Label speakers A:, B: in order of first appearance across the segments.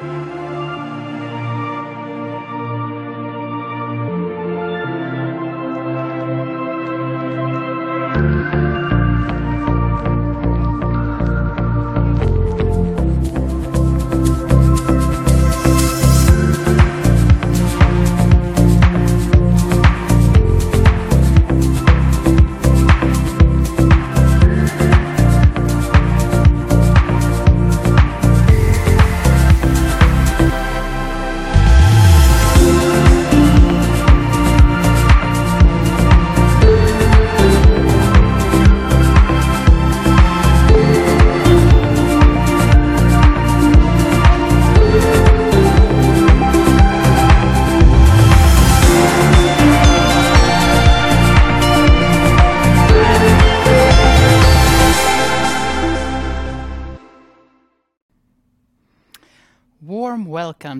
A: Warm welcome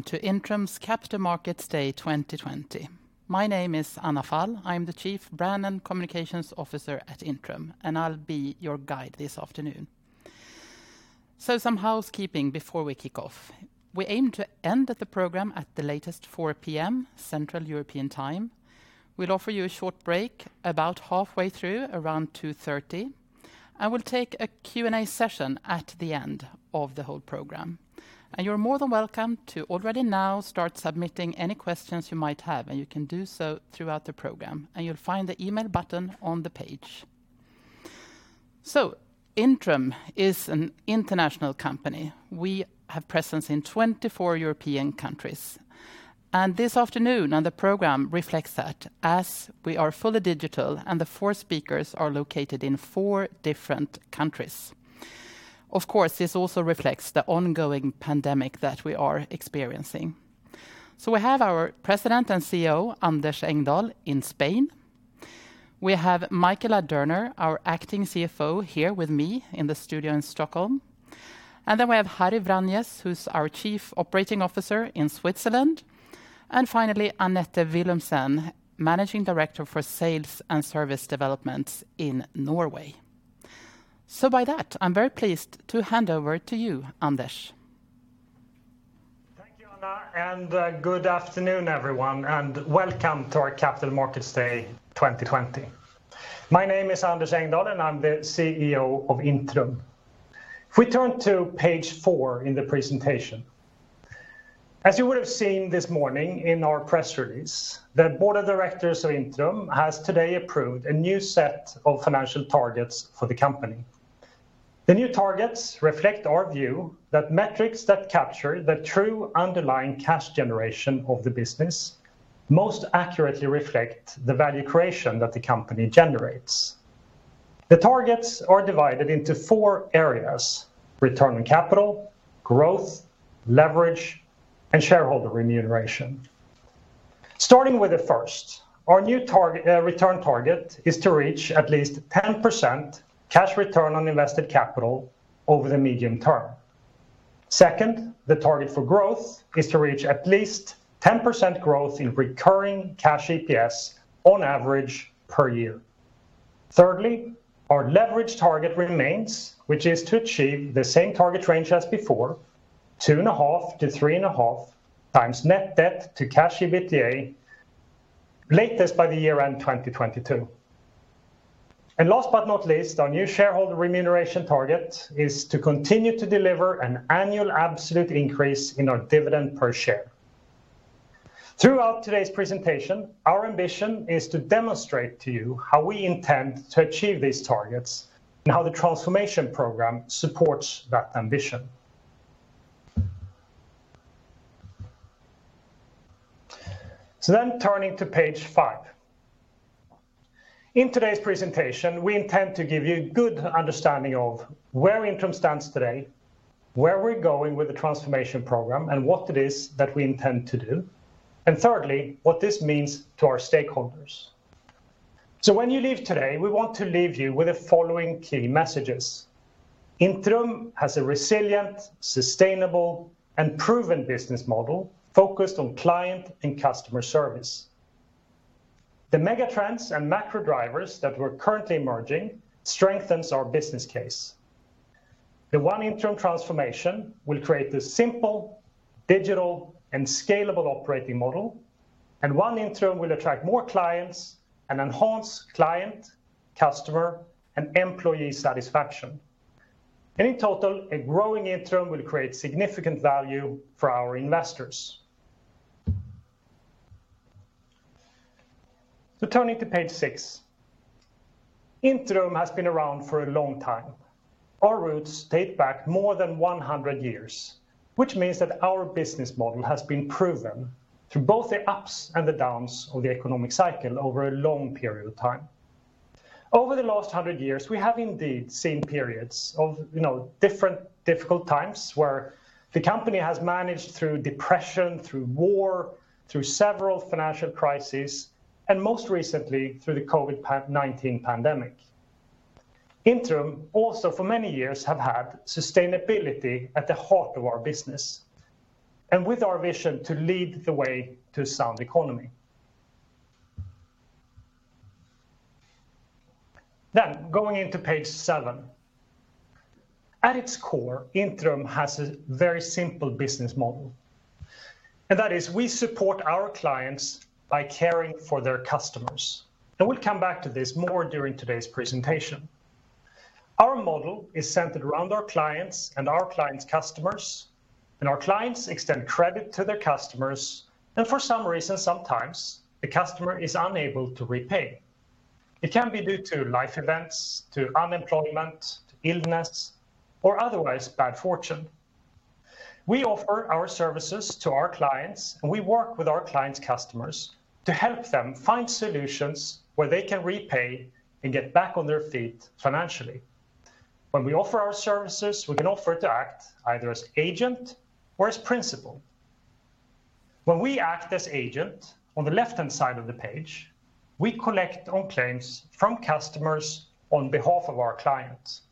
A: to Intrum's Capital Markets Day 2020. My name is Anna Fall. I am the Chief Brand and Communications Officer at Intrum, and I'll be your guide this afternoon. Some housekeeping before we kick off. We aim to end the program at the latest 4:00 P.M., Central European Time. We'll offer you a short break about halfway through, around 2:30 P.M. I will take a Q&A session at the end of the whole program. You're more than welcome to already now start submitting any questions you might have, and you can do so throughout the program, and you'll find the email button on the page. Intrum is an international company. We have presence in 24 European countries. This afternoon on the program reflects that as we are fully digital and the four speakers are located in four different countries. Of course, this also reflects the ongoing pandemic that we are experiencing. We have our President and CEO, Anders Engdahl in Spain. We have Michael Ladurner, our Acting CFO here with me in the studio in Stockholm. We have Harry Vranjes, who's our Chief Operating Officer in Switzerland. Finally, Anette Willumsen, Managing Director for Sales and Service Development in Norway. By that, I'm very pleased to hand over to you, Anders.
B: Thank you, Anna, and good afternoon, everyone, and welcome to our Capital Markets Day 2020. My name is Anders Engdahl, and I'm the CEO of Intrum. If we turn to page four in the presentation. As you would have seen this morning in our press release, the Board of Directors of Intrum has today approved a new set of financial targets for the company. The new targets reflect our view that metrics that capture the true underlying cash generation of the business most accurately reflect the value creation that the company generates. The targets are divided into four areas: return on capital, growth, leverage, and shareholder remuneration. Starting with the first, our new return target is to reach at least 10% cash return on invested capital over the medium-term. Second, the target for growth is to reach at least 10% growth in recurring Cash EPS on average per year. Our leverage target remains, which is to achieve the same target range as before, 2.5-3.5x net debt to Cash EBITDA, latest by the year-end 2022. Last but not least, our new shareholder remuneration target is to continue to deliver an annual absolute increase in our dividend per share. Throughout today's presentation, our ambition is to demonstrate to you how we intend to achieve these targets and how the transformation program supports that ambition. Turning to page five. In today's presentation, we intend to give you good understanding of where Intrum stands today, where we're going with the transformation program and what it is that we intend to do, and thirdly, what this means to our stakeholders. When you leave today, we want to leave you with the following key messages. Intrum has a resilient, sustainable, and proven business model focused on client and customer service. The megatrends and macro drivers that we're currently emerging strengthens our business case. The ONE Intrum transformation will create this simple, digital, and scalable operating model, ONE Intrum will attract more clients and enhance client, customer, and employee satisfaction. In total, a growing Intrum will create significant value for our investors. Turning to page six. Intrum has been around for a long time. Our roots date back more than 100 years, which means that our business model has been proven through both the ups and the downs of the economic cycle over a long period of time. Over the last 100 years, we have indeed seen periods of different difficult times where the company has managed through depression, through war, through several financial crises, and most recently through the COVID-19 pandemic. Intrum also for many years have had sustainability at the heart of our business and with our vision to lead the way to sound economy. Going into page seven. At its core, Intrum has a very simple business model, that is we support our clients by caring for their customers. We'll come back to this more during today's presentation. Our model is centered around our clients and our clients' customers. Our clients extend credit to their customers. For some reason, sometimes the customer is unable to repay. It can be due to life events, to unemployment, to illness, or otherwise bad fortune. We offer our services to our clients. We work with our clients' customers to help them find solutions where they can repay and get back on their feet financially. When we offer our services, we can offer to act either as agent or as principal. When we act as agent on the left-hand side of the page, we collect on claims from customers on behalf of our clients.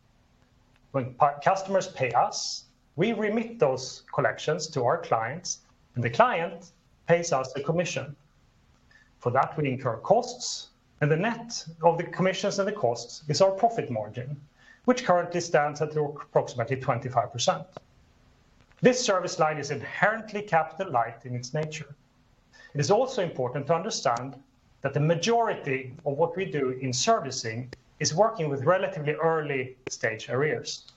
B: When customers pay us, we remit those collections to our clients, and the client pays us a commission. For that, we incur costs and the net of the commissions and the costs is our profit margin, which currently stands at approximately 25%. This service line is inherently capital light in its nature. It is also important to understand that the majority of what we do in servicing is working with relatively early stage arrears.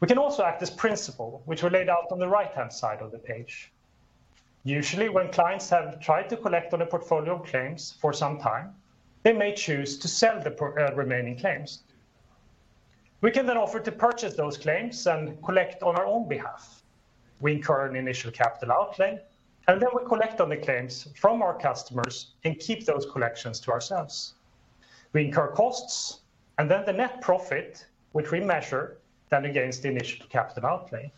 B: We can also act as principal, which we laid out on the right-hand side of the page. Usually, when clients have tried to collect on a portfolio of claims for some time, they may choose to sell the remaining claims. We can then offer to purchase those claims and collect on our own behalf. We incur an initial capital outlay, and then we collect on the claims from our customers and keep those collections to ourselves. We incur costs, and then the net profit, which we measure then against the initial capital outlay.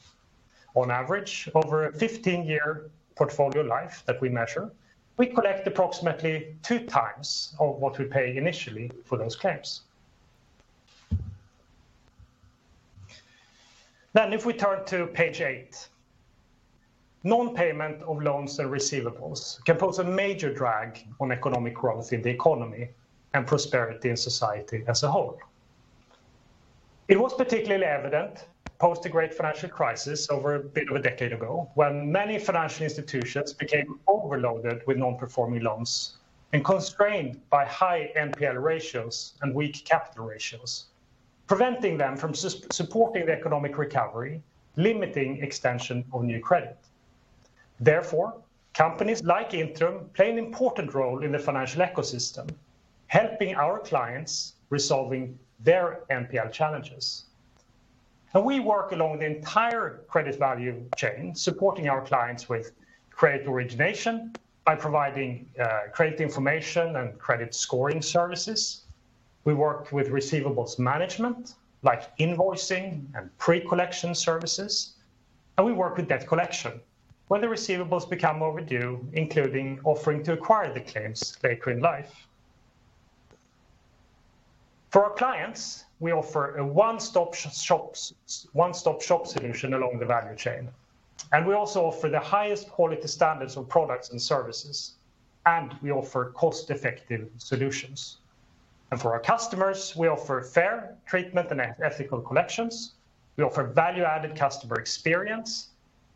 B: On average, over a 15-year portfolio life that we measure, we collect approximately two times of what we pay initially for those claims. If we turn to page eight. Non-payment of loans and receivables can pose a major drag on economic growth in the economy and prosperity in society as a whole. It was particularly evident post the Great Financial Crisis over a bit of a decade ago, when many financial institutions became overloaded with non-performing loans and constrained by high NPL ratios and weak capital ratios, preventing them from supporting the economic recovery, limiting extension of new credit. Companies like Intrum play an important role in the financial ecosystem, helping our clients resolving their NPL challenges. We work along the entire credit value chain, supporting our clients with credit origination by providing credit information and credit scoring services. We work with receivables management like invoicing and pre-collection services, and we work with debt collection when the receivables become overdue, including offering to acquire the claims later in life. For our clients, we offer a one-stop shop solution along the value chain, and we also offer the highest quality standards of products and services, and we offer cost-effective solutions. For our customers, we offer fair treatment and ethical collections. We offer value-added customer experience,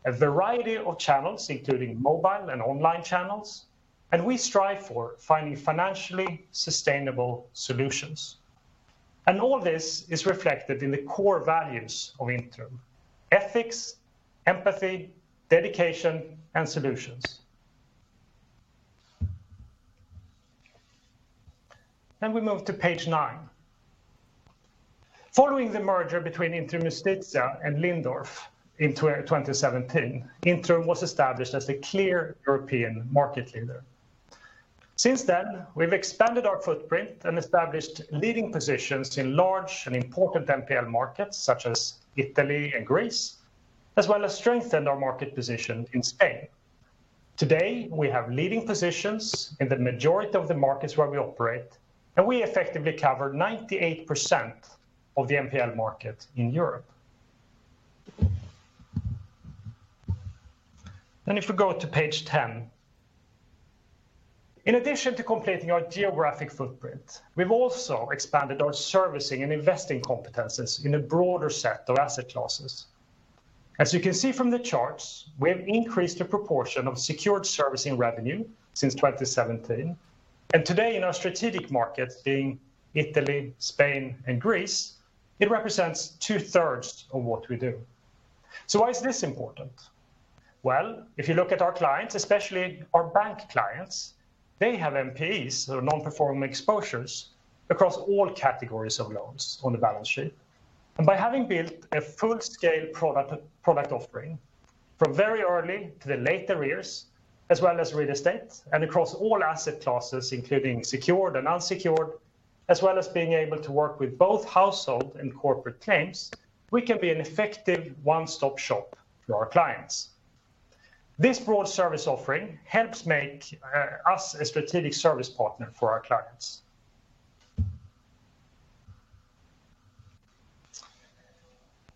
B: a variety of channels, including mobile and online channels, and we strive for finding financially sustainable solutions. All this is reflected in the core values of Intrum: ethics, empathy, dedication, and solutions. We move to page nine. Following the merger between Intrum Justitia and Lindorff in 2017, Intrum was established as a clear European market leader. Since then, we have expanded our footprint and established leading positions in large and important NPL markets such as Italy and Greece, as well as strengthened our market position in Spain. Today, we have leading positions in the majority of the markets where we operate, and we effectively cover 98% of the NPL market in Europe. If we go to page 10. In addition to completing our geographic footprint, we've also expanded our servicing and investing competencies in a broader set of asset classes. As you can see from the charts, we have increased the proportion of secured servicing revenue since 2017. Today in our strategic markets, being Italy, Spain, and Greece, it represents 2/3 of what we do. Why is this important? If you look at our clients, especially our bank clients, they have NPEs or non-performing exposures across all categories of loans on the balance sheet. By having built a full-scale product offering from very early to the late arrears, as well as real estate and across all asset classes, including secured and unsecured, as well as being able to work with both household and corporate claims, we can be an effective one-stop shop for our clients. This broad service offering helps make us a strategic service partner for our clients.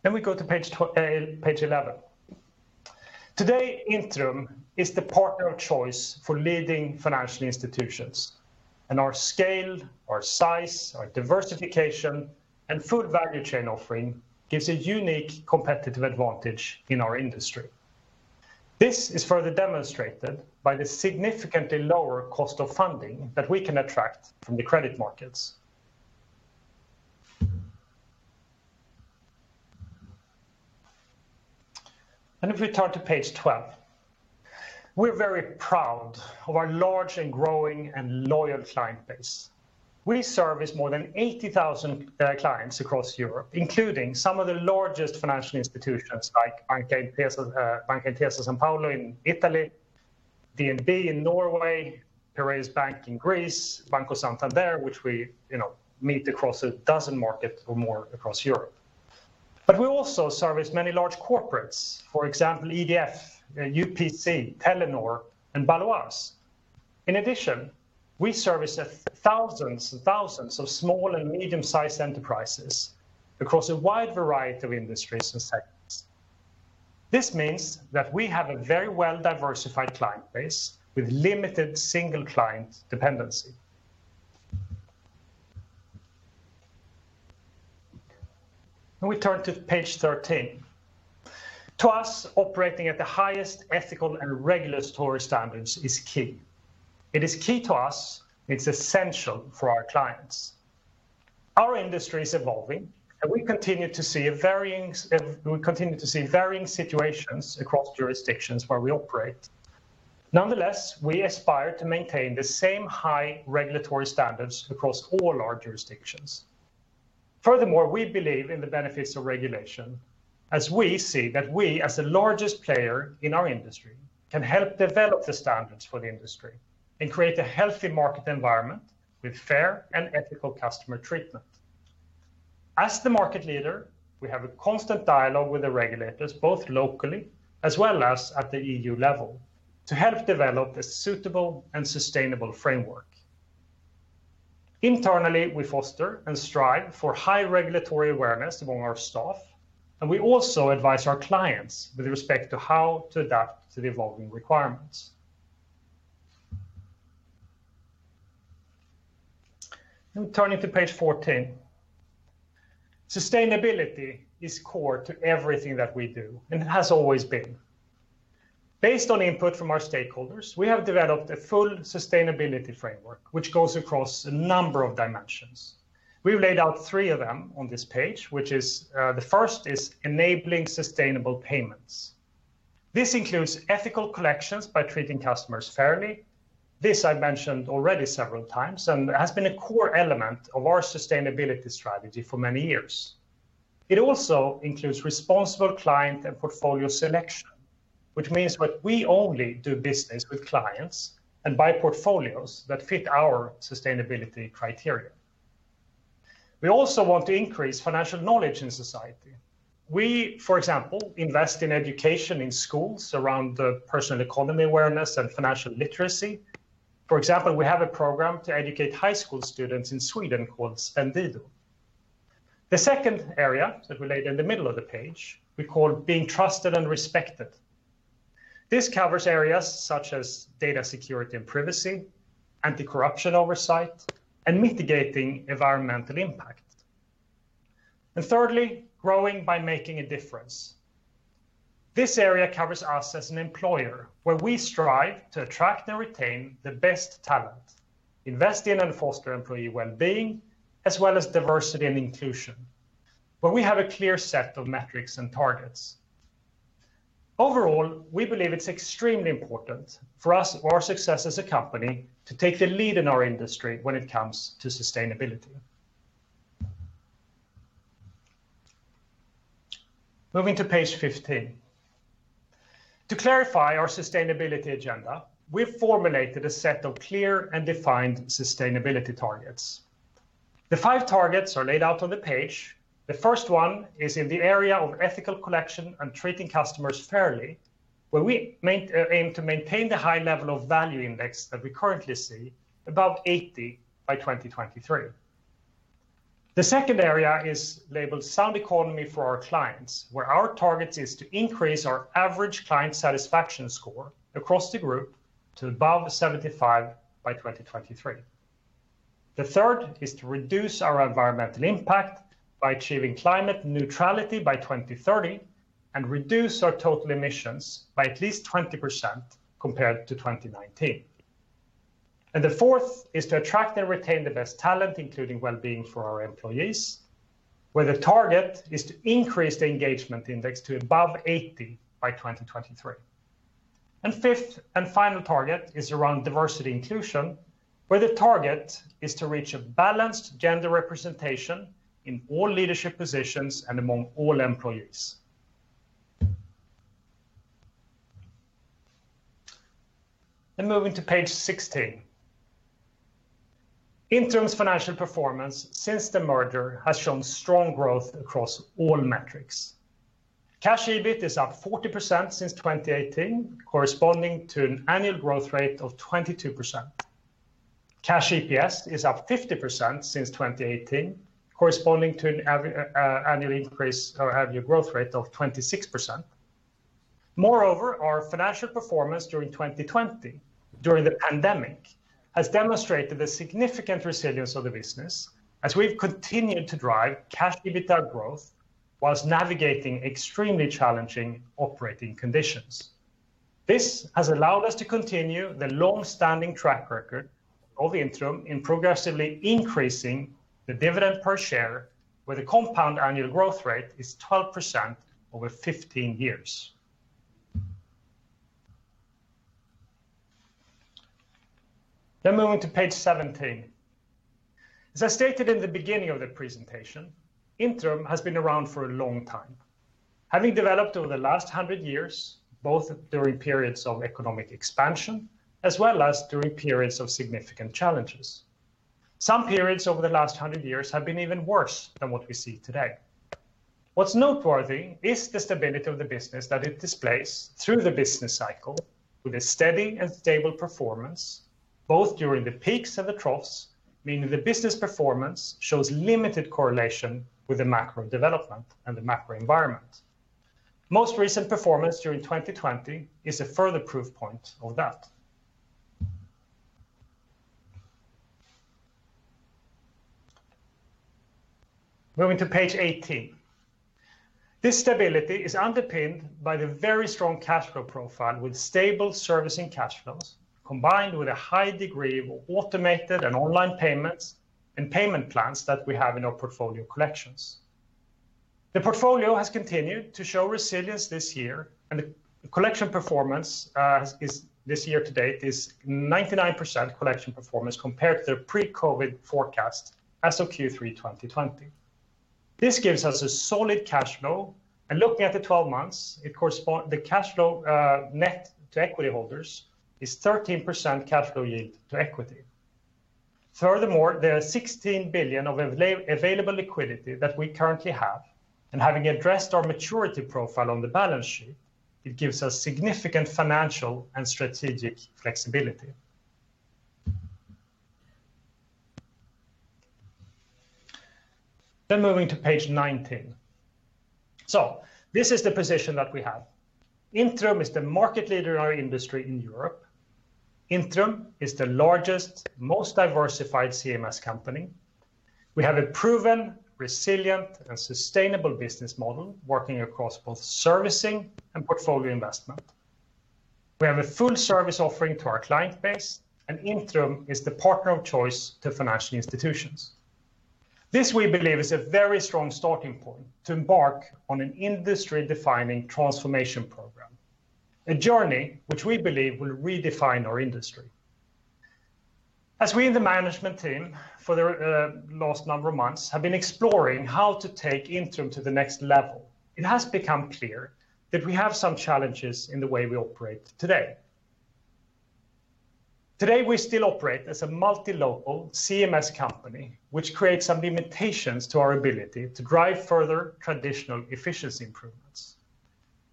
B: We go to page 11. Today, Intrum is the partner of choice for leading financial institutions and our scale, our size, our diversification, and full value chain offering gives a unique competitive advantage in our industry. This is further demonstrated by the significantly lower cost of funding that we can attract from the credit markets. If we turn to page 12, we're very proud of our large and growing and loyal client base. We service more than 80,000 clients across Europe, including some of the largest financial institutions like Intesa Sanpaolo in Italy, DNB in Norway, Piraeus Bank in Greece, Banco Santander, which we meet across 12 markets or more across Europe. We also service many large corporates, for example, EDF, UPC, Telenor, and Baloise. In addition, we service thousands and thousands of small and medium-sized enterprises across a wide variety of industries and sectors. This means that we have a very well-diversified client base with limited single client dependency. We turn to page 13. To us, operating at the highest ethical and regulatory standards is key. It is key to us, it's essential for our clients. Our industry is evolving, and we continue to see varying situations across jurisdictions where we operate. Nonetheless, we aspire to maintain the same high regulatory standards across all our jurisdictions. We believe in the benefits of regulation as we see that we, as the largest player in our industry, can help develop the standards for the industry and create a healthy market environment with fair and ethical customer treatment. As the market leader, we have a constant dialogue with the regulators, both locally as well as at the EU level, to help develop a suitable and sustainable framework. Internally, we foster and strive for high regulatory awareness among our staff, and we also advise our clients with respect to how to adapt to the evolving requirements. Turning to page 14. Sustainability is core to everything that we do and has always been. Based on input from our stakeholders, we have developed a full sustainability framework which goes across a number of dimensions. We've laid out three of them on this page, which is, the first is enabling sustainable payments. This includes ethical collections by treating customers fairly. This I've mentioned already several times and has been a core element of our sustainability strategy for many years. It also includes responsible client and portfolio selection, which means that we only do business with clients and buy portfolios that fit our sustainability criteria. We also want to increase financial knowledge in society. We, for example, invest in education in schools around personal economy awareness and financial literacy. For example, we have a program to educate high school students in Sweden called Spendido. The second area that we laid in the middle of the page we call being trusted and respected. This covers areas such as data security and privacy, anti-corruption oversight, and mitigating environmental impact. Thirdly, growing by making a difference. This area covers us as an employer, where we strive to attract and retain the best talent, invest in and foster employee wellbeing, as well as diversity and inclusion, where we have a clear set of metrics and targets. Overall, we believe it's extremely important for us, for our success as a company, to take the lead in our industry when it comes to sustainability. Moving to page 15. To clarify our sustainability agenda, we've formulated a set of clear and defined sustainability targets. The five targets are laid out on the page. The first one is in the area of ethical collection and treating customers fairly, where we aim to maintain the high level of value index that we currently see above 80 by 2023. The second area is labeled sound economy for our clients, where our target is to increase our average client satisfaction score across the group to above 75 by 2023. The third is to reduce our environmental impact by achieving climate neutrality by 2030 and reduce our total emissions by at least 20% compared to 2019. The fourth is to attract and retain the best talent, including wellbeing for our employees, where the target is to increase the engagement index to above 80 by 2023. Fifth and final target is around diversity inclusion, where the target is to reach a balanced gender representation in all leadership positions and among all employees. Moving to page 16. Intrum's financial performance since the merger has shown strong growth across all metrics. Cash EBIT is up 40% since 2018, corresponding to an annual growth rate of 22%. Cash EPS is up 50% since 2018, corresponding to an annual increase or annual growth rate of 26%. Moreover, our financial performance during 2020, during the pandemic, has demonstrated the significant resilience of the business as we've continued to drive Cash EBITDA growth whilst navigating extremely challenging operating conditions. This has allowed us to continue the long-standing track record of Intrum in progressively increasing the dividend per share, where the compound annual growth rate is 12% over 15 years. Moving to page 17. As I stated in the beginning of the presentation, Intrum has been around for a long time, having developed over the last 100 years, both during periods of economic expansion as well as during periods of significant challenges. Some periods over the last 100 years have been even worse than what we see today. What's noteworthy is the stability of the business that it displays through the business cycle with a steady and stable performance both during the peaks and the troughs, meaning the business performance shows limited correlation with the macro development and the macro environment. Most recent performance during 2020 is a further proof point of that. Moving to page 18. This stability is underpinned by the very strong cash flow profile with stable servicing cash flows, combined with a high degree of automated and online payments and payment plans that we have in our portfolio collections. The portfolio has continued to show resilience this year, and the collection performance this year to date is 99% collection performance compared to pre-COVID forecast as of Q3 2020. This gives us a solid cash flow, and looking at the 12 months, the cash flow net to equity holders is 13% cash flow yield to equity. There are 16 billion of available liquidity that we currently have, and having addressed our maturity profile on the balance sheet, it gives us significant financial and strategic flexibility. Moving to page 19. This is the position that we have. Intrum is the market leader in our industry in Europe. Intrum is the largest, most diversified CMS company. We have a proven, resilient, and sustainable business model working across both servicing and portfolio investment. We have a full service offering to our client base, and Intrum is the partner of choice to financial institutions. This, we believe, is a very strong starting point to embark on an industry-defining transformation program. A journey which we believe will redefine our industry. As we in the management team for the last number of months have been exploring how to take Intrum to the next level, it has become clear that we have some challenges in the way we operate today. Today, we still operate as a multi-local CMS company, which creates some limitations to our ability to drive further traditional efficiency improvements.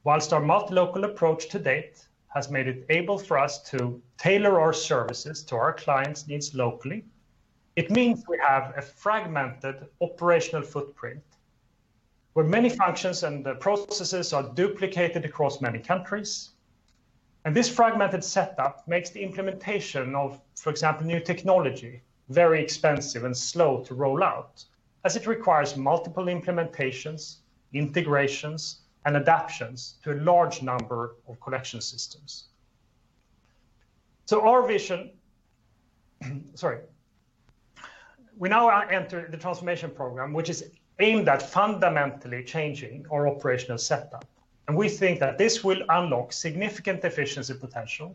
B: Whilst our multi-local approach to date has made it able for us to tailor our services to our clients' needs locally, it means we have a fragmented operational footprint where many functions and processes are duplicated across many countries. This fragmented setup makes the implementation of, for example, new technology very expensive and slow to roll out as it requires multiple implementations, integrations, and adaptions to a large number of collection systems. We now enter the transformation program, which is aimed at fundamentally changing our operational setup. We think that this will unlock significant efficiency potential,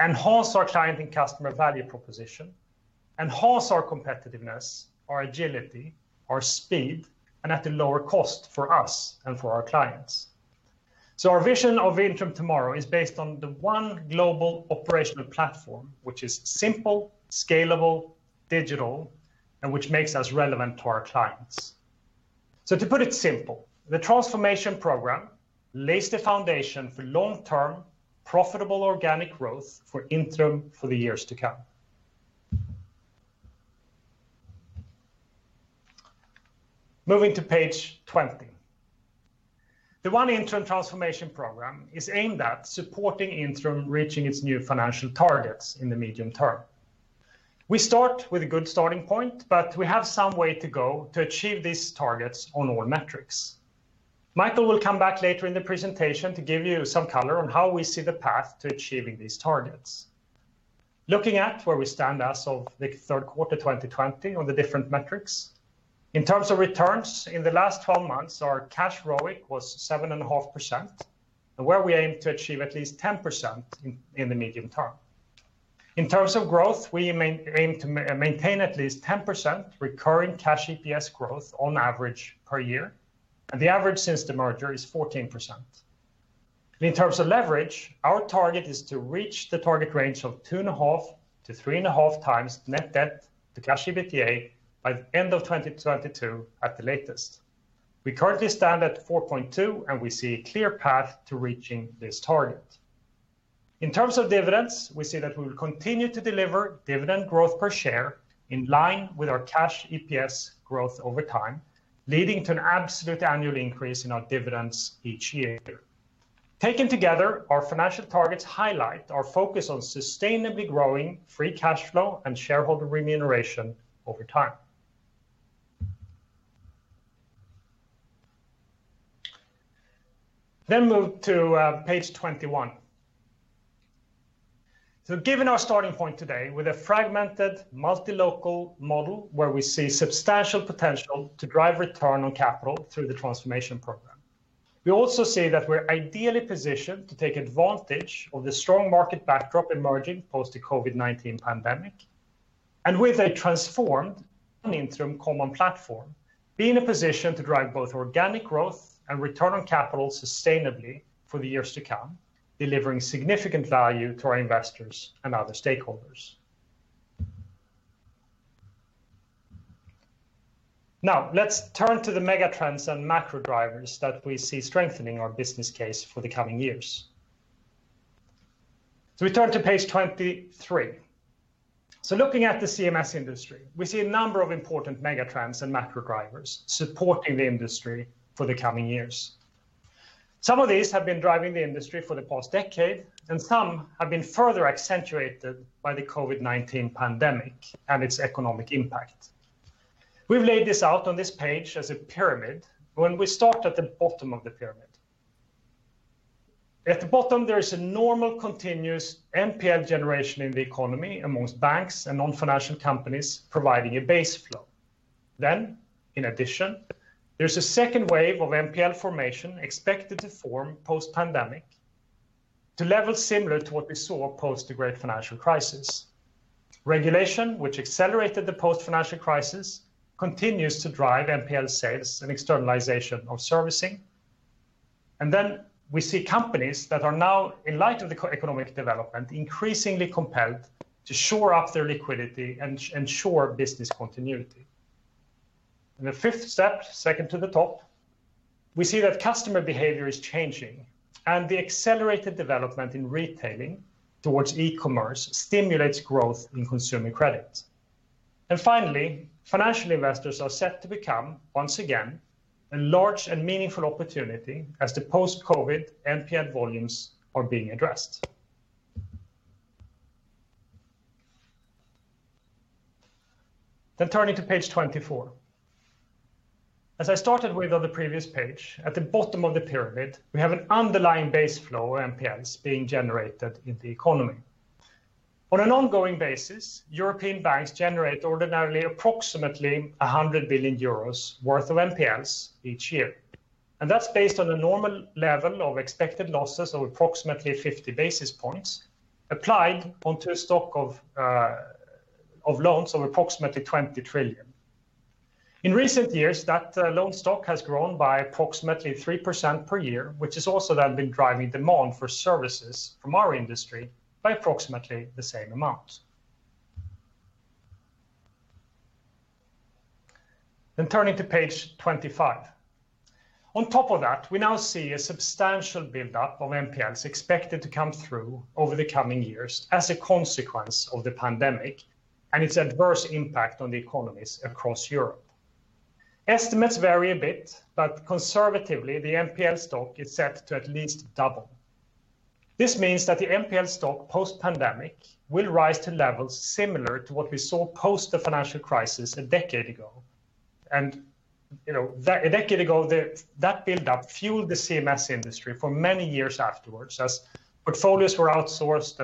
B: enhance our client and customer value proposition, enhance our competitiveness, our agility, our speed, and at a lower cost for us and for our clients. Our vision of Intrum tomorrow is based on the one global operational platform, which is simple, scalable, digital, and which makes us relevant to our clients. To put it simply, the transformation program lays the foundation for long-term, profitable organic growth for Intrum for the years to come. Moving to page 20. The ONE Intrum transformation program is aimed at supporting Intrum reaching its new financial targets in the medium-term. We start with a good starting point, but we have some way to go to achieve these targets on all metrics. Michael will come back later in the presentation to give you some color on how we see the path to achieving these targets. Looking at where we stand as of the Q3 2020 on the different metrics. In terms of returns, in the last 12 months, our Cash ROIC was 7.5%, and where we aim to achieve at least 10% in the medium-term. In terms of growth, we aim to maintain at least 10% recurring Cash EPS growth on average per year. The average since the merger is 14%. In terms of leverage, our target is to reach the target range of 2.5-3.5x net debt to Cash EBITDA by the end of 2022 at the latest. We currently stand at 4.2x, and we see a clear path to reaching this target. In terms of dividends, we see that we will continue to deliver dividend growth per share in line with our Cash EPS growth over time, leading to an absolute annual increase in our dividends each year. Taken together, our financial targets highlight our focus on sustainably growing free cash flow and shareholder remuneration over time. Move to page 21. Given our starting point today with a fragmented multi-local model where we see substantial potential to drive return on capital through the transformation program. We also see that we're ideally positioned to take advantage of the strong market backdrop emerging post the COVID-19 pandemic, and with a transformed and Intrum common platform, be in a position to drive both organic growth and return on capital sustainably for the years to come, delivering significant value to our investors and other stakeholders. Let's turn to the megatrends and macro drivers that we see strengthening our business case for the coming years. We turn to page 23. Looking at the CMS industry, we see a number of important megatrends and macro drivers supporting the industry for the coming years. Some of these have been driving the industry for the past decade, and some have been further accentuated by the COVID-19 pandemic and its economic impact. We've laid this out on this page as a pyramid, and we start at the bottom of the pyramid. At the bottom, there is a normal continuous NPL generation in the economy amongst banks and non-financial companies providing a base flow. In addition, there's a second wave of NPL formation expected to form post-pandemic to levels similar to what we saw post the Great Financial Crisis. Regulation, which accelerated the post-financial crisis, continues to drive NPL sales and externalization of servicing. We see companies that are now, in light of the economic development, increasingly compelled to shore up their liquidity and ensure business continuity. In the fifth step, second to the top, we see that customer behavior is changing, and the accelerated development in retailing towards e-commerce stimulates growth in consumer credit. Finally, financial investors are set to become, once again, a large and meaningful opportunity as the post-COVID NPL volumes are being addressed. Turning to page 24. As I started with on the previous page, at the bottom of the pyramid, we have an underlying base flow of NPLs being generated in the economy. On an ongoing basis, European banks generate ordinarily approximately 100 billion euros worth of NPLs each year. That's based on a normal level of expected losses of approximately 50 basis points applied onto a stock of loans of approximately 20 trillion. In recent years, that loan stock has grown by approximately 3% per year, which has also then been driving demand for services from our industry by approximately the same amount. Turning to page 25. On top of that, we now see a substantial build-up of NPLs expected to come through over the coming years as a consequence of the pandemic and its adverse impact on the economies across Europe. Estimates vary a bit, but conservatively, the NPL stock is set to at least double. This means that the NPL stock post-pandemic will rise to levels similar to what we saw post the financial crisis a decade ago. A decade ago, that build-up fueled the CMS industry for many years afterwards as portfolios were outsourced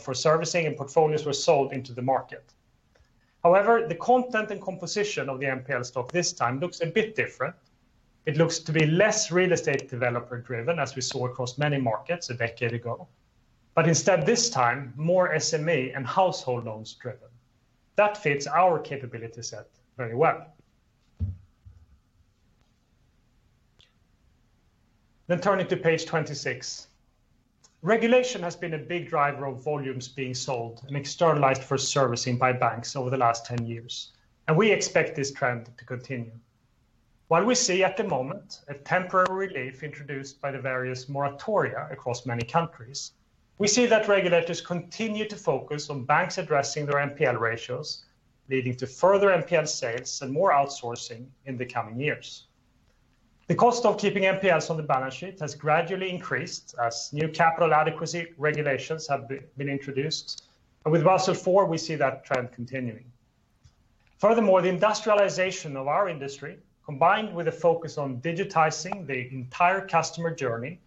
B: for servicing and portfolios were sold into the market. The content and composition of the NPL stock this time looks a bit different. It looks to be less real estate developer driven, as we saw across many markets a decade ago, but instead this time, more SME and household loans driven. That fits our capability set very well. Turning to page 26. Regulation has been a big driver of volumes being sold and externalized for servicing by banks over the last 10 years. We expect this trend to continue. While we see at the moment a temporary relief introduced by the various moratoria across many countries, we see that regulators continue to focus on banks addressing their NPL ratios, leading to further NPL sales and more outsourcing in the coming years. The cost of keeping NPLs on the balance sheet has gradually increased as new capital adequacy regulations have been introduced, and with Basel IV, we see that trend continuing. The industrialization of our industry, combined with a focus on digitizing the entire customer journey,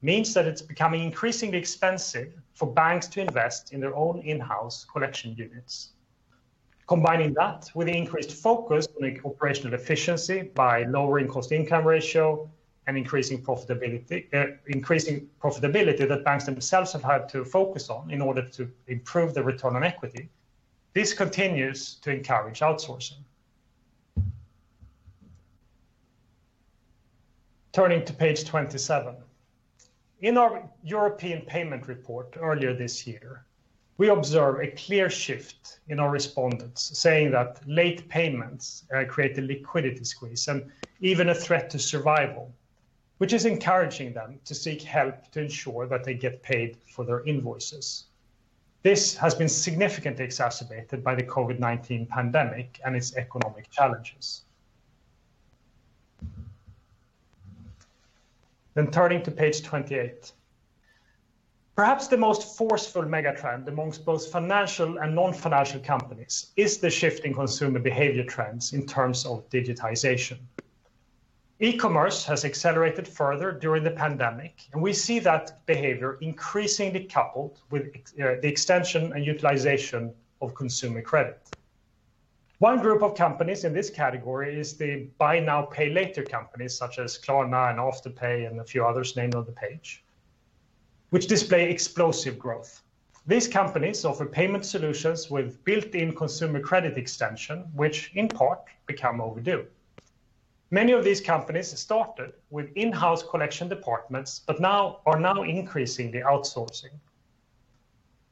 B: means that it's becoming increasingly expensive for banks to invest in their own in-house collection units. Combining that with the increased focus on operational efficiency by lowering cost-income ratio and increasing profitability that banks themselves have had to focus on in order to improve the return on equity, this continues to encourage outsourcing. Turning to page 27. In our European payment report earlier this year, we observed a clear shift in our respondents saying that late payments create a liquidity squeeze and even a threat to survival. Which is encouraging them to seek help to ensure that they get paid for their invoices. This has been significantly exacerbated by the COVID-19 pandemic and its economic challenges. Turning to page 28. Perhaps the most forceful mega trend amongst both financial and non-financial companies is the shift in consumer behavior trends in terms of digitization. E-commerce has accelerated further during the pandemic, and we see that behavior increasingly coupled with the extension and utilization of consumer credit. One group of companies in this category is the Buy Now, Pay Later companies such as Klarna and Afterpay and a few others named on the page, which display explosive growth. These companies offer payment solutions with built-in consumer credit extension, which in part become overdue. Many of these companies started with in-house collection departments, but are now increasingly outsourcing.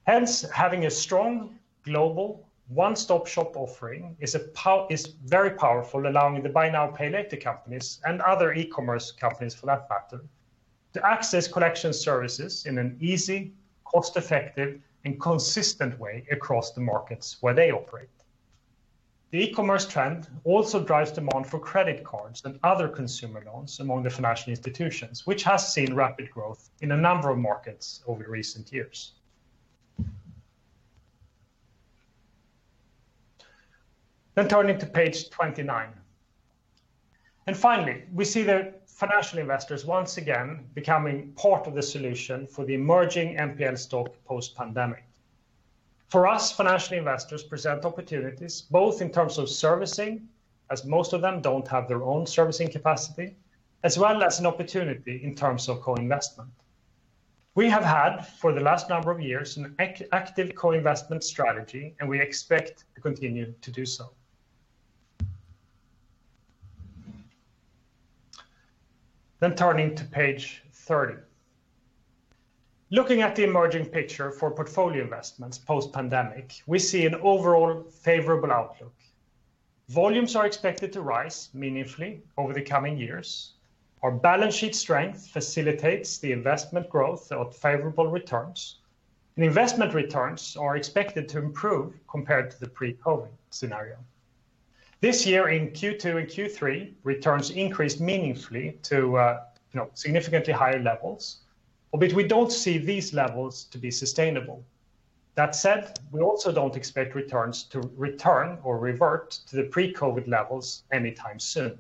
B: Hence, having a strong global one-stop shop offering is very powerful, allowing the Buy Now, Pay Later companies and other e-commerce companies for that matter, to access collection services in an easy, cost-effective, and consistent way across the markets where they operate. The e-commerce trend also drives demand for credit cards and other consumer loans among the financial institutions, which has seen rapid growth in a number of markets over recent years. Turning to page 29. Finally, we see the financial investors once again becoming part of the solution for the emerging NPL stock post-pandemic. For us, financial investors present opportunities both in terms of servicing, as most of them don't have their own servicing capacity, as well as an opportunity in terms of co-investment. We have had for the last number of years an active co-investment strategy, and we expect to continue to do so. Turning to page 30. Looking at the emerging picture for portfolio investments post-pandemic, we see an overall favorable outlook. Volumes are expected to rise meaningfully over the coming years. Our balance sheet strength facilitates the investment growth of favorable returns. Investment returns are expected to improve compared to the pre-COVID scenario. This year in Q2 and Q3, returns increased meaningfully to significantly higher levels. We don't see these levels to be sustainable. That said, we also don't expect returns to return or revert to the pre-COVID levels anytime soon.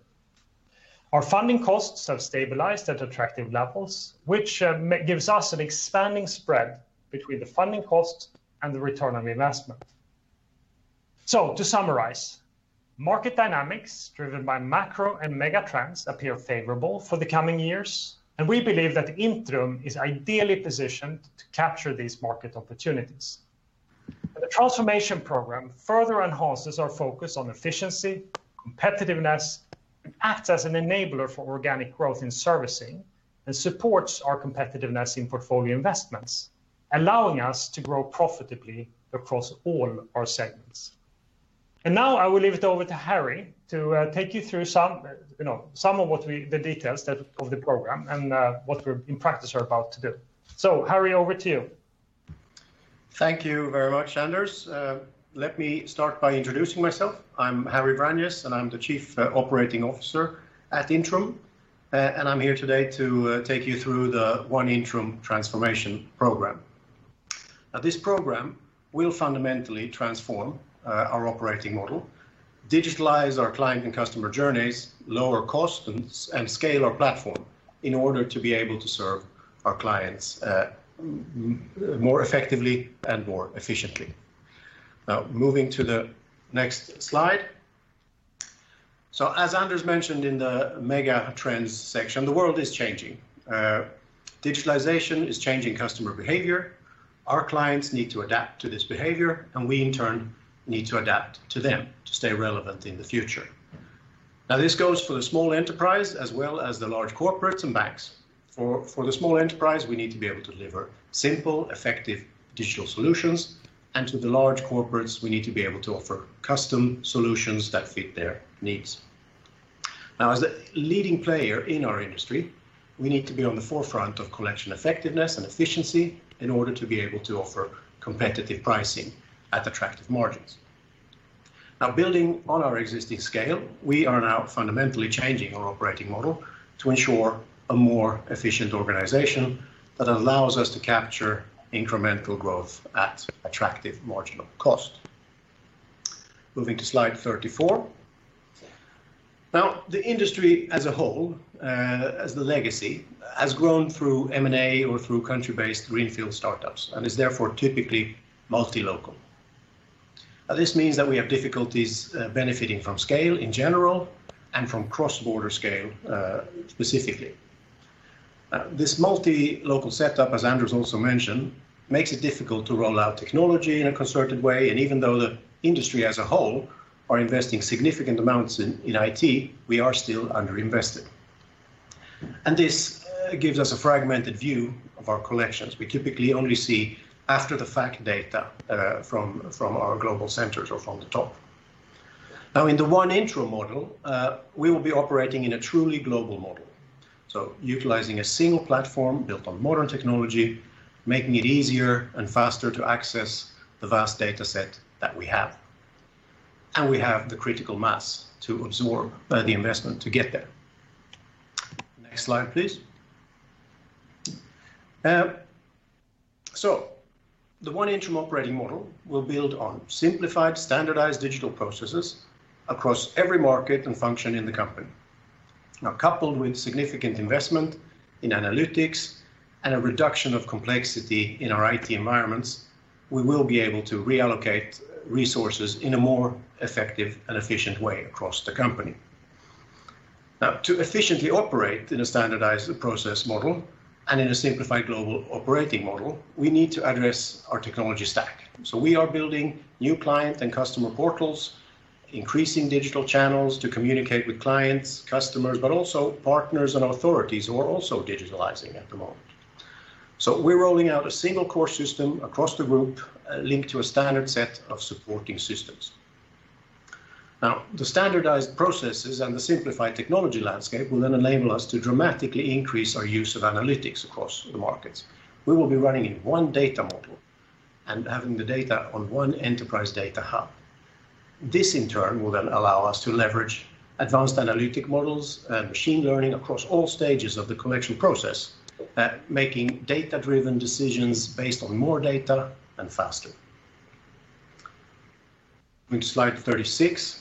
B: Our funding costs have stabilized at attractive levels, which gives us an expanding spread between the funding costs and the return on investment. To summarize, market dynamics driven by macro and megatrends appear favorable for the coming years, and we believe that Intrum is ideally positioned to capture these market opportunities. The transformation program further enhances our focus on efficiency, competitiveness, and acts as an enabler for organic growth in servicing and supports our competitiveness in portfolio investments, allowing us to grow profitably across all our segments. Now I will leave it over to Harry to take you through some of the details of the program and what we in practice are about to do. Harry, over to you.
C: Thank you very much, Anders. Let me start by introducing myself. I'm Harry Vranjes, and I'm the Chief Operating Officer at Intrum. I'm here today to take you through the ONE Intrum transformation program. This program will fundamentally transform our operating model, digitalize our client and customer journeys, lower costs, and scale our platform in order to be able to serve our clients more effectively and more efficiently. Moving to the next slide. As Anders mentioned in the megatrends section, the world is changing. Digitalization is changing customer behavior. Our clients need to adapt to this behavior, and we in turn need to adapt to them to stay relevant in the future. This goes for the small enterprise as well as the large corporates and banks. For the small enterprise, we need to be able to deliver simple, effective digital solutions. To the large corporates, we need to be able to offer custom solutions that fit their needs. As a leading player in our industry, we need to be on the forefront of collection effectiveness and efficiency in order to be able to offer competitive pricing at attractive margins. Building on our existing scale, we are now fundamentally changing our operating model to ensure a more efficient organization that allows us to capture incremental growth at attractive marginal cost. Moving to slide 34. The industry as a whole, as the legacy, has grown through M&A or through country-based greenfield startups and is therefore typically multi-local. This means that we have difficulties benefiting from scale in general and from cross-border scale, specifically. This multi-local setup, as Anders also mentioned, makes it difficult to roll out technology in a concerted way. Even though the industry as a whole are investing significant amounts in IT, we are still under-invested. This gives us a fragmented view of our collections. We typically only see after-the-fact data from our global centers or from the top. Now, in the ONE Intrum model, we will be operating in a truly global model. Utilizing a single platform built on modern technology, making it easier and faster to access the vast data set that we have. We have the critical mass to absorb the investment to get there. Next slide, please. The ONE Intrum operating model will build on simplified, standardized digital processes across every market and function in the company. Now, coupled with significant investment in analytics and a reduction of complexity in our IT environments, we will be able to reallocate resources in a more effective and efficient way across the company. To efficiently operate in a standardized process model and in a simplified global operating model, we need to address our technology stack. We are building new client and customer portals, increasing digital channels to communicate with clients, customers, but also partners and authorities who are also digitalizing at the moment. We're rolling out a single core system across the group, linked to a standard set of supporting systems. The standardized processes and the simplified technology landscape will then enable us to dramatically increase our use of analytics across the markets. We will be running in one data model and having the data on one enterprise data hub. This in turn will then allow us to leverage advanced analytic models and machine learning across all stages of the collection process, making data-driven decisions based on more data and faster. Moving to slide 36.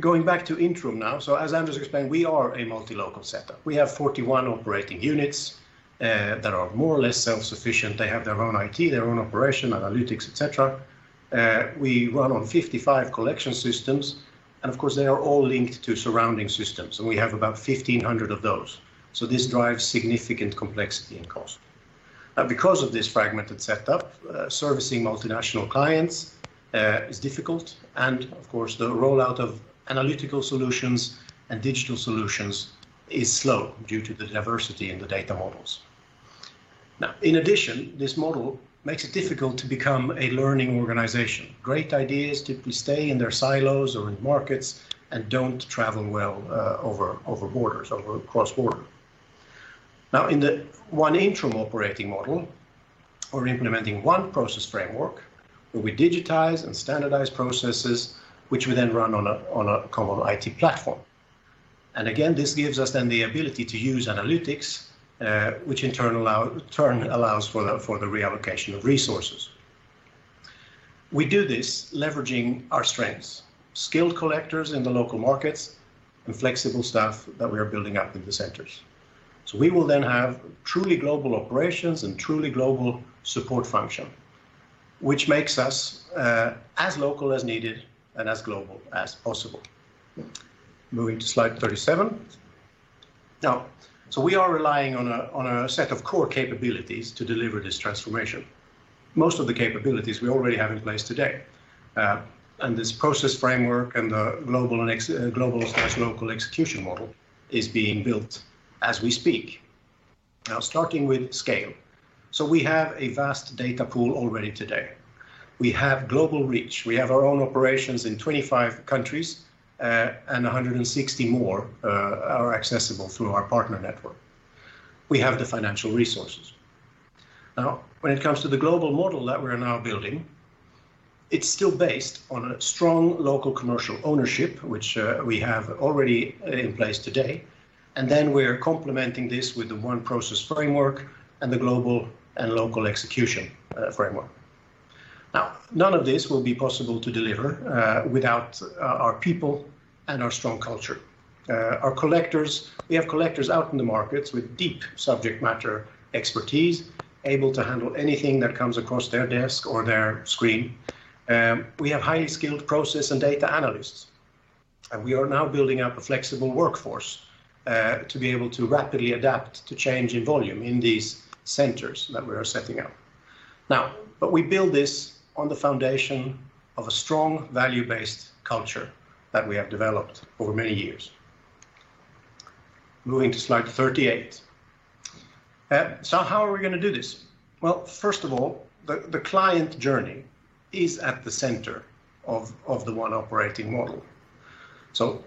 C: Going back to Intrum now. As Anders explained, we are a multi-local setup. We have 41 operating units that are more or less self-sufficient. They have their own IT, their own operation, analytics, et cetera. We run on 55 collection systems, and of course, they are all linked to surrounding systems, and we have about 1,500 of those. This drives significant complexity and cost. Because of this fragmented setup, servicing multinational clients is difficult, and of course, the rollout of analytical solutions and digital solutions is slow due to the diversity in the data models. In addition, this model makes it difficult to become a learning organization. Great ideas typically stay in their silos or in markets and don't travel well over borders, cross-border. In the ONE Intrum operating model, we're implementing one process framework where we digitize and standardize processes, which we then run on a common IT platform. Again, this gives us then the ability to use analytics, which in turn allows for the reallocation of resources. We do this leveraging our strengths, skilled collectors in the local markets, and flexible staff that we are building up in the centers. We will then have truly global operations and truly global support function, which makes us as local as needed and as global as possible. Moving to slide 37. We are relying on a set of core capabilities to deliver this transformation. Most of the capabilities we already have in place today. This process framework and the global/local execution model is being built as we speak. Starting with scale. We have a vast data pool already today. We have global reach. We have our own operations in 25 countries, and 160 more are accessible through our partner network. We have the financial resources. When it comes to the global model that we're now building, it's still based on a strong local commercial ownership, which we have already in place today. Then we're complementing this with the ONE process framework and the global and local execution framework. None of this will be possible to deliver without our people and our strong culture. Our collectors, we have collectors out in the markets with deep subject matter expertise, able to handle anything that comes across their desk or their screen. We have highly skilled process and data analysts. We are now building up a flexible workforce to be able to rapidly adapt to change in volume in these centers that we are setting up. Now, we build this on the foundation of a strong value-based culture that we have developed over many years. Moving to slide 38. How are we going to do this? Well, first of all, the client journey is at the center of the ONE operating model.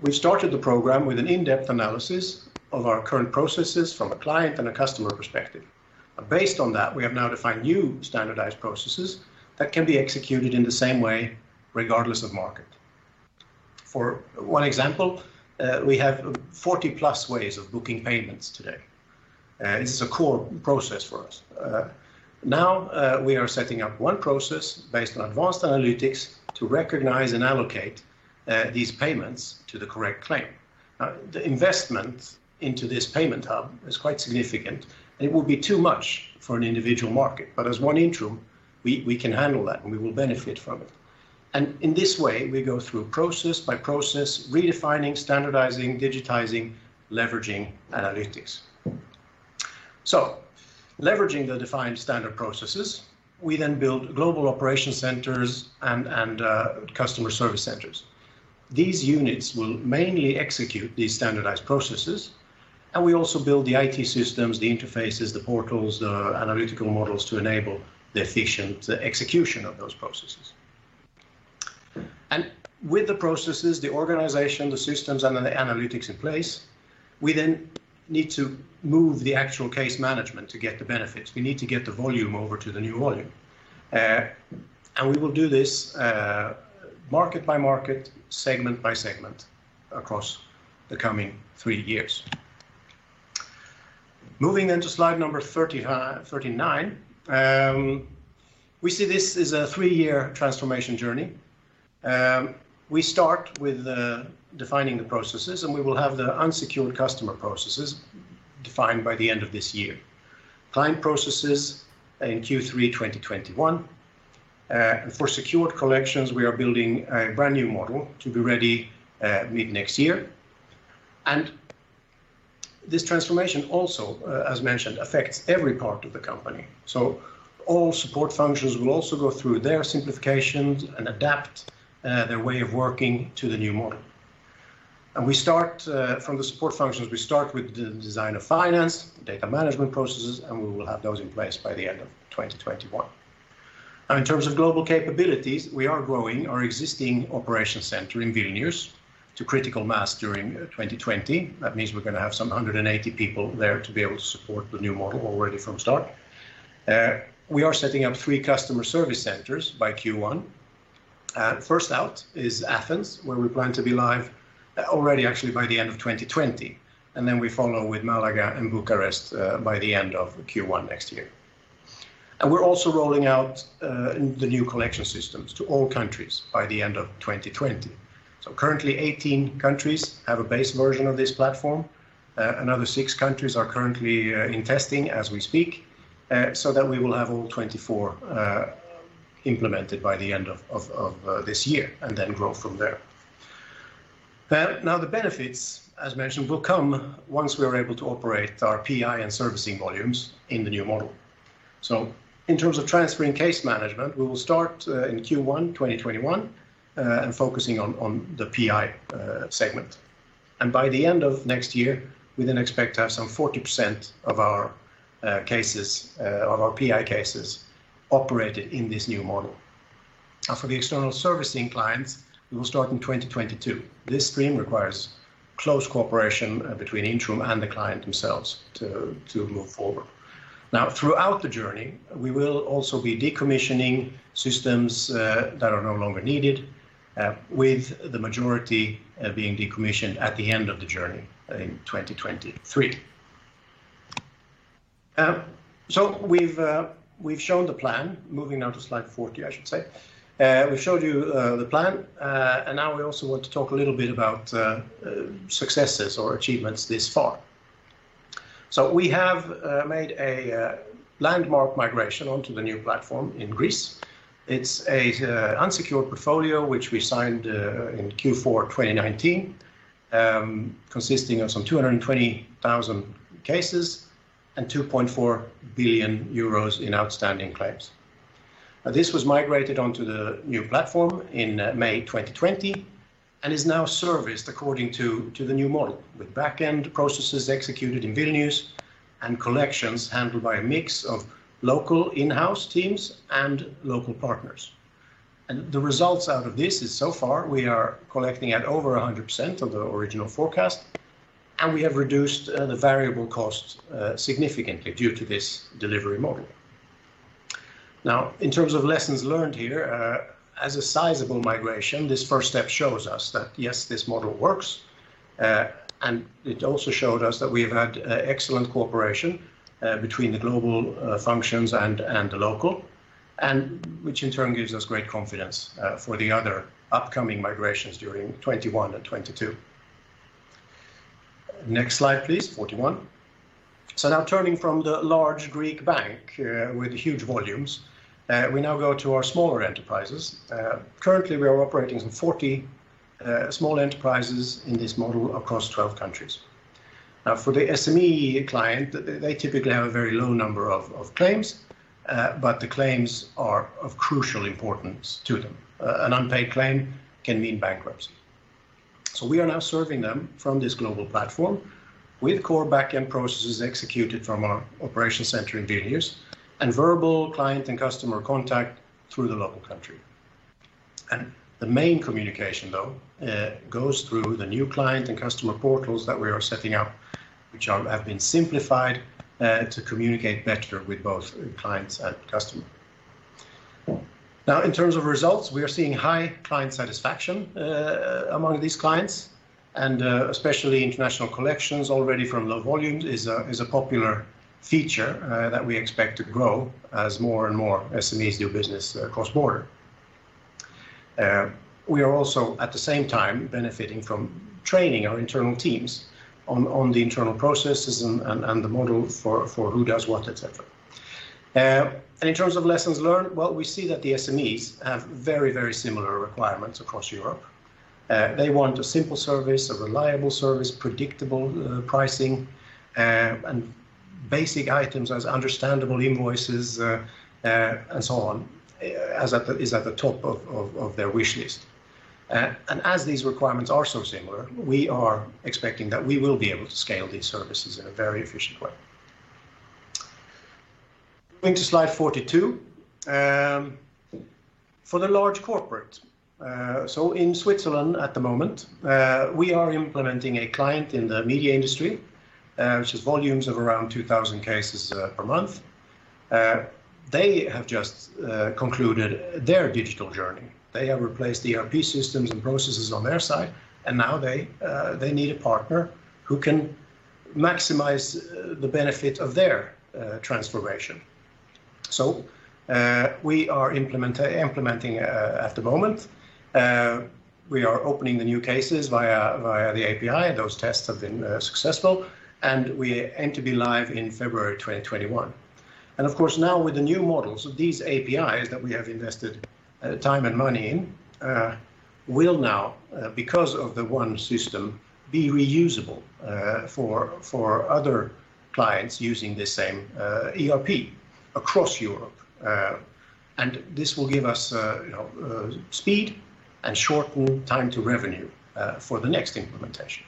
C: We started the program with an in-depth analysis of our current processes from a client and a customer perspective. Based on that, we have now defined new standardized processes that can be executed in the same way regardless of market. For one example, we have 40+ ways of booking payments today. This is a core process for us. We are setting up one process based on advanced analytics to recognize and allocate these payments to the correct claim. The investment into this payment hub is quite significant, and it would be too much for an individual market. As ONE Intrum, we can handle that, and we will benefit from it. In this way, we go through process by process, redefining, standardizing, digitizing, leveraging analytics. Leveraging the defined standard processes, we then build global operation centers and customer service centers. These units will mainly execute these standardized processes, and we also build the IT systems, the interfaces, the portals, the analytical models to enable the efficient execution of those processes. With the processes, the organization, the systems, and the analytics in place, we then need to move the actual case management to get the benefits. We need to get the volume over to the new volume. We will do this market by market, segment by segment across the coming three years. To slide number 39. We see this as a three-year transformation journey. We start with defining the processes, and we will have the unsecured customer processes defined by the end of this year. Client processes in Q3 2021. For secured collections, we are building a brand new model to be ready mid next year. This transformation also, as mentioned, affects every part of the company. All support functions will also go through their simplifications and adapt their way of working to the new model. We start from the support functions. We start with the design of finance, data management processes, and we will have those in place by the end of 2021. In terms of global capabilities, we are growing our existing operation center in Vilnius to critical mass during 2020. That means we're going to have some 180 people there to be able to support the new model already from start. We are setting up three customer service centers by Q1. First out is Athens, where we plan to be live actually by the end of 2020. We follow with Malaga and Bucharest by the end of Q1 next year. We're also rolling out the new collection systems to all countries by the end of 2020. Currently, 18 countries have a base version of this platform. Another six countries are currently in testing as we speak, so that we will have all 24 implemented by the end of this year, and then grow from there. The benefits, as mentioned, will come once we are able to operate our PI and servicing volumes in the new model. In terms of transferring case management, we will start in Q1 2021 and focusing on the PI segment. By the end of next year, we then expect to have some 40% of our PI cases operated in this new model. For the external servicing clients, we will start in 2022. This stream requires close cooperation between Intrum and the client themselves to move forward. Throughout the journey, we will also be decommissioning systems that are no longer needed, with the majority being decommissioned at the end of the journey in 2023. We've shown the plan. Moving now to slide 40, I should say. We've showed you the plan, now we also want to talk a little bit about successes or achievements this far. We have made a landmark migration onto the new platform in Greece. It's a unsecured portfolio which we signed in Q4 2019, consisting of some 220,000 cases and 2.4 billion euros in outstanding claims. This was migrated onto the new platform in May 2020 and is now serviced according to the new model, with backend processes executed in Vilnius and collections handled by a mix of local in-house teams and local partners. The results out of this is, so far, we are collecting at over 100% of the original forecast, and we have reduced the variable cost significantly due to this delivery model. In terms of lessons learned here, as a sizable migration, this first step shows us that, yes, this model works. It also showed us that we've had excellent cooperation between the global functions and the local, which in turn gives us great confidence for the other upcoming migrations during 2021 and 2022. Next slide please, 41. Now turning from the large Greek bank with huge volumes, we now go to our smaller enterprises. Currently, we are operating some 40 small enterprises in this model across 12 countries. Now, for the SME client, they typically have a very low number of claims, but the claims are of crucial importance to them. An unpaid claim can mean bankruptcy. We are now serving them from this global platform with core backend processes executed from our operation center in Vilnius and verbal client and customer contact through the local country. The main communication, though, goes through the new client and customer portals that we are setting up, which have been simplified to communicate better with both clients and customer. In terms of results, we are seeing high client satisfaction among these clients, and especially international collections already from low volumes is a popular feature that we expect to grow as more and more SMEs do business cross-border. We are also at the same time benefiting from training our internal teams on the internal processes and the model for who does what, et cetera. In terms of lessons learned, well, we see that the SMEs have very similar requirements across Europe. They want a simple service, a reliable service, predictable pricing, and basic items as understandable invoices, and so on, is at the top of their wish list. As these requirements are so similar, we are expecting that we will be able to scale these services in a very efficient way. Moving to slide 42. For the large corporate. In Switzerland at the moment, we are implementing a client in the media industry, which has volumes of around 2,000 cases per month. They have just concluded their digital journey. They have replaced the ERP systems and processes on their side, and now they need a partner who can maximize the benefit of their transformation. We are implementing at the moment. We are opening the new cases via the API. Those tests have been successful, and we aim to be live in February 2021. Of course, now with the new models, these APIs that we have invested time and money in, will now, because of the ONE system, be reusable for other clients using the same ERP across Europe. This will give us speed and shorten time to revenue for the next implementation.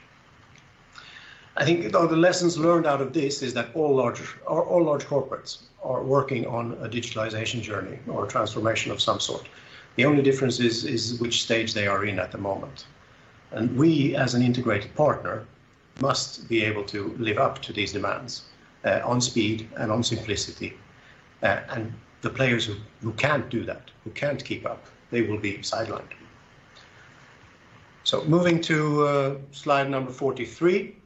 C: I think the lessons learned out of this is that all large corporates are working on a digitalization journey or a transformation of some sort. The only difference is which stage they are in at the moment. We, as an integrated partner, must be able to live up to these demands on speed and on simplicity. The players who can't do that, who can't keep up, they will be sidelined. Moving to slide number 43.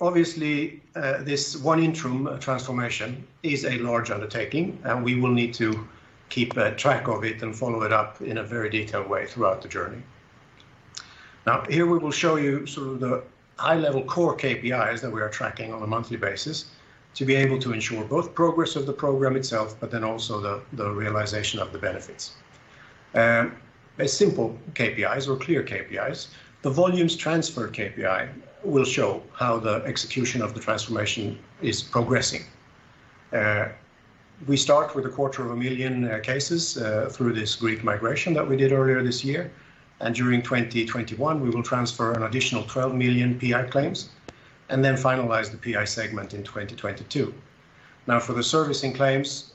C: Obviously, this ONE Intrum transformation is a large undertaking, and we will need to keep track of it and follow it up in a very detailed way throughout the journey. Here we will show you sort of the high-level core KPIs that we are tracking on a monthly basis to be able to ensure both progress of the program itself, but then also the realization of the benefits. By simple KPIs or clear KPIs, the volumes transfer KPI will show how the execution of the transformation is progressing. We start with 250,000 cases through this great migration that we did earlier this year. During 2021, we will transfer an additional 12 million PI claims and then finalize the PI segment in 2022. For the servicing claims,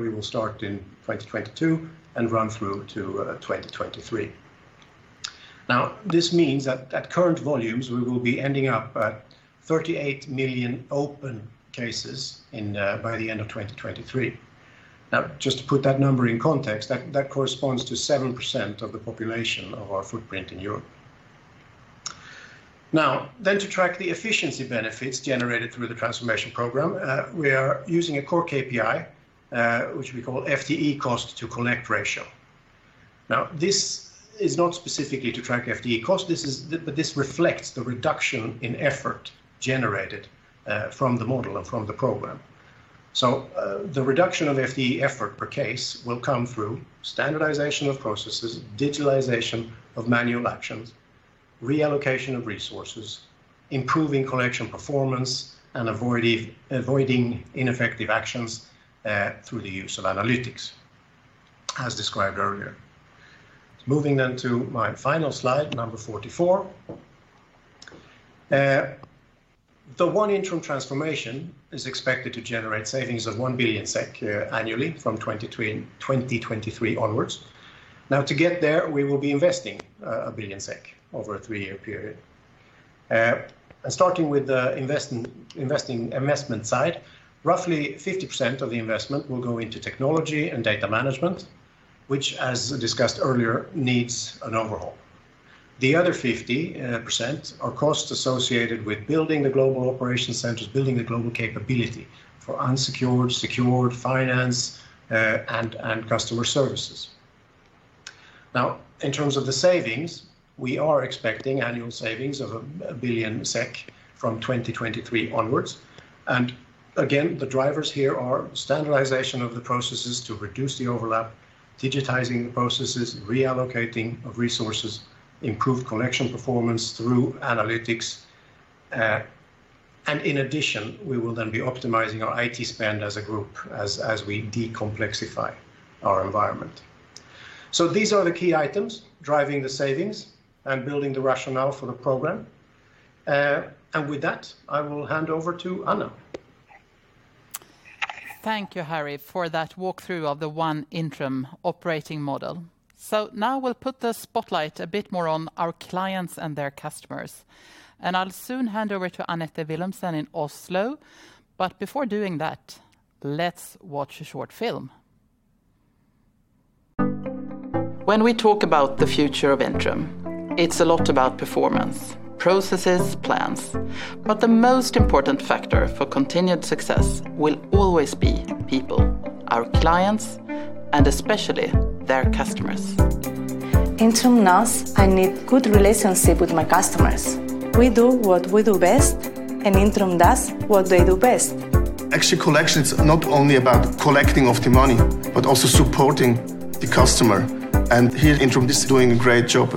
C: we will start in 2022 and run through to 2023. This means that at current volumes, we will be ending up at 38 million open cases by the end of 2023. Just to put that number in context, that corresponds to 7% of the population of our footprint in Europe. To track the efficiency benefits generated through the transformation program, we are using a core KPI, which we call FTE cost to collect ratio. This is not specifically to track FTE cost, but this reflects the reduction in effort generated from the model and from the program. The reduction of FTE effort per case will come through standardization of processes, digitalization of manual actions, reallocation of resources, improving collection performance, and avoiding ineffective actions through the use of analytics, as described earlier. Moving then to my final slide, number 44. The ONE Intrum transformation is expected to generate savings of 1 billion SEK annually from 2023 onwards. To get there, we will be investing 1 billion SEK over a three-year period. Starting with the investment side, roughly 50% of the investment will go into technology and data management, which as discussed earlier, needs an overhaul. The other 50% are costs associated with building the global operation centers, building the global capability for unsecured, secured finance, and customer services. In terms of the savings, we are expecting annual savings of 1 billion SEK from 2023 onwards. Again, the drivers here are standardization of the processes to reduce the overlap, digitizing the processes, reallocating of resources, improved collection performance through analytics. In addition, we will then be optimizing our IT spend as a group as we decomplexify our environment. These are the key items driving the savings and building the rationale for the program. With that, I will hand over to Anna.
A: Thank you, Harry, for that walkthrough of the ONE Intrum operating model. Now we'll put the spotlight a bit more on our clients and their customers. I'll soon hand over to Anette Willumsen in Oslo. Before doing that, let's watch a short film.
D: When we talk about the future of Intrum, it's a lot about performance, processes, plans. The most important factor for continued success will always be People, our clients, and especially their customers. Intrum knows I need good relationship with my customers. We do what we do best. Intrum does what they do best. Actually, collection is not only about collecting of the money, but also supporting the customer. Here, Intrum is doing a great job.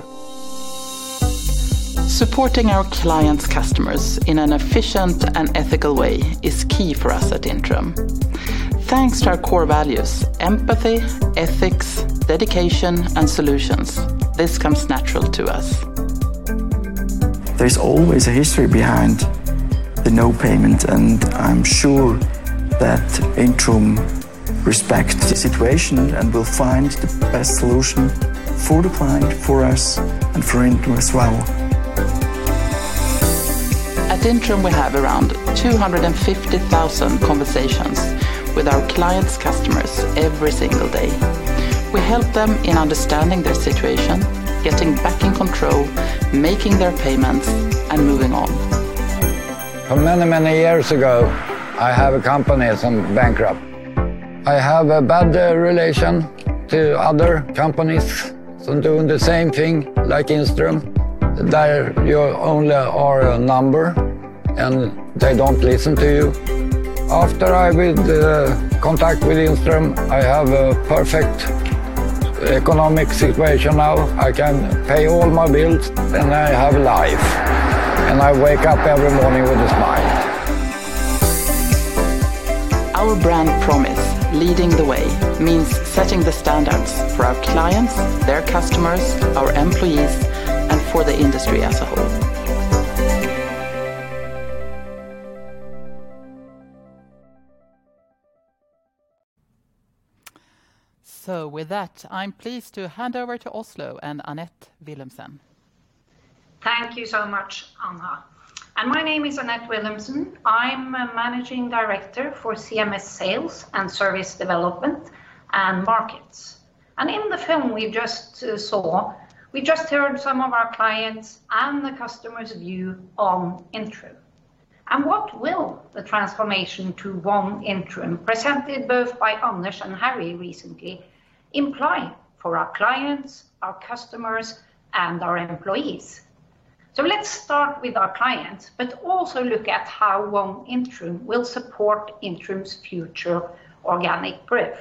D: Supporting our clients' customers in an efficient and ethical way is key for us at Intrum. Thanks to our core values, empathy, ethics, dedication, and solutions, this comes natural to us. There's always a history behind the no payment, and I'm sure that Intrum respects the situation and will find the best solution for the client, for us, and for Intrum as well. At Intrum, we have around 250,000 conversations with our clients' customers every single day. We help them in understanding their situation, getting back in control, making their payments, and moving on. For many years ago, I have a company that's bankrupt. I have a bad relation to other companies doing the same thing like Intrum. There, you only are a number, and they don't listen to you. After I made contact with Intrum, I have a perfect economic situation now. I can pay all my bills, and I have a life, and I wake up every morning with a smile. Our brand promise, Leading the Way, means setting the standards for our clients, their customers, our employees, and for the industry as a whole.
A: With that, I'm pleased to hand over to Oslo and Anette Willumsen.
E: Thank you so much, Anna. My name is Anette Willumsen. I'm Managing Director for CMS Sales and Service Development and Markets. In the film we just saw, we just heard some of our clients and the customers' view on Intrum. What will the transformation to ONE Intrum, presented both by Anders and Harry recently, imply for our clients, our customers, and our employees? Let's start with our clients, but also look at how ONE Intrum will support Intrum's future organic growth.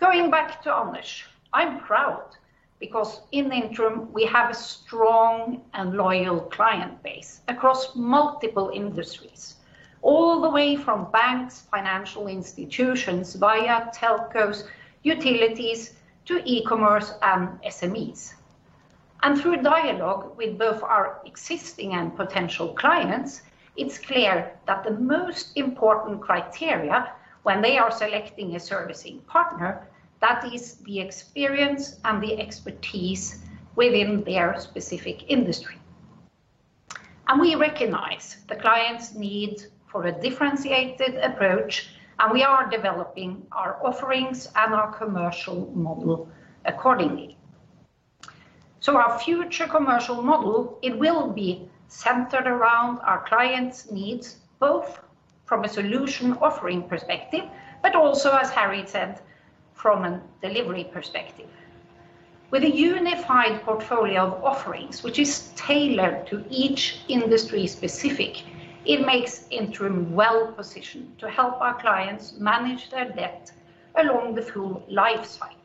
E: Going back to Anders, I'm proud because in Intrum we have a strong and loyal client base across multiple industries, all the way from banks, financial institutions, via telcos, utilities, to e-commerce and SMEs. Through dialogue with both our existing and potential clients, it is clear that the most important criteria when they are selecting a servicing partner, that is the experience and the expertise within their specific industry. We recognize the client's need for a differentiated approach, and we are developing our offerings and our commercial model accordingly. Our future commercial model, it will be centered around our clients' needs, both from a solution offering perspective, but also, as Harry said, from a delivery perspective. With a unified portfolio of offerings, which is tailored to each industry-specific, it makes Intrum well-positioned to help our clients manage their debt along the full life cycle.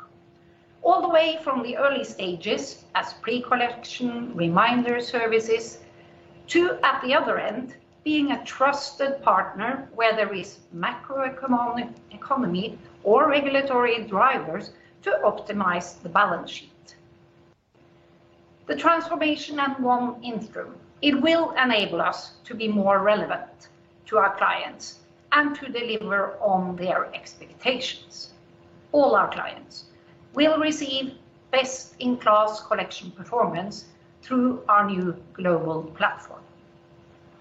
E: All the way from the early stages as pre-collection, reminder services, to, at the other end, being a trusted partner where there is macroeconomic economy or regulatory drivers to optimize the balance sheet. The transformation at ONE Intrum, it will enable us to be more relevant to our clients and to deliver on their expectations. All our clients will receive best-in-class collection performance through our new global platform.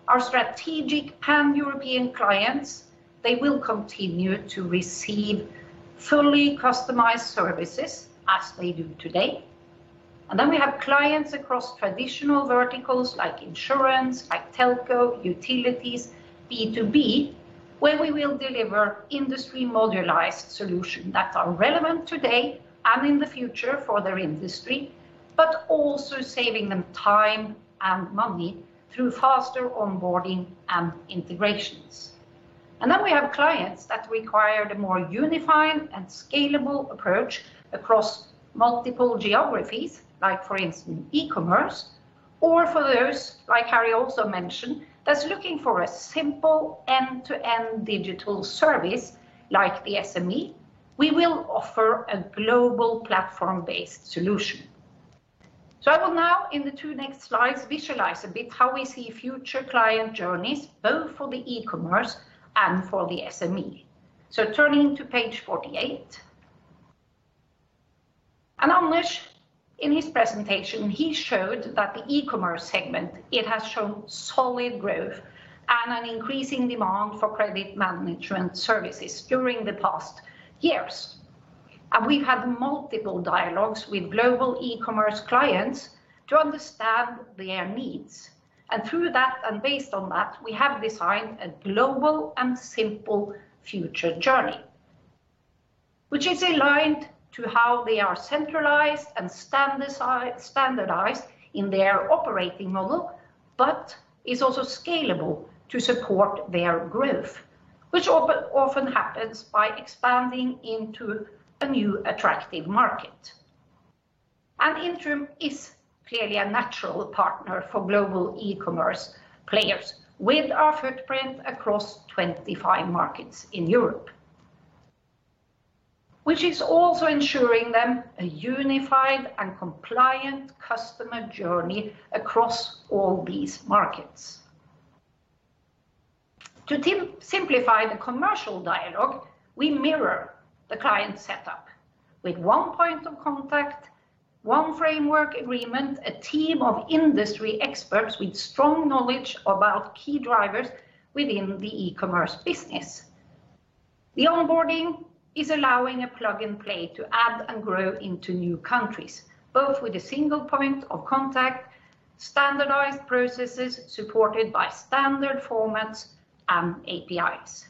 E: Our strategic Pan-European clients, they will continue to receive fully customized services as they do today. We have clients across traditional verticals like insurance, like telco, utilities, B2B, where we will deliver industry modularized solution that are relevant today and in the future for their industry, but also saving them time and money through faster onboarding and integrations. We have clients that require the more unified and scalable approach across multiple geographies, like for instance, e-commerce, or for those, like Harry also mentioned, that's looking for a simple end-to-end digital service like the SME, we will offer a global platform-based solution. I will now, in the two next slides, visualize a bit how we see future client journeys, both for the e-commerce and for the SME. Turning to page 48. Anders, in his presentation, he showed that the e-commerce segment, it has shown solid growth and an increasing demand for credit management services during the past years. We've had multiple dialogues with global e-commerce clients to understand their needs. Through that, and based on that, we have designed a global and simple future journey, which is aligned to how they are centralized and standardized in their operating model, but is also scalable to support their growth, which often happens by expanding into a new, attractive market. Intrum is clearly a natural partner for global e-commerce players with our footprint across 25 markets in Europe, which is also ensuring them a unified and compliant customer journey across all these markets. To simplify the commercial dialogue, we mirror the client setup with one point of contact, one framework agreement, a team of industry experts with strong knowledge about key drivers within the e-commerce business. The onboarding is allowing a plug-and-play to add and grow into new countries, both with a single point of contact, standardized processes supported by standard formats and APIs.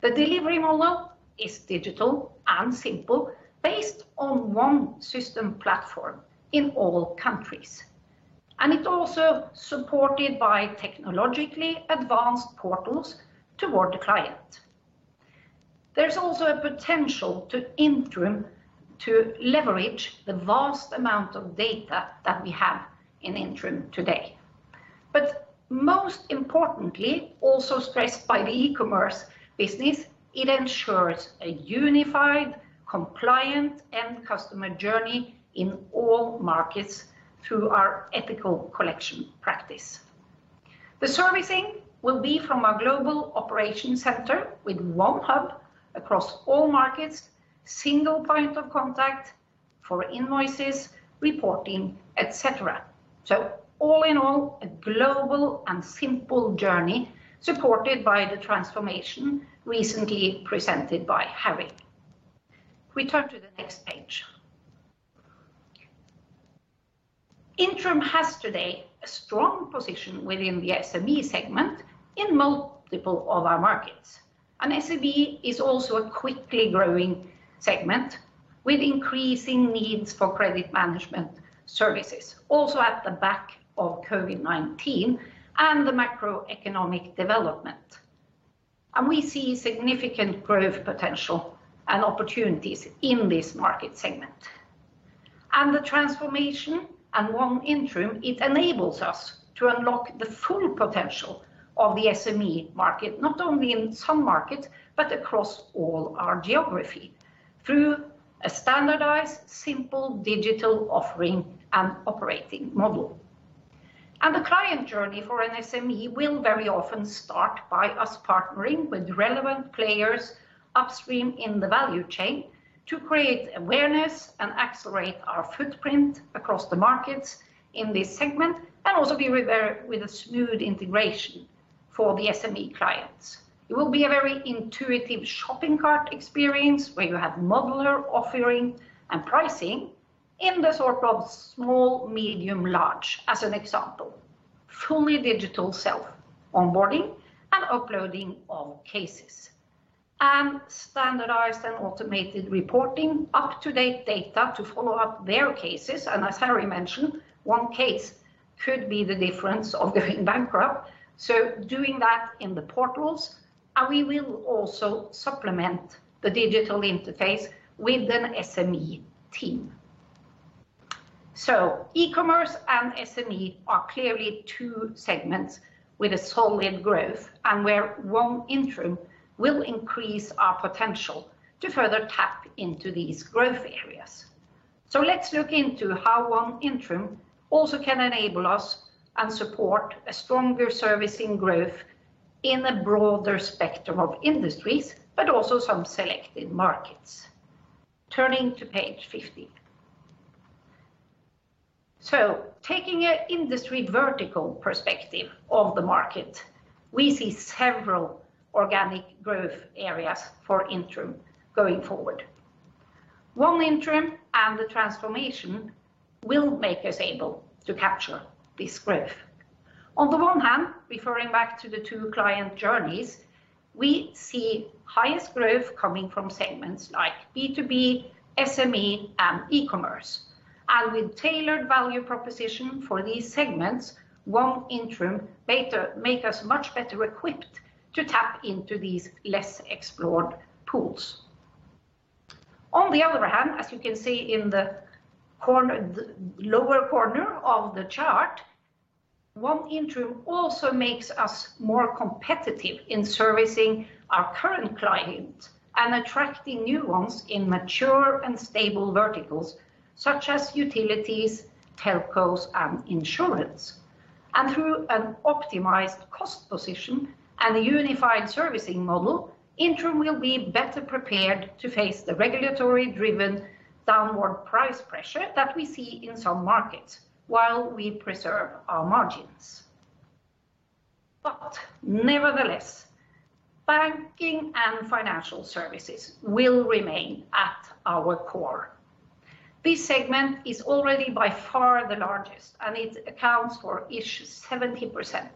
E: The delivery model is digital and simple, based on one system platform in all countries, and it also supported by technologically advanced portals towards the client. There is also a potential to Intrum to leverage the vast amount of data that we have in Intrum today. Most importantly, also stressed by the e-commerce business, it ensures a unified, compliant, end customer journey in all markets through our ethical collection practice. The servicing will be from a global operation center with one hub across all markets, single point of contact for invoices, reporting, et cetera. All in all, a global and simple journey supported by the transformation recently presented by Harry. We turn to the next page. Intrum has today a strong position within the SME segment in multiple of our markets. SME is also a quickly growing segment with increasing needs for credit management services, also at the back of COVID-19 and the macroeconomic development. We see significant growth potential and opportunities in this market segment. The transformation and ONE Intrum, it enables us to unlock the full potential of the SME market, not only in some markets, but across all our geography through a standardized, simple digital offering and operating model. The client journey for an SME will very often start by us partnering with relevant players upstream in the value chain to create awareness and accelerate our footprint across the markets in this segment, and also be there with a smooth integration for the SME clients. It will be a very intuitive shopping cart experience where you have modular offering and pricing in the sort of small, medium, large, as an example. Fully digital self-onboarding and uploading of cases, and standardized and automated reporting, up-to-date data to follow up their cases. As Harry mentioned, one case could be the difference of going bankrupt. Doing that in the portals, and we will also supplement the digital interface with an SME team. E-commerce and SME are clearly two segments with a solid growth and where ONE Intrum will increase our potential to further tap into these growth areas. Let's look into how ONE Intrum also can enable us and support a stronger servicing growth in a broader spectrum of industries, but also some selected markets. Turning to page 15. Taking an industry vertical perspective of the market, we see several organic growth areas for Intrum going forward. ONE Intrum and the transformation will make us able to capture this growth. On the one hand, referring back to the two client journeys, we see highest growth coming from segments like B2B, SME, and e-commerce. With tailored value proposition for these segments, ONE Intrum make us much better equipped to tap into these less-explored pools. On the other hand, as you can see in the lower corner of the chart, ONE Intrum also makes us more competitive in servicing our current clients and attracting new ones in mature and stable verticals such as utilities, telcos, and insurance. Through an optimized cost position and a unified servicing model, Intrum will be better prepared to face the regulatory-driven downward price pressure that we see in some markets while we preserve our margins. Nevertheless, banking and financial services will remain at our core. This segment is already by far the largest, and it accounts for 70%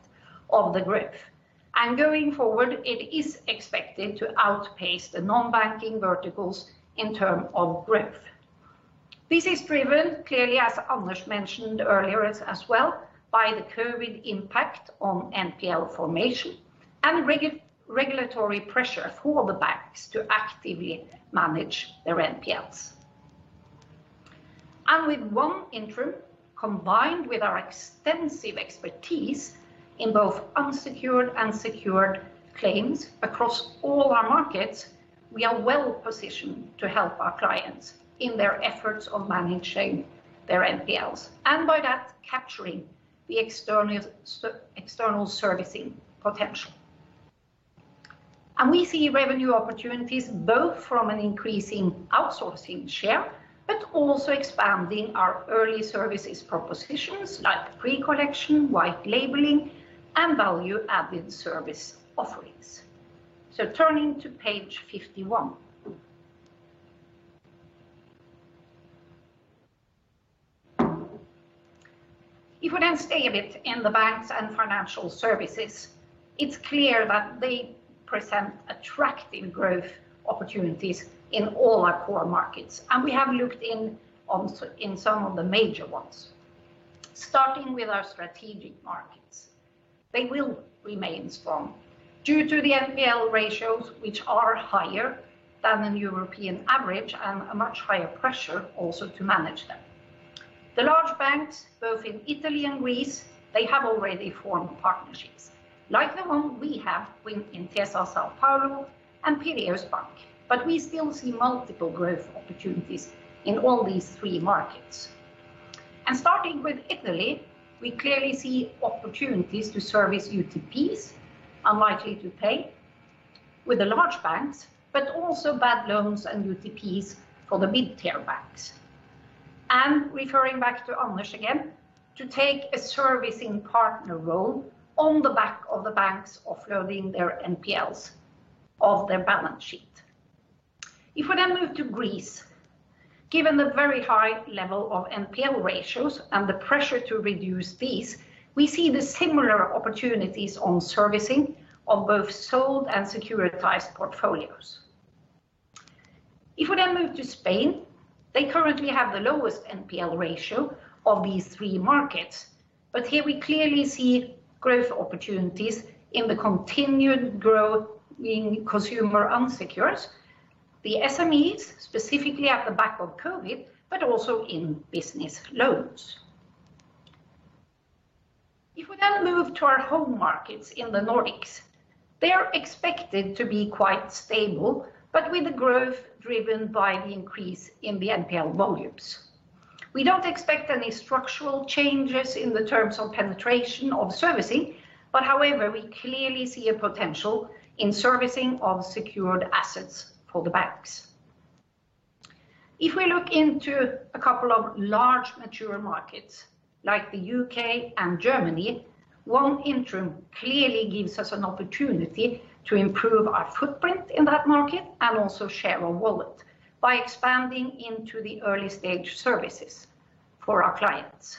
E: of the growth. Going forward, it is expected to outpace the non-banking verticals in terms of growth. This is driven clearly, as Anders mentioned earlier as well, by the COVID impact on NPL formation and regulatory pressure for the banks to actively manage their NPLs. With ONE Intrum, combined with our extensive expertise in both unsecured and secured claims across all our markets, we are well positioned to help our clients in their efforts of managing their NPLs, and by that capturing the external servicing potential. We see revenue opportunities both from an increasing outsourcing share, but also expanding our early services propositions like pre-collection, white labeling, and value-added service offerings. Turning to page 51. If we stay a bit in the banks and financial services, it is clear that they present attractive growth opportunities in all our core markets, and we have looked in some of the major ones. Starting with our strategic markets. They will remain strong due to the NPL ratios which are higher than the European average and a much higher pressure also to manage them. The large banks, both in Italy and Greece, they have already formed partnerships like the one we have with Intesa Sanpaolo and Piraeus Bank, we still see multiple growth opportunities in all these three markets. Starting with Italy, we clearly see opportunities to service UTPs, unlikely to pay, with the large banks, but also bad loans and UTPs for the mid-tier banks. Referring back to Anders again, to take a servicing partner role on the back of the banks offloading their NPLs off their balance sheet. If we move to Greece, given the very high level of NPL ratios and the pressure to reduce these, we see the similar opportunities on servicing of both sold and securitized portfolios. If we then move to Spain, they currently have the lowest NPL ratio of these three markets, but here we clearly see growth opportunities in the continued growth in consumer unsecured, the SMEs, specifically at the back of COVID, but also in business loans. If we then move to our home markets in the Nordics, they are expected to be quite stable, but with a growth driven by the increase in the NPL volumes. We don't expect any structural changes in the terms of penetration of servicing, but however, we clearly see a potential in servicing of secured assets for the banks. If we look into a couple of large mature markets like the U.K. and Germany, ONE Intrum clearly gives us an opportunity to improve our footprint in that market and also share of wallet by expanding into the early stage services for our clients.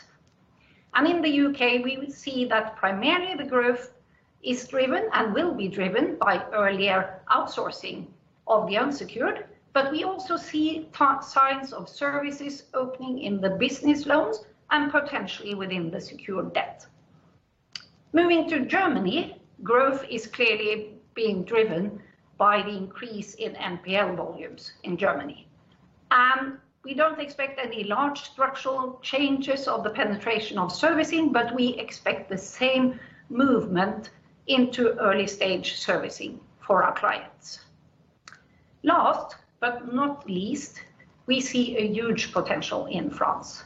E: In the U.K. we will see that primarily the growth is driven and will be driven by earlier outsourcing of the unsecured, but we also see signs of services opening in the business loans and potentially within the secured debt. Moving to Germany, growth is clearly being driven by the increase in NPL volumes in Germany. We don't expect any large structural changes of the penetration of servicing, but we expect the same movement into early stage servicing for our clients. Last but not least, we see a huge potential in France.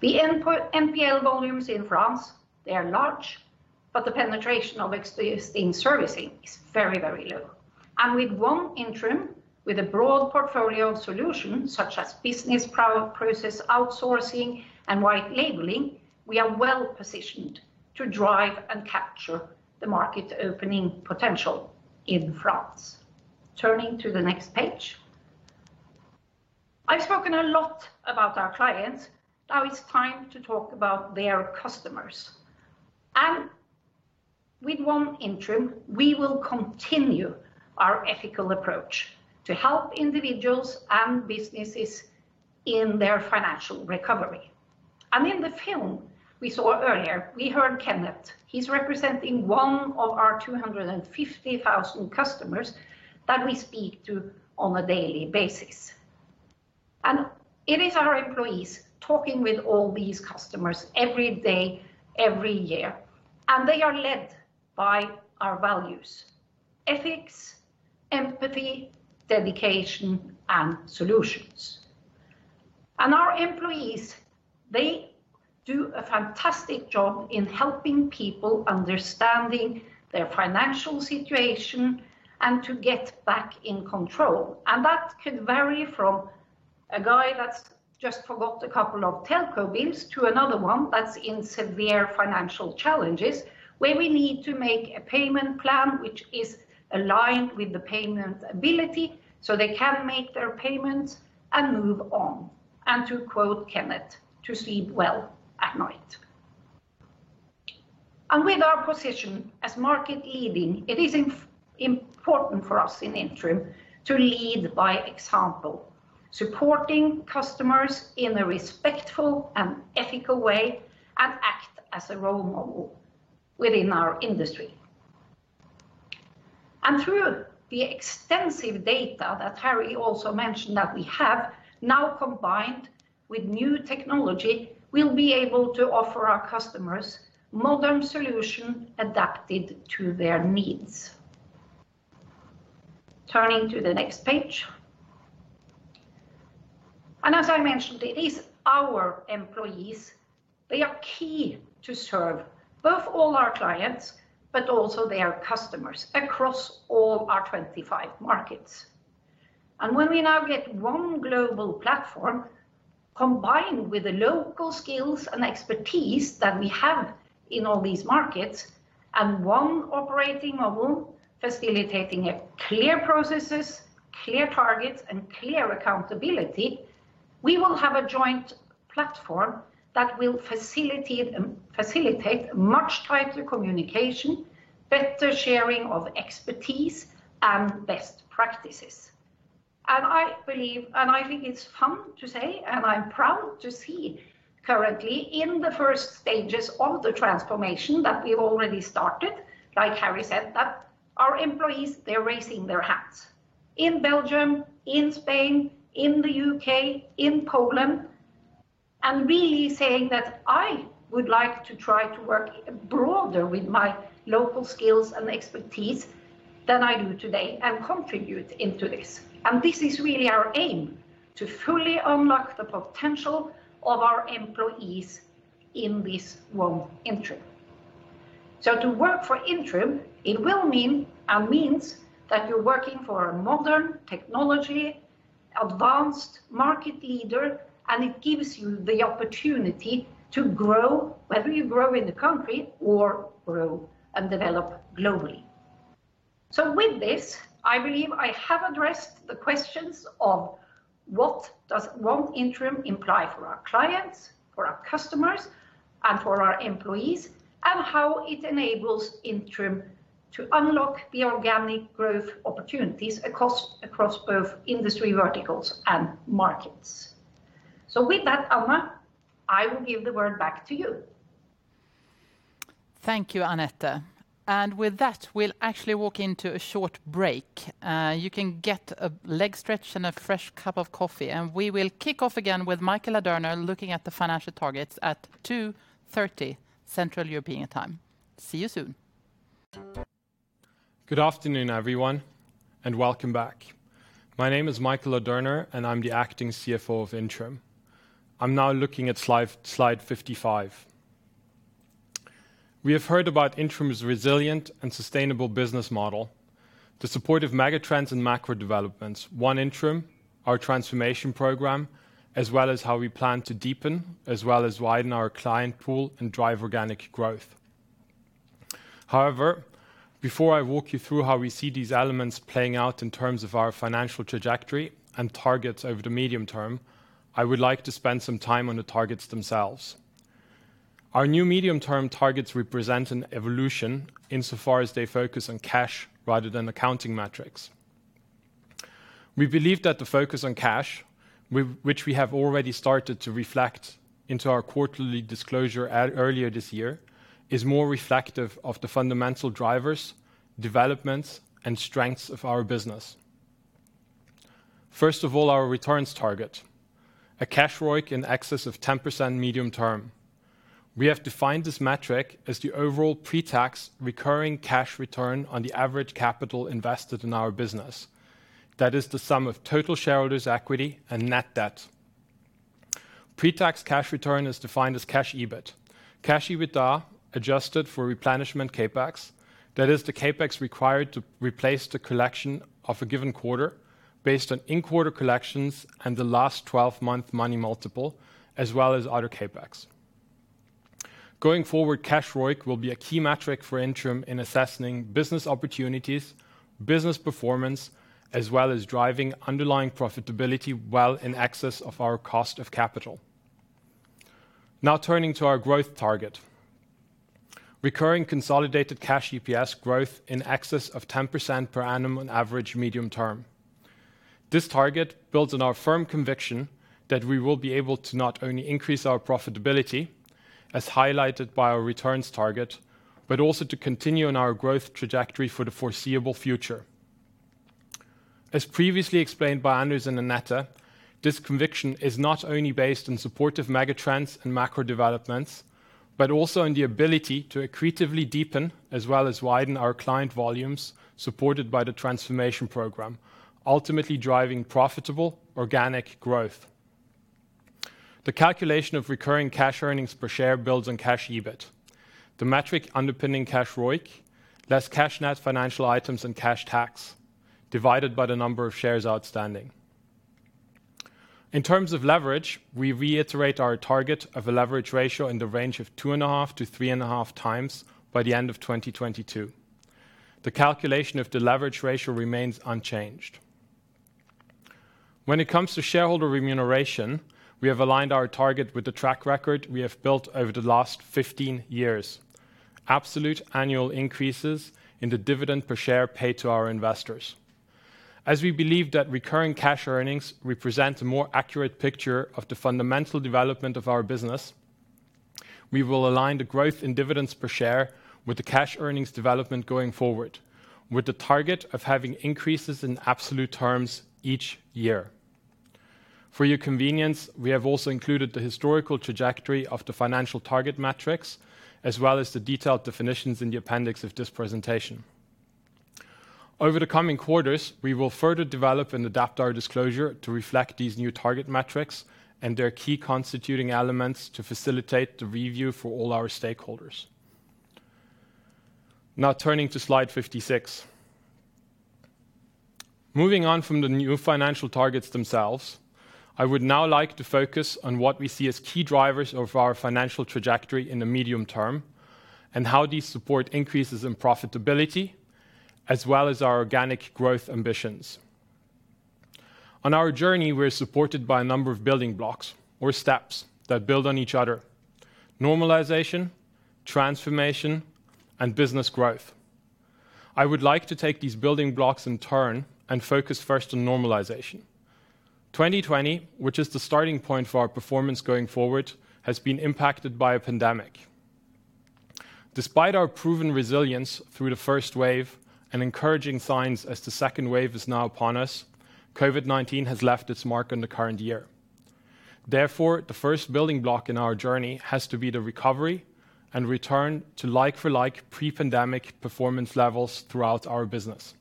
E: The NPL volumes in France, they are large, but the penetration of existing servicing is very low. With ONE Intrum, with a broad portfolio of solutions such as business process outsourcing and white labeling, we are well positioned to drive and capture the market opening potential in France. Turning to the next page. I've spoken a lot about our clients. Now it's time to talk about their customers. With ONE Intrum, we will continue our ethical approach to help individuals and businesses in their financial recovery. In the film we saw earlier, we heard Kenneth. He's representing one of our 250,000 customers that we speak to on a daily basis. It is our employees talking with all these customers every day, every year, and they are led by our values, ethics, empathy, dedication, and solutions. Our employees, they do a fantastic job in helping people understanding their financial situation and to get back in control. That could vary from a guy that's just forgot a couple of telco bills to another one that's in severe financial challenges where we need to make a payment plan which is aligned with the payment ability so they can make their payments and move on. To quote Kenneth, "To sleep well at night." With our position as market leading, it is important for us in Intrum to lead by example, supporting customers in a respectful and ethical way, and act as a role model within our industry. Through the extensive data that Harry also mentioned that we have now combined with new technology, we'll be able to offer our customers modern solution adapted to their needs. Turning to the next page. As I mentioned, it is our employees, they are key to serve both all our clients, but also their customers across all our 25 markets. When we now get one global platform combined with the local skills and expertise that we have in all these markets and one operating model facilitating a clear processes, clear targets and clear accountability, we will have a joint platform that will facilitate much tighter communication, better sharing of expertise and best practices. I think it's fun to say, and I'm proud to see currently in the first stages of the transformation that we've already started, like Harry said, that our employees, they're raising their hands. In Belgium, in Spain, in the U.K., in Poland, really saying that, "I would like to try to work broader with my local skills and expertise than I do today and contribute into this." This is really our aim, to fully unlock the potential of our employees in this ONE Intrum. To work for Intrum, it will mean and means that you're working for a modern technology, advanced market leader, and it gives you the opportunity to grow, whether you grow in the country or grow and develop globally. With this, I believe I have addressed the questions of what does ONE Intrum imply for our clients, for our customers, and for our employees, and how it enables Intrum to unlock the organic growth opportunities across both industry verticals and markets. With that, Anna, I will give the word back to you.
A: Thank you, Anette. With that, we'll actually walk into a short break. You can get a leg stretch and a fresh cup of coffee. We will kick off again with Michael Ladurner looking at the financial targets at 2:30 P.M. Central European Time. See you soon.
F: Good afternoon, everyone, and welcome back. My name is Michael Ladurner, and I'm the Acting CFO of Intrum. I'm now looking at slide 55. We have heard about Intrum's resilient and sustainable business model, the support of megatrends and macro developments, ONE Intrum, our transformation program, as well as how we plan to deepen as well as widen our client pool and drive organic growth. Before I walk you through how we see these elements playing out in terms of our financial trajectory and targets over the medium-term, I would like to spend some time on the targets themselves. Our new medium-term targets represent an evolution insofar as they focus on cash rather than accounting metrics. We believe that the focus on cash, which we have already started to reflect into our quarterly disclosure earlier this year, is more reflective of the fundamental drivers, developments, and strengths of our business. First of all, our returns target. A Cash ROIC in excess of 10% medium-term. We have defined this metric as the overall pre-tax recurring cash return on the average capital invested in our business. That is the sum of total shareholders' equity and net debt. Pre-tax cash return is defined as Cash EBIT. Cash EBITDA adjusted for replenishment CapEx. That is the CapEx required to replace the collection of a given quarter based on in-quarter collections and the last 12-month money multiple, as well as other CapEx. Going forward, Cash ROIC will be a key metric for Intrum in assessing business opportunities, business performance, as well as driving underlying profitability well in excess of our cost of capital. Turning to our growth target. Recurring consolidated Cash EPS growth in excess of 10% per annum on average medium-term. This target builds on our firm conviction that we will be able to not only increase our profitability, as highlighted by our returns target, but also to continue on our growth trajectory for the foreseeable future. As previously explained by Anders and Anette, this conviction is not only based on supportive megatrends and macro developments, but also on the ability to accretively deepen as well as widen our client volumes supported by the transformation program, ultimately driving profitable organic growth. The calculation of recurring cash earnings per share builds on cash EBIT. The metric underpinning Cash ROIC, less cash net financial items and cash tax, divided by the number of shares outstanding. In terms of leverage, we reiterate our target of a leverage ratio in the range of 2.5-3.5x by the end of 2022. The calculation of the leverage ratio remains unchanged. When it comes to shareholder remuneration, we have aligned our target with the track record we have built over the last 15 years. Absolute annual increases in the dividend per share paid to our investors. As we believe that recurring cash earnings represent a more accurate picture of the fundamental development of our business, we will align the growth in dividends per share with the cash earnings development going forward, with the target of having increases in absolute terms each year. For your convenience, we have also included the historical trajectory of the financial target metrics, as well as the detailed definitions in the appendix of this presentation. Over the coming quarters, we will further develop and adapt our disclosure to reflect these new target metrics and their key constituting elements to facilitate the review for all our stakeholders. Now turning to slide 56. Moving on from the new financial targets themselves, I would now like to focus on what we see as key drivers of our financial trajectory in the medium-term and how these support increases in profitability, as well as our organic growth ambitions. On our journey, we're supported by a number of building blocks or steps that build on each other, normalization, transformation, and business growth. I would like to take these building blocks in turn and focus first on normalization. 2020, which is the starting point for our performance going forward, has been impacted by a pandemic. Despite our proven resilience through the first wave and encouraging signs as the second wave is now upon us, COVID-19 has left its mark on the current year. Therefore, the first building block in our journey has to be the recovery and return to like-for-like pre-pandemic performance levels throughout our business.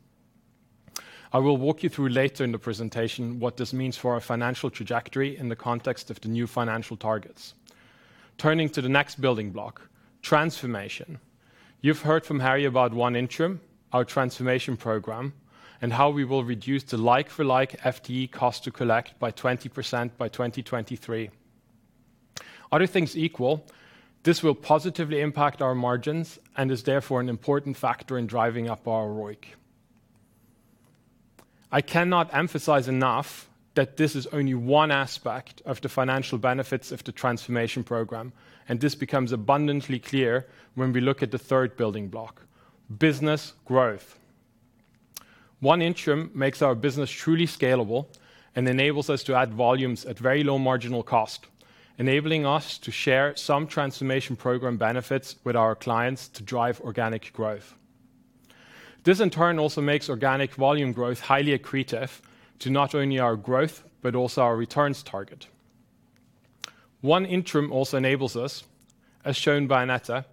F: I will walk you through later in the presentation what this means for our financial trajectory in the context of the new financial targets. Turning to the next building block, transformation. You've heard from Harry about ONE Intrum, our transformation program, and how we will reduce the like-for-like FTE cost to collect by 20% by 2023. Other things equal, this will positively impact our margins and is therefore an important factor in driving up our ROIC. I cannot emphasize enough that this is only one aspect of the financial benefits of the transformation program. This becomes abundantly clear when we look at the third building block, business growth. ONE Intrum makes our business truly scalable and enables us to add volumes at very low marginal cost, enabling us to share some transformation program benefits with our clients to drive organic growth. This, in turn, also makes organic volume growth highly accretive to not only our growth, but also our returns target. ONE Intrum also enables us, as shown by Anette,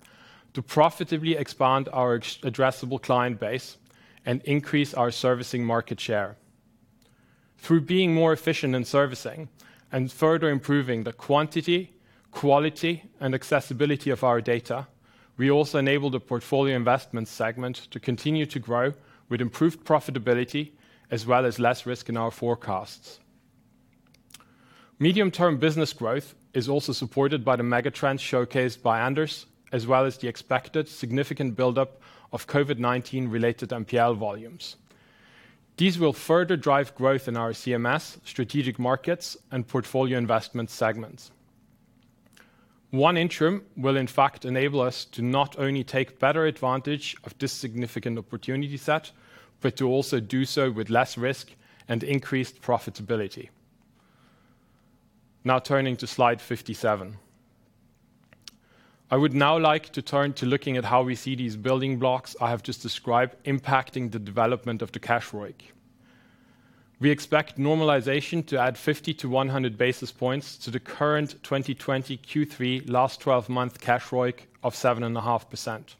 F: to profitably expand our addressable client base and increase our servicing market share. Through being more efficient in servicing and further improving the quantity, quality, and accessibility of our data, we also enable the portfolio investment segment to continue to grow with improved profitability as well as less risk in our forecasts. Medium-term business growth is also supported by the megatrends showcased by Anders, as well as the expected significant buildup of COVID-19 related NPL volumes. These will further drive growth in our CMS strategic markets and portfolio investment segments. ONE Intrum will in fact enable us to not only take better advantage of this significant opportunity set, but to also do so with less risk and increased profitability. Now turning to slide 57. I would now like to turn to looking at how we see these building blocks I have just described impacting the development of the Cash ROIC. We expect normalization to add 50-100 basis points to the current 2020 Q3 last 12-month Cash ROIC of 7.5%.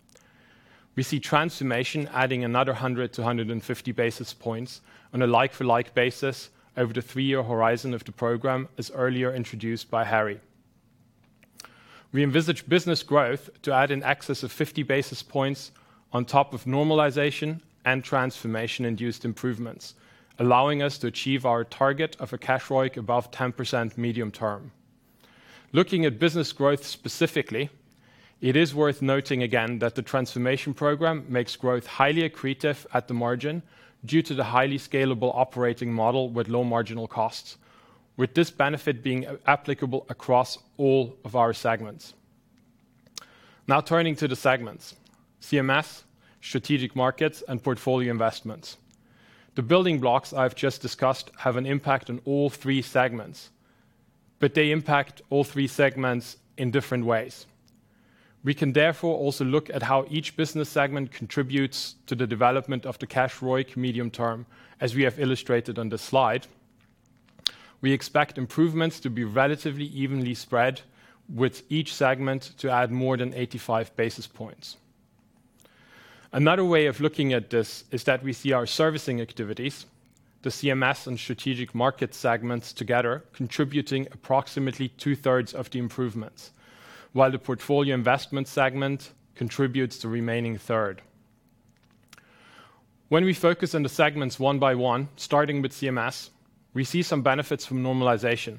F: We see transformation adding another 100-150 basis points on a like-for-like basis over the three-year horizon of the program, as earlier introduced by Harry. We envisage business growth to add in excess of 50 basis points on top of normalization and transformation-induced improvements, allowing us to achieve our target of a Cash ROIC above 10% medium-term. Looking at business growth specifically, it is worth noting again that the transformation program makes growth highly accretive at the margin due to the highly scalable operating model with low marginal costs, with this benefit being applicable across all of our segments. Turning to the segments, CMS, strategic markets, and portfolio investments. The building blocks I've just discussed have an impact on all three segments, but they impact all three segments in different ways. We can therefore also look at how each business segment contributes to the development of the Cash ROIC medium-term, as we have illustrated on the slide. We expect improvements to be relatively evenly spread, with each segment to add more than 85 basis points. Another way of looking at this is that we see our servicing activities, the CMS and strategic market segments together contributing approximately 2/3 of the improvements, while the portfolio investment segment contributes the remaining third. When we focus on the segments one by one, starting with CMS, we see some benefits from normalization.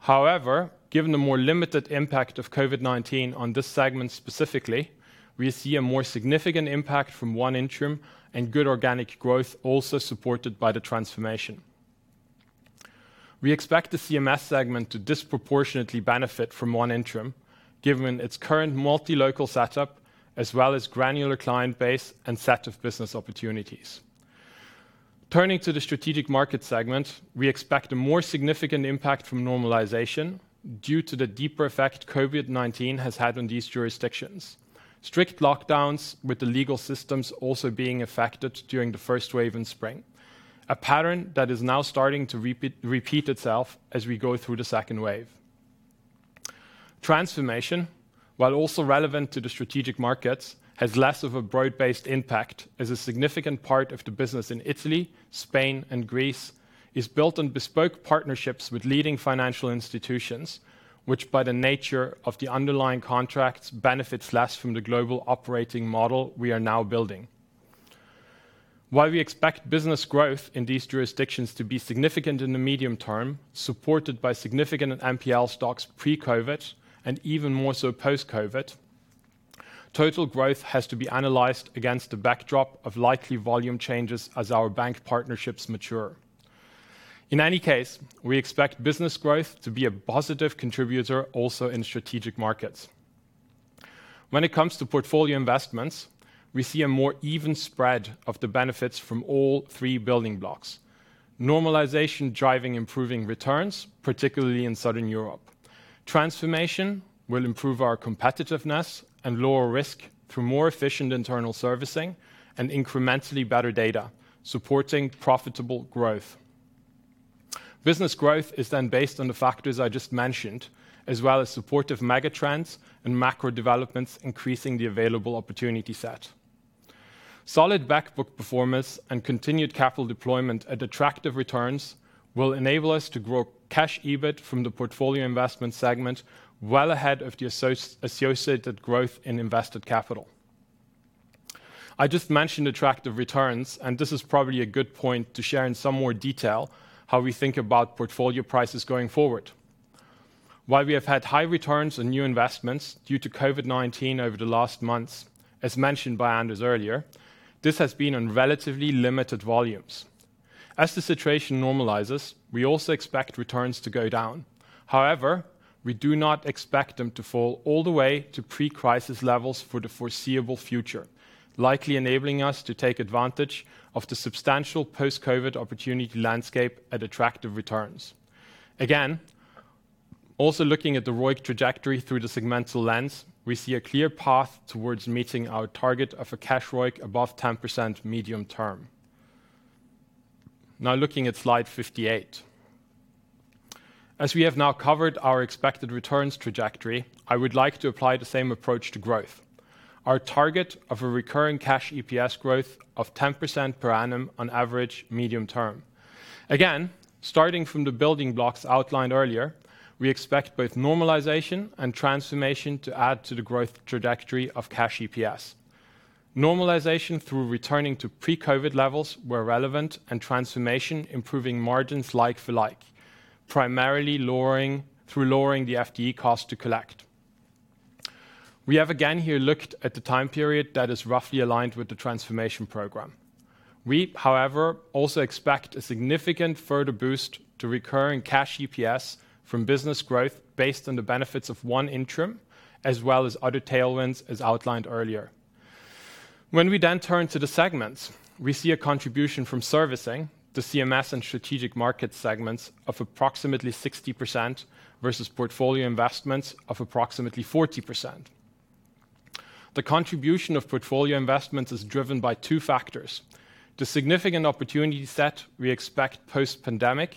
F: However, given the more limited impact of COVID-19 on this segment specifically, we see a more significant impact from ONE Intrum and good organic growth also supported by the transformation. We expect the CMS segment to disproportionately benefit from ONE Intrum given its current multi-local setup as well as granular client base and set of business opportunities. Turning to the strategic market segment, we expect a more significant impact from normalization due to the deeper effect COVID-19 has had on these jurisdictions. Strict lockdowns with the legal systems also being affected during the first wave in spring, a pattern that is now starting to repeat itself as we go through the second wave. Transformation, while also relevant to the strategic markets, has less of a broad-based impact, as a significant part of the business in Italy, Spain, and Greece is built on bespoke partnerships with leading financial institutions, which by the nature of the underlying contracts benefits less from the global operating model we are now building. While we expect business growth in these jurisdictions to be significant in the medium-term, supported by significant NPL stocks pre-COVID and even more so post-COVID, total growth has to be analyzed against the backdrop of likely volume changes as our bank partnerships mature. In any case, we expect business growth to be a positive contributor also in strategic markets. When it comes to portfolio investments, we see a more even spread of the benefits from all three building blocks. Normalization driving improving returns, particularly in Southern Europe. Transformation will improve our competitiveness and lower risk through more efficient internal servicing and incrementally better data, supporting profitable growth. Business growth is based on the factors I just mentioned, as well as supportive megatrends and macro developments increasing the available opportunity set. Solid back book performance and continued capital deployment at attractive returns will enable us to grow Cash EBIT from the portfolio investment segment well ahead of the associated growth in invested capital. I just mentioned attractive returns, and this is probably a good point to share in some more detail how we think about portfolio prices going forward. While we have had high returns on new investments due to COVID-19 over the last months, as mentioned by Anders earlier, this has been on relatively limited volumes. As the situation normalizes, we also expect returns to go down. However, we do not expect them to fall all the way to pre-crisis levels for the foreseeable future, likely enabling us to take advantage of the substantial post-COVID opportunity landscape at attractive returns. Also looking at the ROIC trajectory through the segmental lens, we see a clear path towards meeting our target of a Cash ROIC above 10% medium-term. Looking at slide 58. As we have now covered our expected returns trajectory, I would like to apply the same approach to growth. Our target of a recurring Cash EPS growth of 10% per annum on average medium-term. Starting from the building blocks outlined earlier, we expect both normalization and transformation to add to the growth trajectory of Cash EPS. Normalization through returning to pre-COVID levels where relevant, and transformation improving margins like for like, primarily through lowering the FTE cost to collect. We have again here looked at the time period that is roughly aligned with the transformation program. We, however, also expect a significant further boost to recurring Cash EPS from business growth based on the benefits of ONE Intrum, as well as other tailwinds as outlined earlier. When we then turn to the segments, we see a contribution from servicing the CMS and strategic market segments of approximately 60%, versus portfolio investments of approximately 40%. The contribution of portfolio investments is driven by two factors, the significant opportunity set we expect post-pandemic,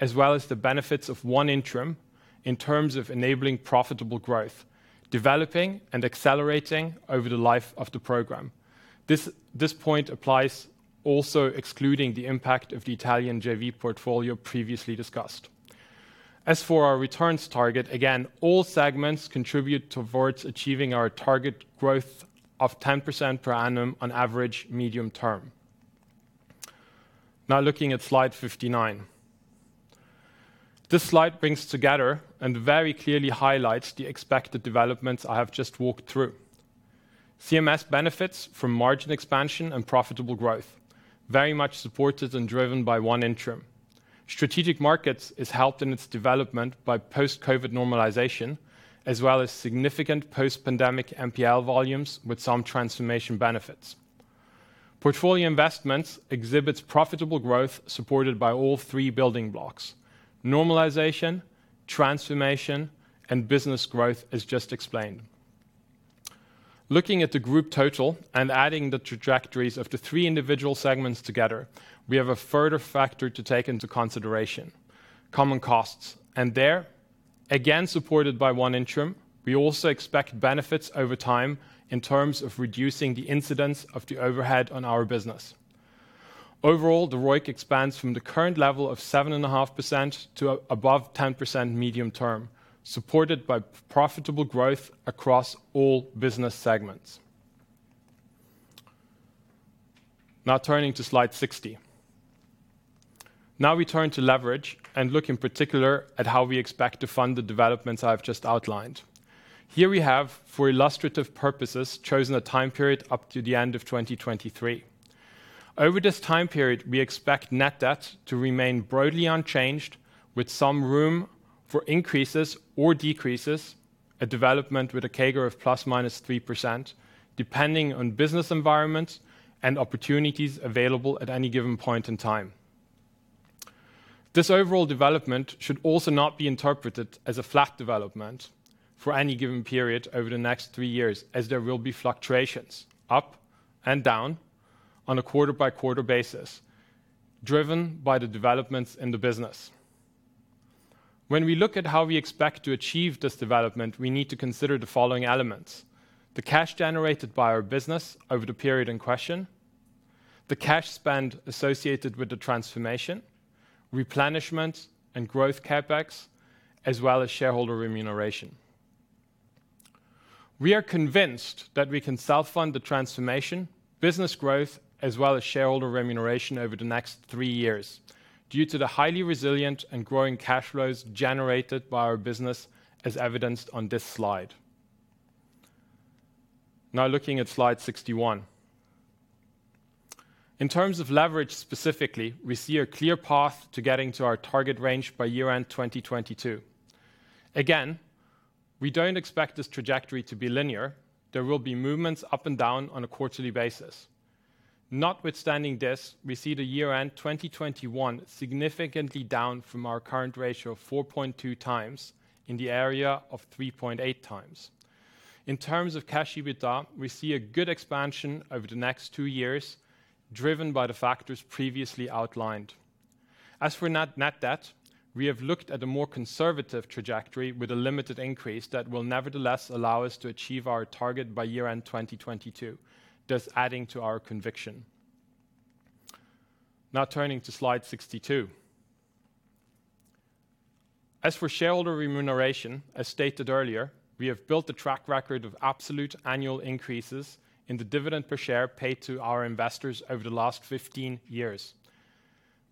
F: as well as the benefits of ONE Intrum in terms of enabling profitable growth, developing and accelerating over the life of the program. This point applies also excluding the impact of the Italian JV portfolio previously discussed. As for our returns target, again, all segments contribute towards achieving our target growth of 10% per annum on average medium-term. Now looking at slide 59. This slide brings together and very clearly highlights the expected developments I have just walked through. CMS benefits from margin expansion and profitable growth, very much supported and driven by ONE Intrum. Strategic markets is helped in its development by post-COVID-19 normalization, as well as significant post-pandemic NPL volumes with some transformation benefits. Portfolio investments exhibits profitable growth supported by all three building blocks, normalization, transformation, and business growth, as just explained. Looking at the group total and adding the trajectories of the three individual segments together, we have a further factor to take into consideration, common costs. There again, supported by ONE Intrum, we also expect benefits over time in terms of reducing the incidence of the overhead on our business. Overall, the ROIC expands from the current level of 7.5% to above 10% medium-term, supported by profitable growth across all business segments. Turning to slide 60. Now we turn to leverage and look in particular at how we expect to fund the developments I've just outlined. Here we have, for illustrative purposes, chosen a time period up to the end of 2023. Over this time period, we expect net debt to remain broadly unchanged, with some room for increases or decreases, a development with a CAGR of ±3%, depending on business environments and opportunities available at any given point in time. This overall development should also not be interpreted as a flat development for any given period over the next three years, as there will be fluctuations up and down on a quarter-by-quarter basis, driven by the developments in the business. When we look at how we expect to achieve this development, we need to consider the following elements. The cash generated by our business over the period in question, the cash spend associated with the transformation, replenishment and growth CapEx, as well as shareholder remuneration. We are convinced that we can self-fund the transformation, business growth, as well as shareholder remuneration over the next three years due to the highly resilient and growing cash flows generated by our business, as evidenced on this slide. Looking at slide 61. In terms of leverage specifically, we see a clear path to getting to our target range by year-end 2022. We don't expect this trajectory to be linear. There will be movements up and down on a quarterly basis. Notwithstanding this, we see the year-end 2021 significantly down from our current ratio of 4.2x in the area of 3.8x. In terms of Cash EBITDA, we see a good expansion over the next two years, driven by the factors previously outlined. As for net debt, we have looked at a more conservative trajectory with a limited increase that will nevertheless allow us to achieve our target by year-end 2022, thus adding to our conviction. Turning to slide 62. As for shareholder remuneration, as stated earlier, we have built a track record of absolute annual increases in the dividend per share paid to our investors over the last 15 years.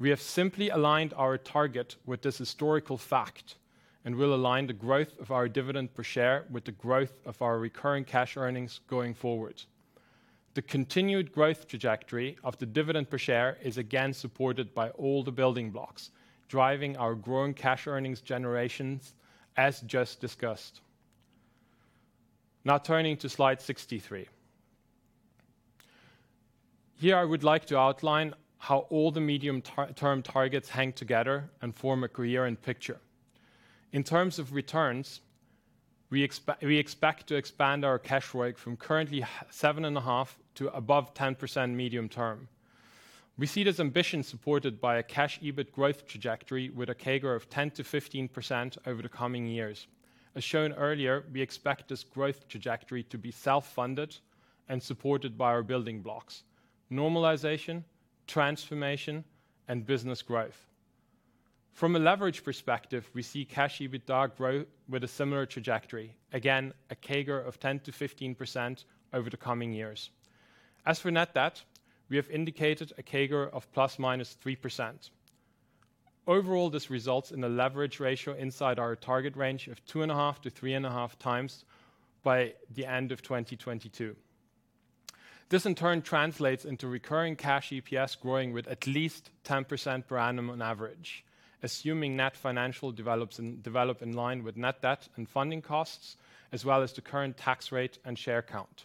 F: We have simply aligned our target with this historical fact and will align the growth of our dividend per share with the growth of our recurring cash earnings going forward. The continued growth trajectory of the dividend per share is again supported by all the building blocks driving our growing cash earnings generations, as just discussed. Now turning to slide 63. Here I would like to outline how all the medium-term targets hang together and form a coherent picture. In terms of returns, we expect to expand our Cash ROIC from currently 7.5% to above 10% medium-term. We see this ambition supported by a Cash EBIT growth trajectory with a CAGR of 10%-15% over the coming years. As shown earlier, we expect this growth trajectory to be self-funded and supported by our building blocks, normalization, transformation, and business growth. From a leverage perspective, we see Cash EBITDA grow with a similar trajectory, again, a CAGR of 10%-15% over the coming years. As for net debt, we have indicated a CAGR of ±3%. Overall, this results in a leverage ratio inside our target range of 2.5-3.5x by the end of 2022. This in turn translates into recurring Cash EPS growing with at least 10% per annum on average, assuming net financial develop in line with net debt and funding costs, as well as the current tax rate and share count.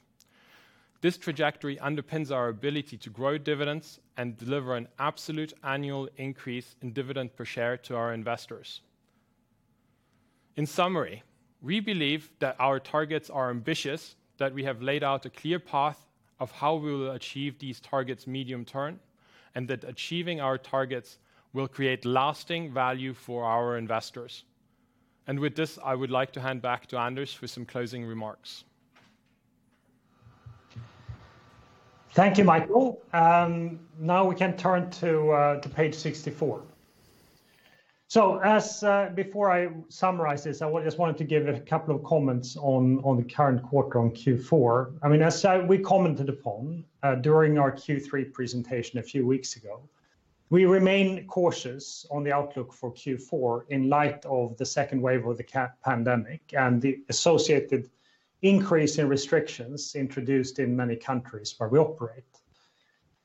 F: This trajectory underpins our ability to grow dividends and deliver an absolute annual increase in dividend per share to our investors. In summary, we believe that our targets are ambitious, that we have laid out a clear path of how we will achieve these targets medium-term, and that achieving our targets will create lasting value for our investors. With this, I would like to hand back to Anders for some closing remarks.
B: Thank you, Michael. We can turn to page 64. As before I summarize this, I just wanted to give a couple of comments on the current quarter on Q4. As we commented upon during our Q3 presentation a few weeks ago. We remain cautious on the outlook for Q4 in light of the second wave of the pandemic and the associated increase in restrictions introduced in many countries where we operate.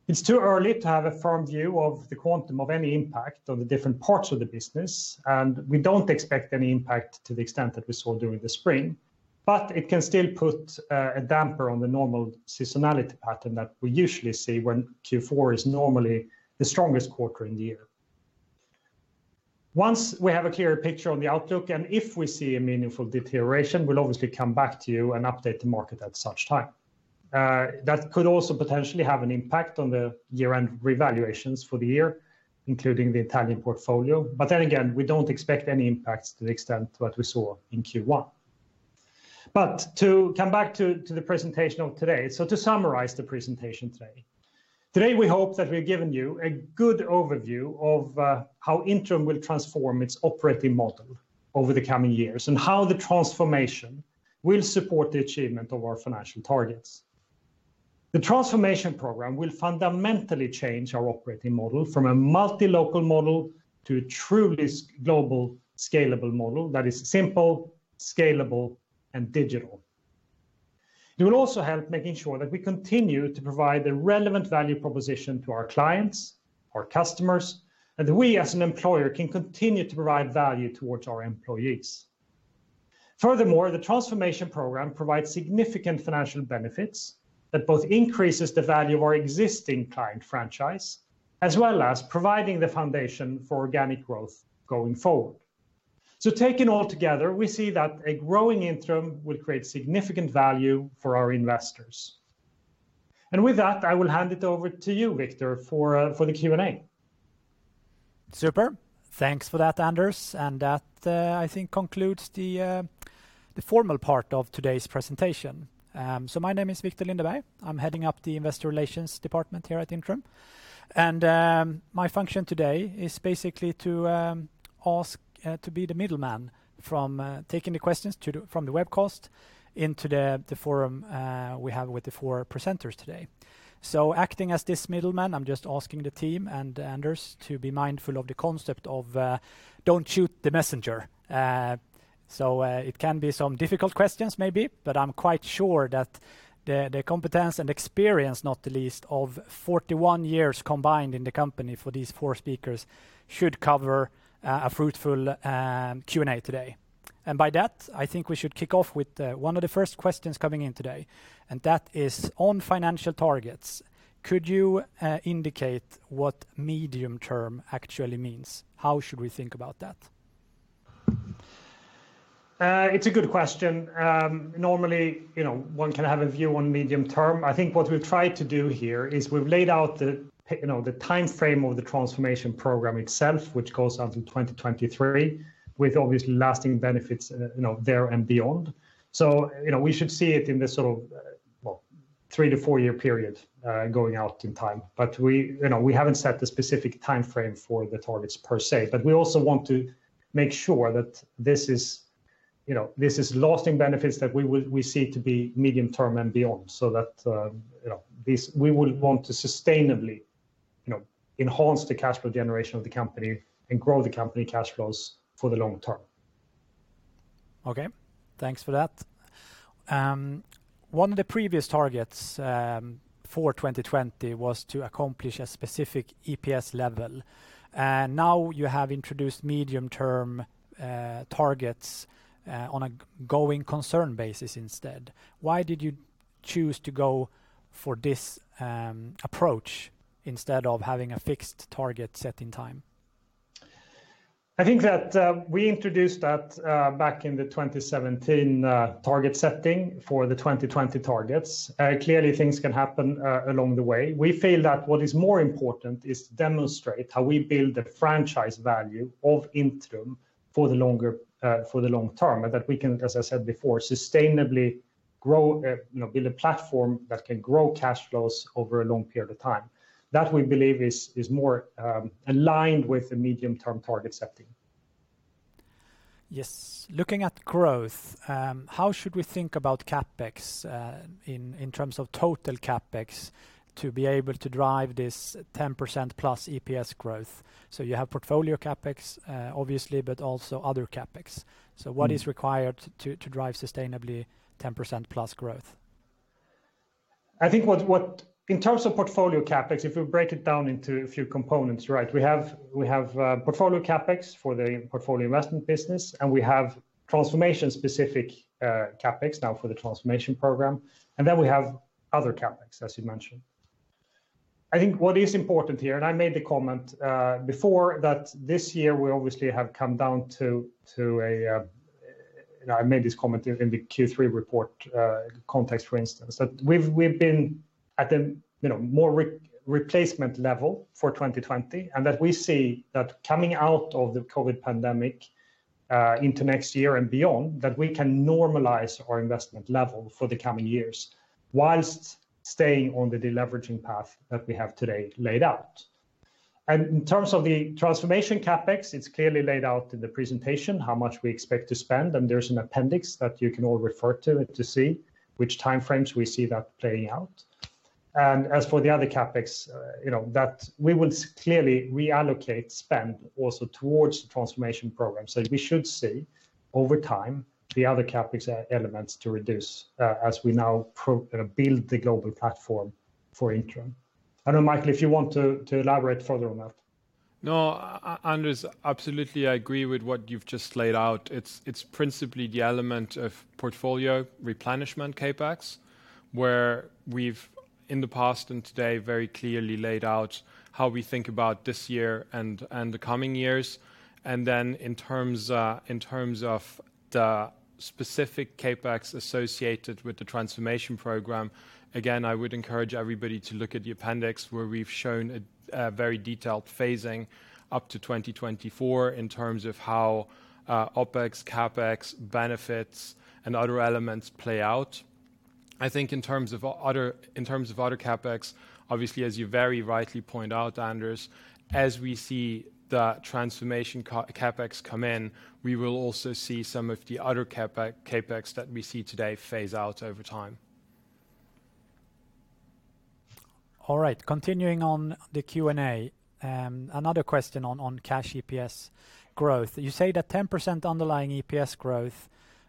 B: It's too early to have a firm view of the quantum of any impact on the different parts of the business, and we don't expect any impact to the extent that we saw during the spring. It can still put a damper on the normal seasonality pattern that we usually see when Q4 is normally the strongest quarter in the year. Once we have a clearer picture on the outlook, if we see a meaningful deterioration, we'll obviously come back to you and update the market at such time. That could also potentially have an impact on the year-end revaluations for the year, including the Italian portfolio. Again, we don't expect any impacts to the extent what we saw in Q1. To come back to the presentation of today. To summarize the presentation today we hope that we've given you a good overview of how Intrum will transform its operating model over the coming years, and how the transformation will support the achievement of our financial targets. The transformation program will fundamentally change our operating model from a multi-local model to a truly global scalable model that is simple, scalable, and digital. It will also help making sure that we continue to provide the relevant value proposition to our clients, our customers, and that we, as an employer, can continue to provide value towards our employees. Furthermore, the transformation program provides significant financial benefits that both increases the value of our existing client franchise, as well as providing the foundation for organic growth going forward. Taken all together, we see that a growing Intrum will create significant value for our investors. With that, I will hand it over to you, Viktor, for the Q&A.
G: Super. Thanks for that, Anders. That, I think, concludes the formal part of today's presentation. My name is Viktor Lindeberg. I am heading up the Investor Relations department here at Intrum, and my function today is basically to be the middleman from taking the questions from the webcast into the forum we have with the four presenters today. Acting as this middleman, I am just asking the team and Anders to be mindful of the concept of don't shoot the messenger. It can be some difficult questions maybe, but I am quite sure that the competence and experience, not the least of 41 years combined in the company for these four speakers, should cover a fruitful Q&A today. By that, I think we should kick off with one of the first questions coming in today, and that is on financial targets. Could you indicate what medium-term actually means? How should we think about that?
B: It's a good question. Normally, one can have a view on medium-term. I think what we've tried to do here is we've laid out the timeframe of the transformation program itself, which goes out to 2023 with obviously lasting benefits there and beyond. We should see it in this three to four-year period going out in time. We haven't set the specific timeframe for the targets per se. We also want to make sure that this is lasting benefits that we see to be medium-term and beyond. We would want to sustainably enhance the cash flow generation of the company and grow the company cash flows for the long-term.
G: Okay. Thanks for that. One of the previous targets for 2020 was to accomplish a specific EPS level. Now you have introduced medium-term targets on a going concern basis instead. Why did you choose to go for this approach instead of having a fixed target set in time?
B: I think that we introduced that back in the 2017 target setting for the 2020 targets. Clearly things can happen along the way. We feel that what is more important is to demonstrate how we build that franchise value of Intrum for the long-term, and that we can, as I said before, sustainably build a platform that can grow cash flows over a long period of time. That we believe is more aligned with the medium-term target setting.
G: Yes. Looking at growth, how should we think about CapEx in terms of total CapEx to be able to drive this 10%+ EPS growth? You have portfolio CapEx, obviously, but also other CapEx. What is required to drive sustainably 10%+ growth?
B: I think in terms of portfolio CapEx, if we break it down into a few components, we have portfolio CapEx for the portfolio investment business. We have transformation specific CapEx now for the transformation program. We have other CapEx, as you mentioned. I think what is important here. I made this comment in the Q3 report context, for instance, that we've been at a more replacement level for 2020. We see that coming out of the COVID pandemic into next year and beyond, that we can normalize our investment level for the coming years whilst staying on the deleveraging path that we have today laid out. In terms of the transformation CapEx, it's clearly laid out in the presentation how much we expect to spend, and there's an appendix that you can all refer to see which timeframes we see that playing out. As for the other CapEx, we will clearly reallocate spend also towards the transformation program. We should see over time the other CapEx elements to reduce as we now build the global platform for Intrum. I don't know, Michael, if you want to elaborate further on that.
F: No, Anders, absolutely, I agree with what you've just laid out. It's principally the element of portfolio replenishment CapEx, where we've in the past and today very clearly laid out how we think about this year and the coming years. Then in terms of the specific CapEx associated with the transformation program, again, I would encourage everybody to look at the appendix where we've shown a very detailed phasing up to 2024 in terms of how OpEx, CapEx benefits and other elements play out. I think in terms of other CapEx, obviously, as you very rightly point out, Anders, as we see the transformation CapEx come in, we will also see some of the other CapEx that we see today phase out over time.
G: All right. Continuing on the Q&A. Another question on Cash EPS growth. You say that 10% underlying EPS growth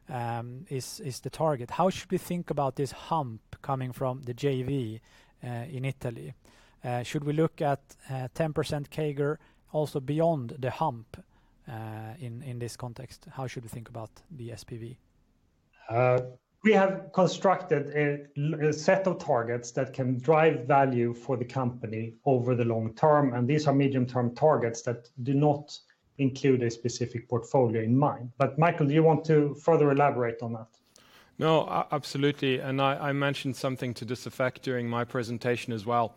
G: is the target. How should we think about this hump coming from the JV in Italy? Should we look at 10% CAGR also beyond the hump in this context? How should we think about the SPV?
B: We have constructed a set of targets that can drive value for the company over the long-term, and these are medium-term targets that do not include a specific portfolio in mind. Michael, do you want to further elaborate on that?
F: No, absolutely. I mentioned something to this effect during my presentation as well.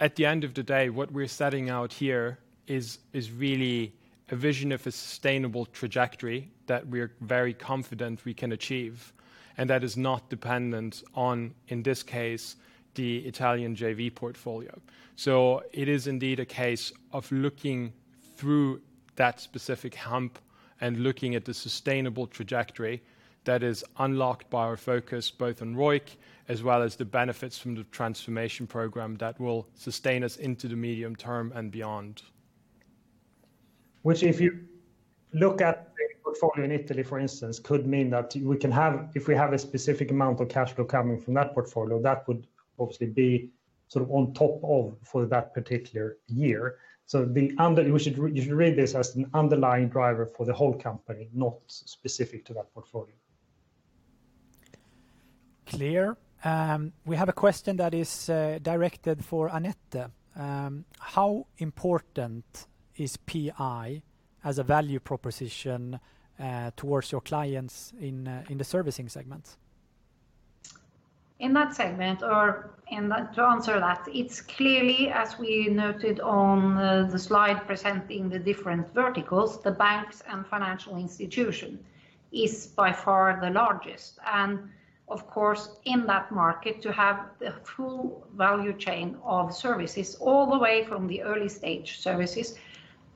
F: At the end of the day, what we're setting out here is really a vision of a sustainable trajectory that we're very confident we can achieve. That is not dependent on, in this case, the Italian JV portfolio. It is indeed a case of looking through that specific hump and looking at the sustainable trajectory that is unlocked by our focus both on ROIC as well as the benefits from the transformation program that will sustain us into the medium-term and beyond.
B: Which if you look at the portfolio in Italy, for instance, could mean that if we have a specific amount of cash flow coming from that portfolio, that would obviously be sort of on top of for that particular year. You should read this as an underlying driver for the whole company, not specific to that portfolio.
G: Clear. We have a question that is directed for Anette. How important is PI as a value proposition towards your clients in the servicing segment?
E: In that segment or to answer that, it's clearly as we noted on the slide presenting the different verticals, the banks and financial institution is by far the largest. Of course, in that market to have the full value chain of services all the way from the early stage services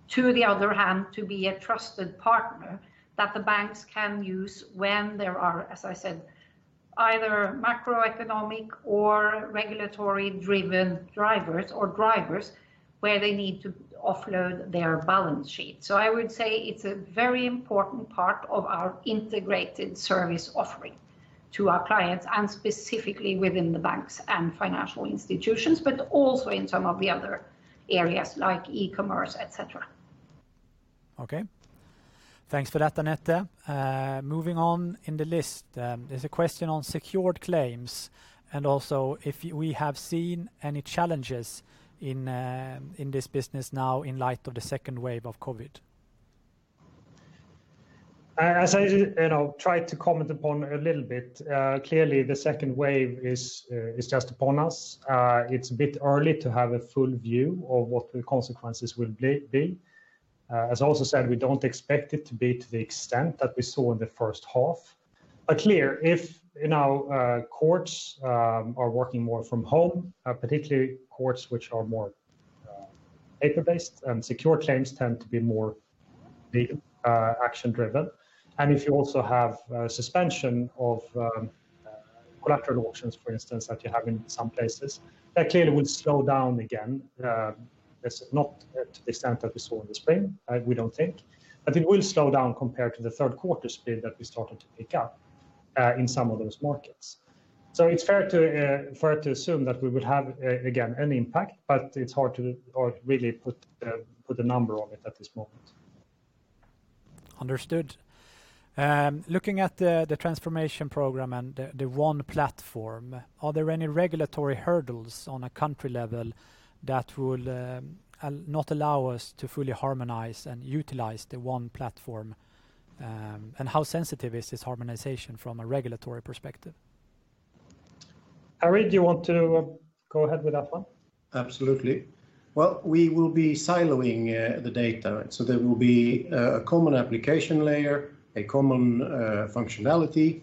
E: to the other hand, to be a trusted partner that the banks can use when there are, as I said, either macroeconomic or regulatory driven drivers or drivers where they need to offload their balance sheet. I would say it's a very important part of our integrated service offering to our clients and specifically within the banks and financial institutions, but also in some of the other areas like e-commerce, et cetera.
G: Okay. Thanks for that, Anette. Moving on in the list. There's a question on secured claims and also if we have seen any challenges in this business now in light of the second wave of COVID.
B: As I tried to comment upon a little bit, clearly the second wave is just upon us. It's a bit early to have a full view of what the consequences will be. Clear if courts are working more from home, particularly courts which are more paper-based and secure claims tend to be more legal action driven. If you also have suspension of collateral auctions, for instance, that you have in some places, that clearly would slow down again. It's not to the extent that we saw in the spring, we don't think. It will slow down compared to the Q3 speed that we started to pick up in some of those markets. It's fair to assume that we would have again, an impact, but it's hard to really put a number on it at this moment.
G: Understood. Looking at the transformation program and ONE Platform, are there any regulatory hurdles on a country level that will not allow us to fully harmonize and utilize the ONE Platform? how sensitive is this harmonization from a regulatory perspective?
B: Harry, do you want to go ahead with that one?
C: Absolutely. Well, we will be siloing the data. There will be a common application layer, a common functionality.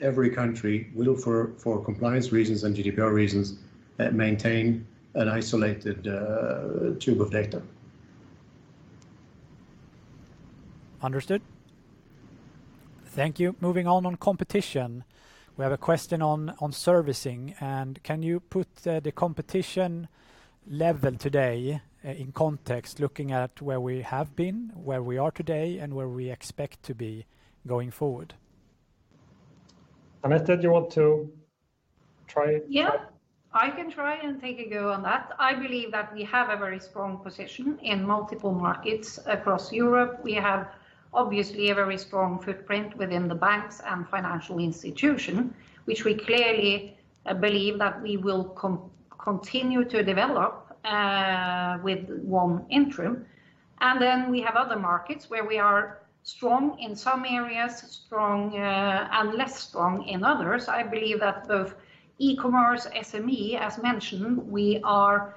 C: Every country will for compliance reasons and GDPR reasons maintain an isolated tube of data.
G: Understood. Thank you. Moving on competition. We have a question on servicing and can you put the competition level today in context, looking at where we have been, where we are today, and where we expect to be going forward?
B: Anette, do you want to try?
E: Yeah, I can try and take a go on that. I believe that we have a very strong position in multiple markets across Europe. We have obviously a very strong footprint within the banks and financial institution, which we clearly believe that we will continue to develop with ONE Intrum. We have other markets where we are strong in some areas and less strong in others. I believe that both e-commerce, SME, as mentioned, we don't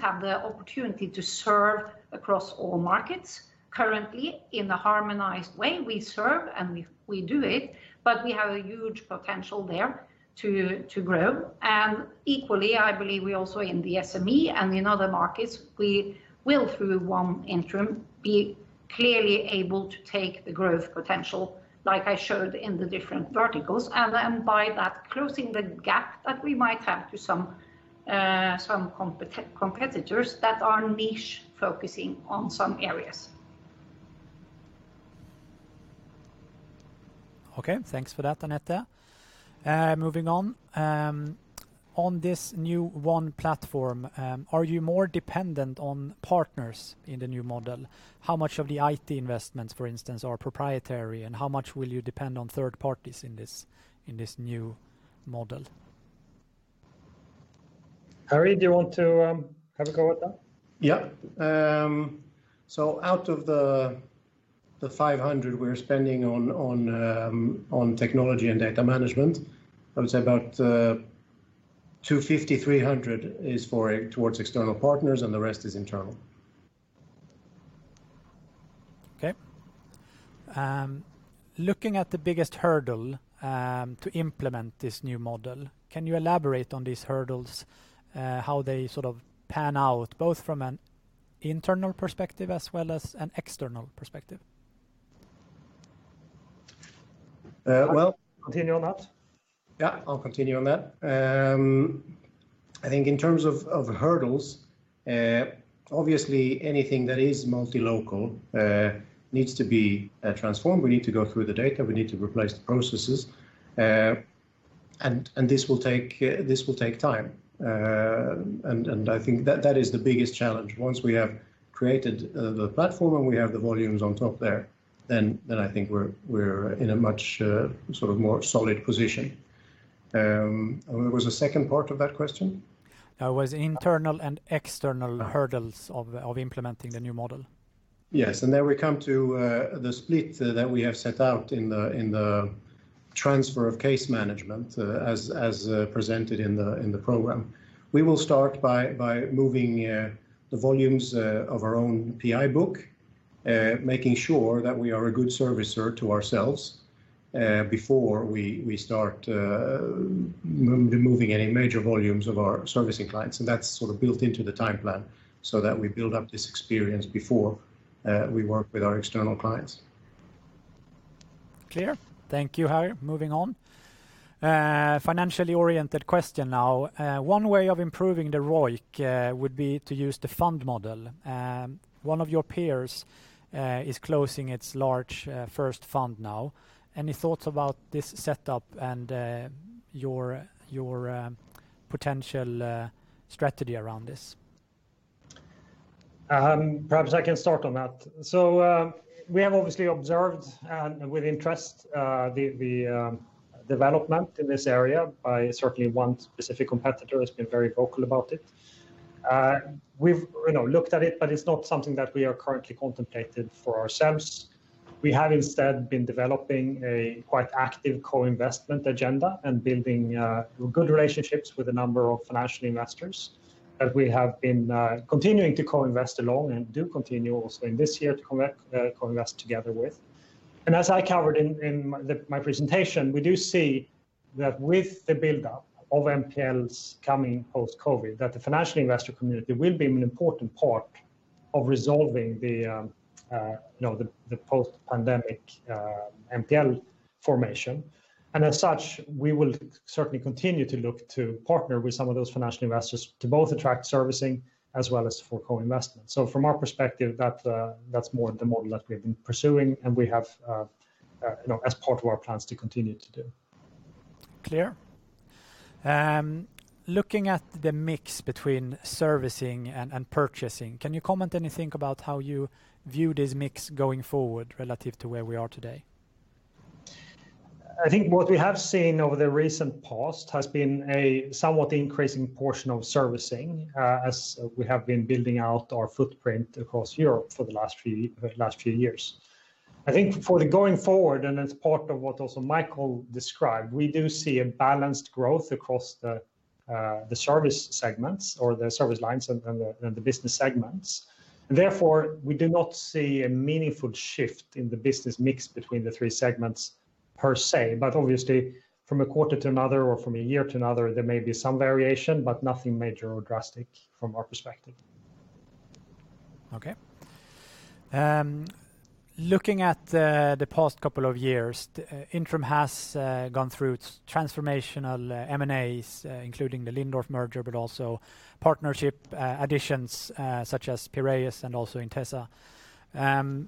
E: have the opportunity to serve across all markets currently in the harmonized way we serve, and we do it, but we have a huge potential there to grow. Equally, I believe we also in the SME and in other markets, we will through ONE Intrum be clearly able to take the growth potential like I showed in the different verticals and by that closing the gap that we might have to some competitors that are niche focusing on some areas.
G: Thanks for that, Anette. Moving on. On this new ONE Platform, are you more dependent on partners in the new model? How much of the IT investments, for instance, are proprietary, and how much will you depend on third parties in this new model?
B: Harry, do you want to have a go at that?
C: Yeah. Out of the 500 we're spending on technology and data management, I would say about 250, 300 is towards external partners, and the rest is internal.
G: Okay. Looking at the biggest hurdle to implement this new model, can you elaborate on these hurdles how they pan out, both from an internal perspective as well as an external perspective?
C: Well
B: Continue on that?
C: Yeah, I'll continue on that. I think in terms of hurdles, obviously anything that is multi-local needs to be transformed. We need to go through the data. We need to replace the processes. This will take time. I think that is the biggest challenge. Once we have created the platform and we have the volumes on top there, then I think we're in a much more solid position. There was a second part of that question?
G: It was internal and external hurdles of implementing the new model.
C: Yes. There we come to the split that we have set out in the transfer of case management as presented in the program. We will start by moving the volumes of our own PI book making sure that we are a good servicer to ourselves before we start moving any major volumes of our servicing clients. That's built into the time plan so that we build up this experience before we work with our external clients.
G: Clear. Thank you, Harry. Moving on. Financially oriented question now. One way of improving the ROIC would be to use the fund model. One of your peers is closing its large first fund now. Any thoughts about this setup and your potential strategy around this?
B: Perhaps I can start on that. We have obviously observed with interest the development in this area by certainly one specific competitor who's been very vocal about it. We've looked at it, but it's not something that we are currently contemplated for ourselves. We have instead been developing a quite active co-investment agenda and building good relationships with a number of financial investors as we have been continuing to co-invest along and do continue also in this year to co-invest together with. As I covered in my presentation, we do see that with the buildup of NPLs coming post-COVID, that the financial investor community will be an important part of resolving the post-pandemic NPL formation. As such, we will certainly continue to look to partner with some of those financial investors to both attract servicing as well as for co-investment. From our perspective, that's more the model that we've been pursuing and we have as part of our plans to continue to do.
G: Clear. Looking at the mix between servicing and purchasing, can you comment anything about how you view this mix going forward relative to where we are today?
B: I think what we have seen over the recent past has been a somewhat increasing portion of servicing as we have been building out our footprint across Europe for the last few years. I think for the going forward, and it's part of what also Michael described, we do see a balanced growth across the service segments or the service lines and the business segments. Therefore, we do not see a meaningful shift in the business mix between the three segments per se. Obviously from a quarter to another or from a year to another, there may be some variation, but nothing major or drastic from our perspective.
G: Okay. Looking at the past couple of years, Intrum has gone through transformational M&As including the Lindorff merger, but also partnership additions such as Piraeus and also Intesa.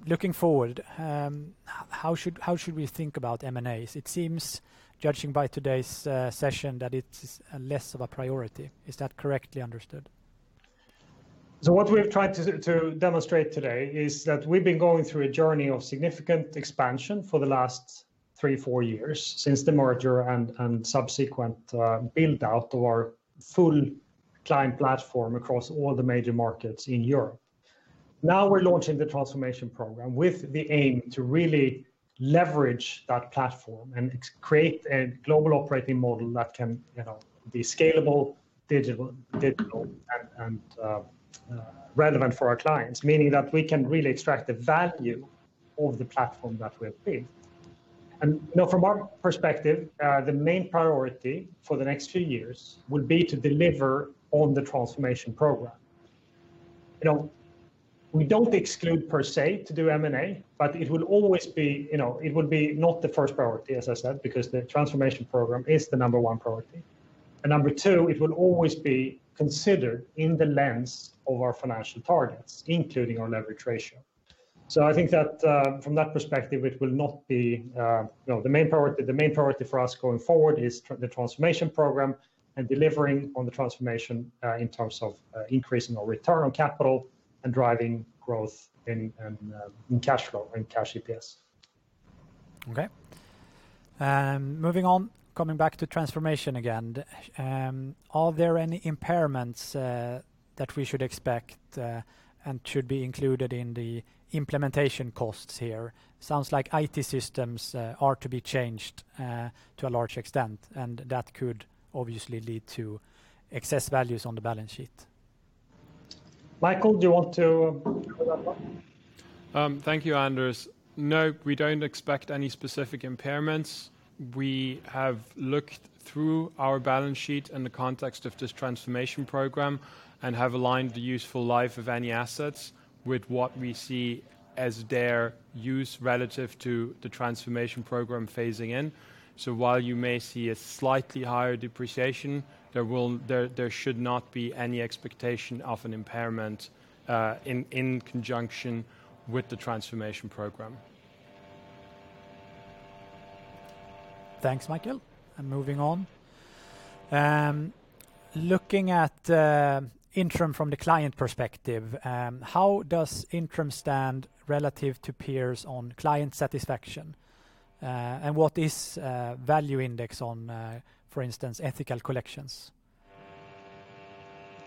G: Looking forward, how should we think about M&As? It seems, judging by today's session, that it's less of a priority. Is that correctly understood?
B: What we've tried to demonstrate today is that we've been going through a journey of significant expansion for the last three, four years since the merger and subsequent build-out of our full client platform across all the major markets in Europe. Now we're launching the transformation program with the aim to really leverage that platform and create a global operating model that can be scalable, digital, and relevant for our clients, meaning that we can really extract the value of the platform that we have built. From our perspective, the main priority for the next few years would be to deliver on the transformation program. We don't exclude, per se, to do M&A, but it would be not the first priority, as I said, because the transformation program is the number one priority. Number two, it will always be considered in the lens of our financial targets, including our leverage ratio. I think that from that perspective, the main priority for us going forward is the transformation program and delivering on the transformation in terms of increasing our return on capital and driving growth in cash flow and Cash EPS.
G: Okay. Moving on, coming back to transformation again. Are there any impairments that we should expect and should be included in the implementation costs here? Sounds like IT systems are to be changed to a large extent, and that could obviously lead to excess values on the balance sheet.
B: Michael, do you want to cover that one?
F: Thank you, Anders. No, we don't expect any specific impairments. We have looked through our balance sheet in the context of this transformation program and have aligned the useful life of any assets with what we see as their use relative to the transformation program phasing in. While you may see a slightly higher depreciation, there should not be any expectation of an impairment in conjunction with the transformation program.
G: Thanks, Michael. Moving on. Looking at Intrum from the client perspective, how does Intrum stand relative to peers on client satisfaction? What is value index on for instance, ethical collections?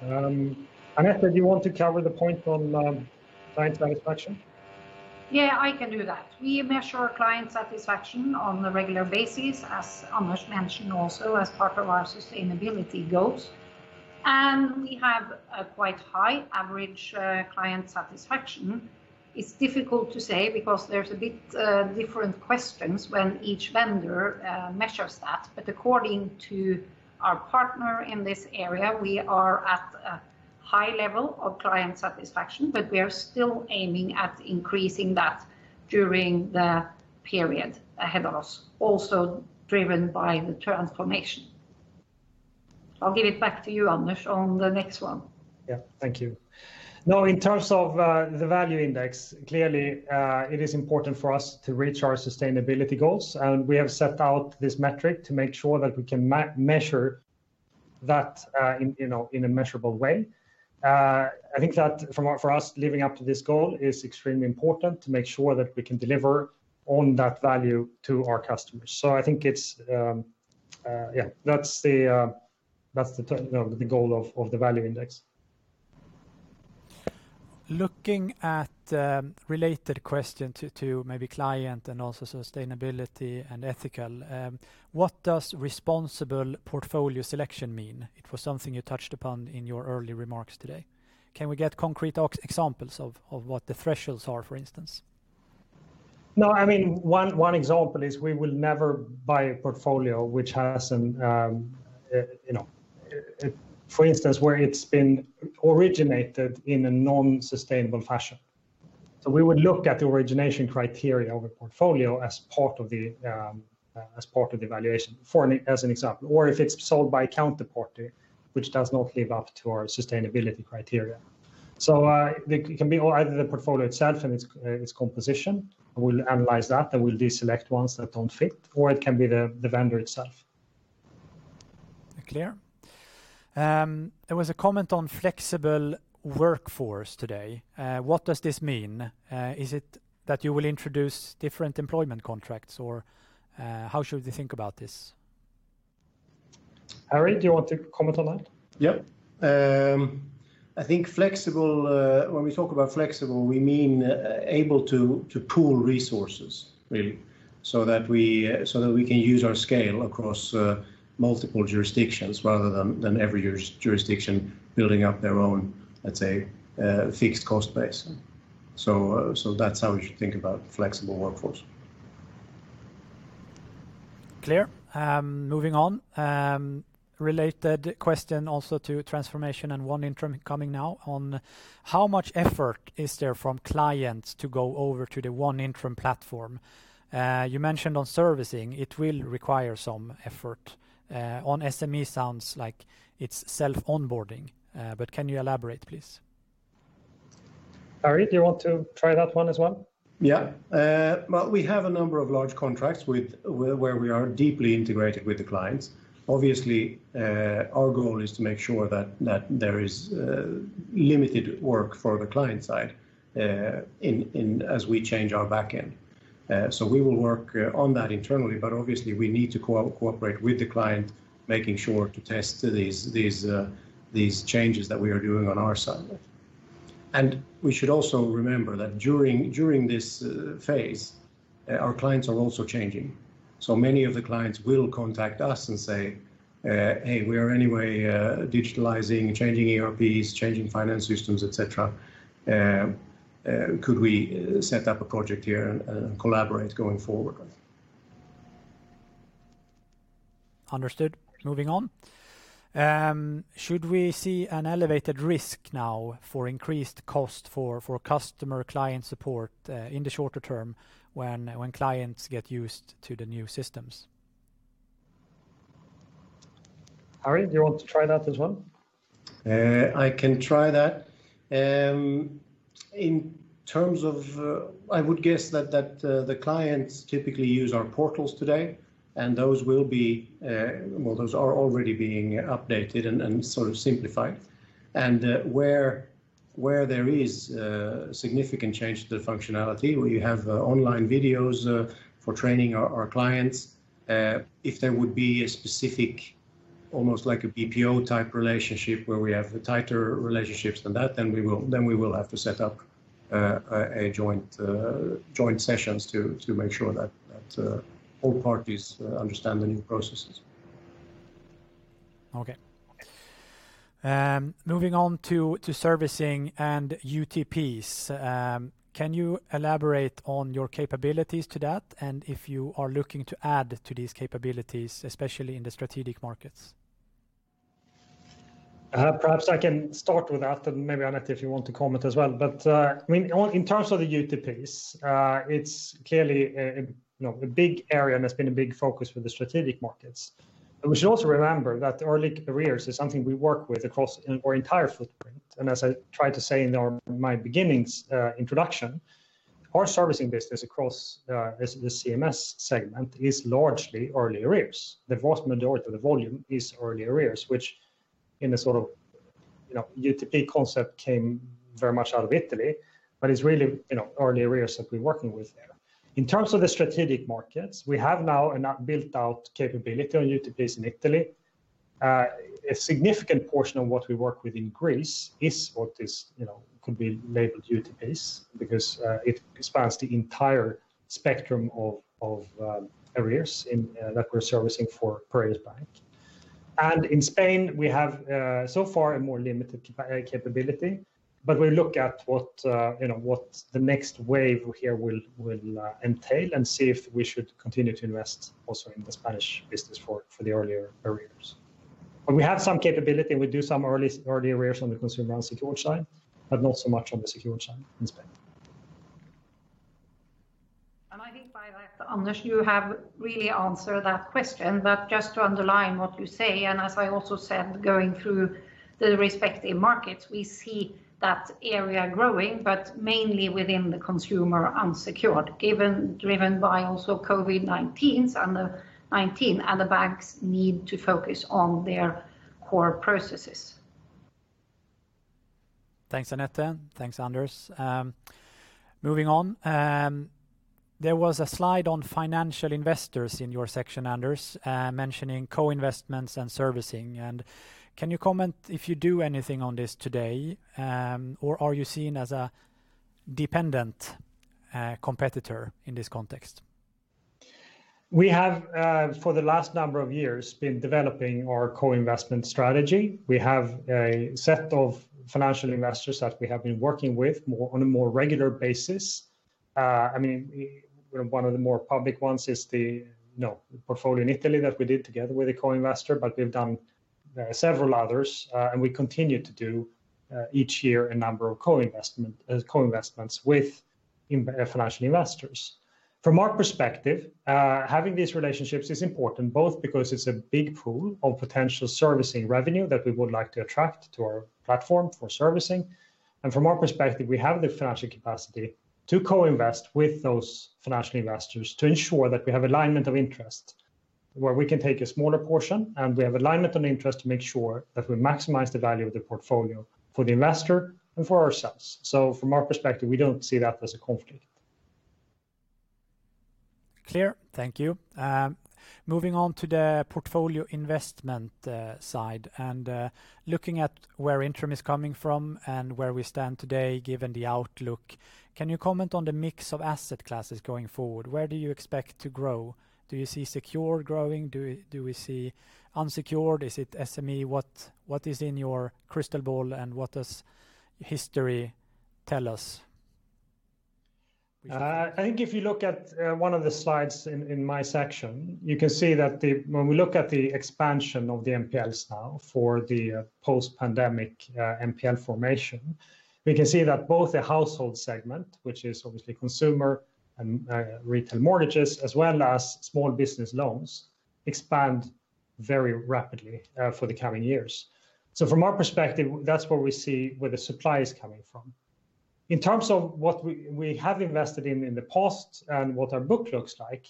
B: Anette, do you want to cover the point on client satisfaction?
E: Yeah, I can do that. We measure client satisfaction on a regular basis, as Anders mentioned also as part of our sustainability goals. We have a quite high average client satisfaction. It's difficult to say because there's a bit different questions when each vendor measures that. According to our partner in this area, we are at a high level of client satisfaction, but we are still aiming at increasing that during the period ahead of us, also driven by the transformation. I'll give it back to you, Anders, on the next one.
B: Yeah. Thank you. In terms of the value index, clearly it is important for us to reach our sustainability goals, and we have set out this metric to make sure that we can measure that in a measurable way. I think that for us, living up to this goal is extremely important to make sure that we can deliver on that value to our customers. I think that's the goal of the value index.
G: Looking at related question to maybe client and also sustainability and ethical. What does responsible portfolio selection mean? It was something you touched upon in your early remarks today. Can we get concrete examples of what the thresholds are, for instance?
B: One example is we will never buy a portfolio, for instance, where it's been originated in a non-sustainable fashion. We would look at the origination criteria of a portfolio as part of the evaluation as an example. If it's sold by a counterparty which does not live up to our sustainability criteria. It can be either the portfolio itself and its composition, we'll analyze that, and we'll deselect ones that don't fit, or it can be the vendor itself.
G: Clear. There was a comment on flexible workforce today. What does this mean? Is it that you will introduce different employment contracts, or how should we think about this?
B: Harry, do you want to comment on that?
C: Yep. I think when we talk about flexible, we mean able to pool resources really, so that we can use our scale across multiple jurisdictions rather than every jurisdiction building up their own, let's say, fixed cost base. That's how we should think about flexible workforce.
G: Clear. Moving on. Related question also to transformation and ONE Intrum coming now on how much effort is there from clients to go over to the ONE Intrum platform? You mentioned on servicing it will require some effort. On SME sounds like it's self-onboarding. Can you elaborate, please?
B: Harry, do you want to try that one as well?
C: Yeah. We have a number of large contracts where we are deeply integrated with the clients. Obviously, our goal is to make sure that there is limited work for the client side as we change our backend. We will work on that internally, but obviously we need to cooperate with the client, making sure to test these changes that we are doing on our side. We should also remember that during this phase, our clients are also changing. Many of the clients will contact us and say, "Hey, we are anyway digitalizing, changing ERPs, changing finance systems, et cetera. Could we set up a project here and collaborate going forward?"
G: Understood. Moving on. Should we see an elevated risk now for increased cost for customer client support in the shorter term when clients get used to the new systems?
B: Harry, do you want to try that as well?
C: I can try that. I would guess that the clients typically use our portals today, and those are already being updated and simplified. Where there is significant change to the functionality, we have online videos for training our clients. If there would be a specific, almost like a BPO type relationship where we have tighter relationships than that, then we will have to set up a joint sessions to make sure that all parties understand the new processes.
G: Okay. Moving on to servicing and UTPs. Can you elaborate on your capabilities to that, and if you are looking to add to these capabilities, especially in the strategic markets?
B: Perhaps I can start with that. Maybe Anette, if you want to comment as well. In terms of the UTPs, it's clearly a big area and it's been a big focus for the strategic markets. We should also remember that early arrears is something we work with across our entire footprint. As I tried to say in my beginnings introduction, our servicing business across the CMS segment is largely early arrears. The vast majority of the volume is early arrears, which in the sort of UTP concept came very much out of Italy, but it's really early arrears that we're working with there. In terms of the strategic markets, we have now a built-out capability on UTPs in Italy. A significant portion of what we work with in Greece is what could be labeled UTPs because it spans the entire spectrum of arrears that we're servicing for various banks. In Spain, we have so far a more limited capability, but we look at what the next wave here will entail and see if we should continue to invest also in the Spanish business for the earlier arrears. We have some capability, and we do some early arrears on the consumer unsecured side, but not so much on the secured side in Spain.
E: I think by that, Anders, you have really answered that question, but just to underline what you say, and as I also said, going through the respective markets, we see that area growing, but mainly within the consumer unsecured, driven by also COVID-19, and the banks need to focus on their core processes.
G: Thanks, Anette. Thanks, Anders. Moving on. There was a slide on financial investors in your section, Anders, mentioning co-investments and servicing. Can you comment if you do anything on this today? Are you seen as a dependent competitor in this context?
B: We have for the last number of years been developing our co-investment strategy. We have a set of financial investors that we have been working with on a more regular basis. One of the more public ones is the portfolio in Italy that we did together with a co-investor, but we've done several others, and we continue to do each year a number of co-investments with financial investors. From our perspective, having these relationships is important both because it's a big pool of potential servicing revenue that we would like to attract to our platform for servicing. From our perspective, we have the financial capacity to co-invest with those financial investors to ensure that we have alignment of interest, where we can take a smaller portion, and we have alignment on interest to make sure that we maximize the value of the portfolio for the investor and for ourselves. From our perspective, we don't see that as a conflict.
G: Clear. Thank you. Moving on to the portfolio investment side, and looking at where Intrum is coming from and where we stand today, given the outlook, can you comment on the mix of asset classes going forward? Where do you expect to grow? Do you see secure growing? Do we see unsecured? Is it SME? What is in your crystal ball, and what does history tell us?
B: I think if you look at one of the slides in my section, you can see that when we look at the expansion of the NPLs now for the post-pandemic NPL formation, we can see that both the household segment, which is obviously consumer and retail mortgages, as well as small business loans, expand very rapidly for the coming years. From our perspective, that's where we see where the supply is coming from. In terms of what we have invested in the past and what our book looks like,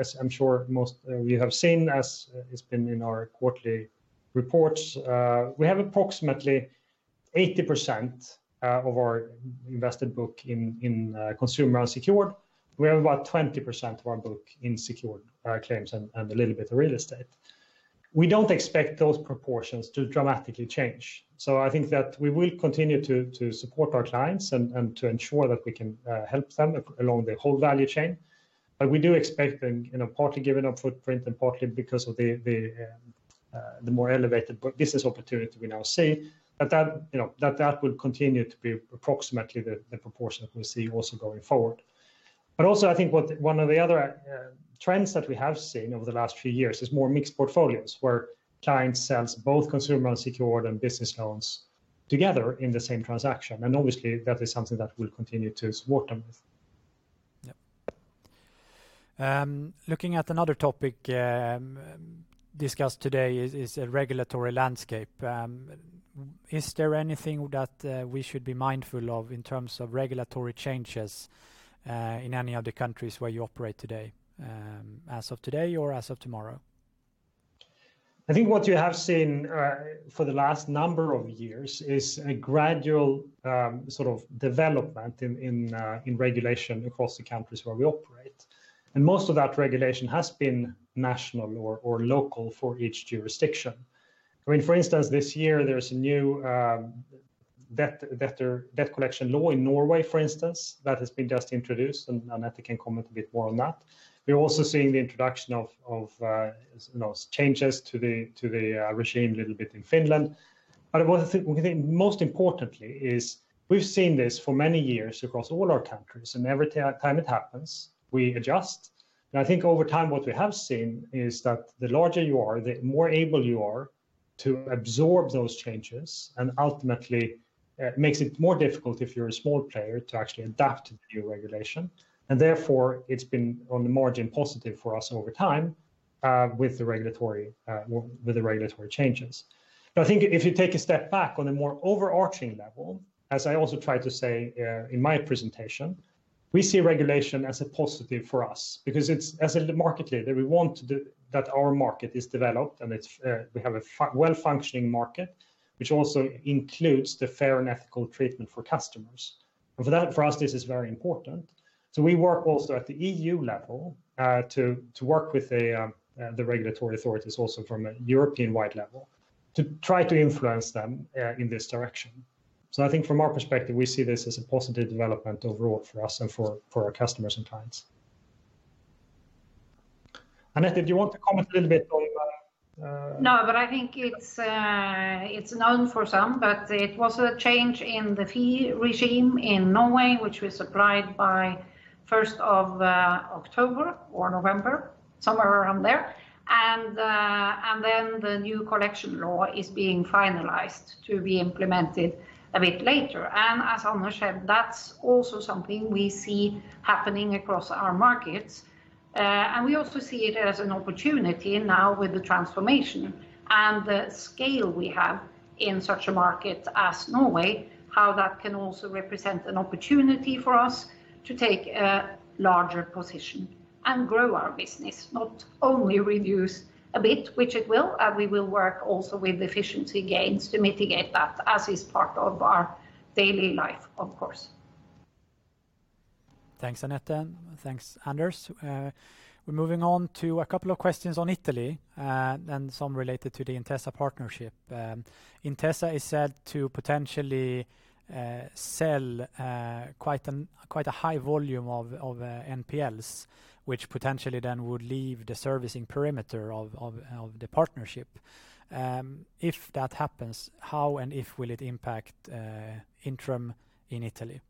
B: as I'm sure most of you have seen as it's been in our quarterly reports, we have approximately 80% of our invested book in consumer unsecured. We have about 20% of our book in secured claims and a little bit of real estate. We don't expect those proportions to dramatically change. I think that we will continue to support our clients and to ensure that we can help them along the whole value chain. We do expect them, partly given our footprint and partly because of the more elevated business opportunity we now see, that will continue to be approximately the proportion that we see also going forward. Also, I think one of the other trends that we have seen over the last few years is more mixed portfolios where clients sell both consumer unsecured and business loans together in the same transaction, and obviously that is something that we'll continue to support them with.
G: Yep. Looking at another topic discussed today is regulatory landscape. Is there anything that we should be mindful of in terms of regulatory changes in any of the countries where you operate today, as of today or as of tomorrow?
B: I think what you have seen for the last number of years is a gradual sort of development in regulation across the countries where we operate. Most of that regulation has been national or local for each jurisdiction. For instance, this year there's a new debt collection law in Norway, for instance, that has been just introduced. Anette can comment a bit more on that. We're also seeing the introduction of changes to the regime a little bit in Finland. What I think most importantly is we've seen this for many years across all our countries. Every time it happens, we adjust. I think over time what we have seen is that the larger you are, the more able you are to absorb those changes. Ultimately it makes it more difficult if you're a small player to actually adapt to the new regulation. Therefore, it's been on the margin positive for us over time with the regulatory changes. I think if you take a step back on a more overarching level, as I also tried to say in my presentation, we see regulation as a positive for us because as a market leader, we want our market is developed and we have a well-functioning market, which also includes the fair and ethical treatment for customers. For that, for us, this is very important. We work also at the EU level to work with the regulatory authorities also from a European-wide level to try to influence them in this direction. I think from our perspective, we see this as a positive development overall for us and for our customers and clients. Anette, did you want to comment a little bit on that?
E: I think it's known for some, it was a change in the fee regime in Norway, which was applied by 1st of October or November, somewhere around there. The new collection law is being finalized to be implemented a bit later. As Anders said, that's also something we see happening across our markets. We also see it as an opportunity now with the transformation and the scale we have in such a market as Norway, how that can also represent an opportunity for us to take a larger position and grow our business, not only reduce a bit, which it will, and we will work also with efficiency gains to mitigate that as is part of our daily life, of course.
G: Thanks, Anette, and thanks, Anders. We're moving on to a couple of questions on Italy and some related to the Intesa partnership. Intesa is said to potentially sell quite a high volume of NPLs, which potentially then would leave the servicing perimeter of the partnership. If that happens, how and if will it impact Intrum in Italy?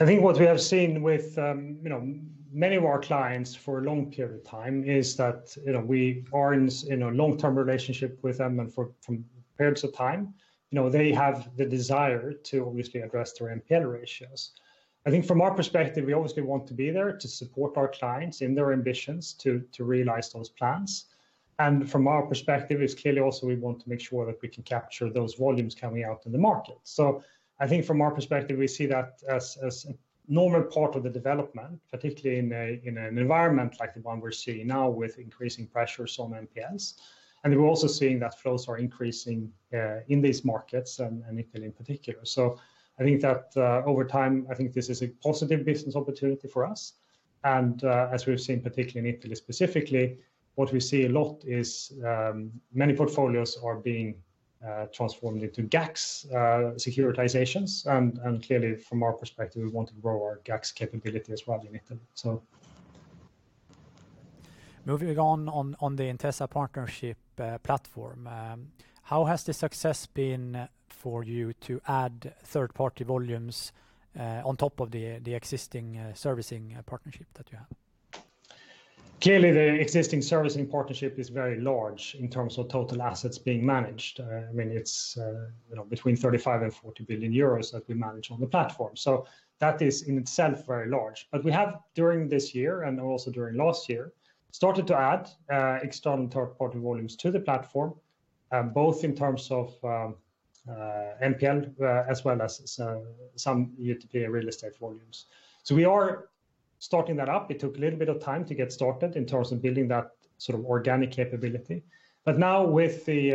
B: I think what we have seen with many of our clients for a long period of time is that we are in a long-term relationship with them and for periods of time they have the desire to obviously address their NPL ratios. I think from our perspective, we obviously want to be there to support our clients in their ambitions to realize those plans. From our perspective, it's clearly also we want to make sure that we can capture those volumes coming out in the market. I think from our perspective, we see that as a normal part of the development, particularly in an environment like the one we're seeing now with increasing pressures on NPLs. We're also seeing that flows are increasing in these markets and Italy in particular. I think that over time, I think this is a positive business opportunity for us, and as we've seen particularly in Italy specifically, what we see a lot is many portfolios are being transformed into GACS securitizations, and clearly from our perspective, we want to grow our GACS capability as well in Italy.
G: Moving on the Intesa partnership platform, how has the success been for you to add third-party volumes on top of the existing servicing partnership that you have?
B: Clearly, the existing servicing partnership is very large in terms of total assets being managed. It's between 35 billion and 40 billion euros that we manage on the platform. That is in itself very large. We have during this year and also during last year started to add external third party volumes to the platform, both in terms of NPL as well as some UTP real estate volumes. We are starting that up. It took a little bit of time to get started in terms of building that organic capability. Now with the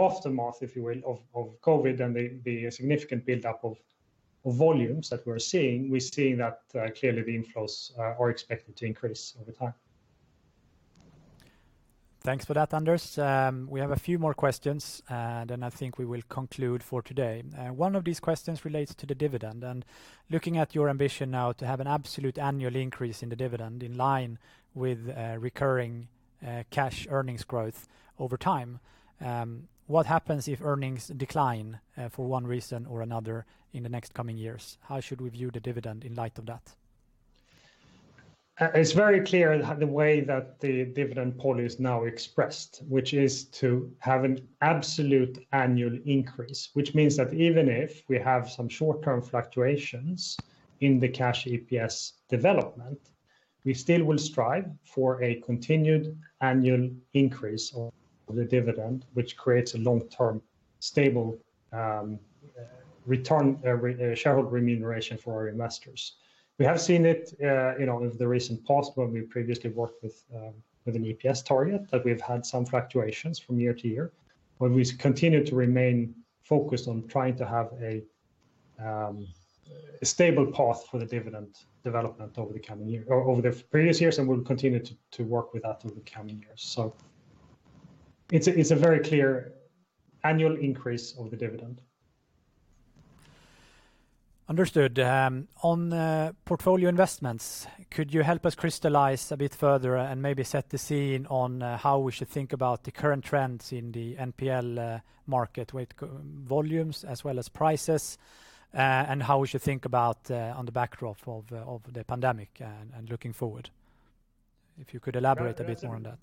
B: aftermath, if you will, of COVID and the significant buildup of volumes that we're seeing, we're seeing that clearly the inflows are expected to increase over time.
G: Thanks for that, Anders. We have a few more questions and then I think we will conclude for today. One of these questions relates to the dividend and looking at your ambition now to have an absolute annual increase in the dividend in line with recurring cash earnings growth over time. What happens if earnings decline for one reason or another in the next coming years? How should we view the dividend in light of that?
B: It's very clear the way that the dividend policy is now expressed, which is to have an absolute annual increase, which means that even if we have some short-term fluctuations in the Cash EPS development, we still will strive for a continued annual increase of the dividend, which creates a long-term stable shareholder remuneration for our investors. We have seen it in the recent past when we previously worked with an EPS target that we've had some fluctuations from year to year, but we continue to remain focused on trying to have a stable path for the dividend development over the previous years, and we'll continue to work with that over the coming years. It's a very clear annual increase of the dividend.
G: Understood. On portfolio investments, could you help us crystallize a bit further and maybe set the scene on how we should think about the current trends in the NPL market with volumes as well as prices and how we should think about on the backdrop of the pandemic and looking forward? If you could elaborate a bit more on that.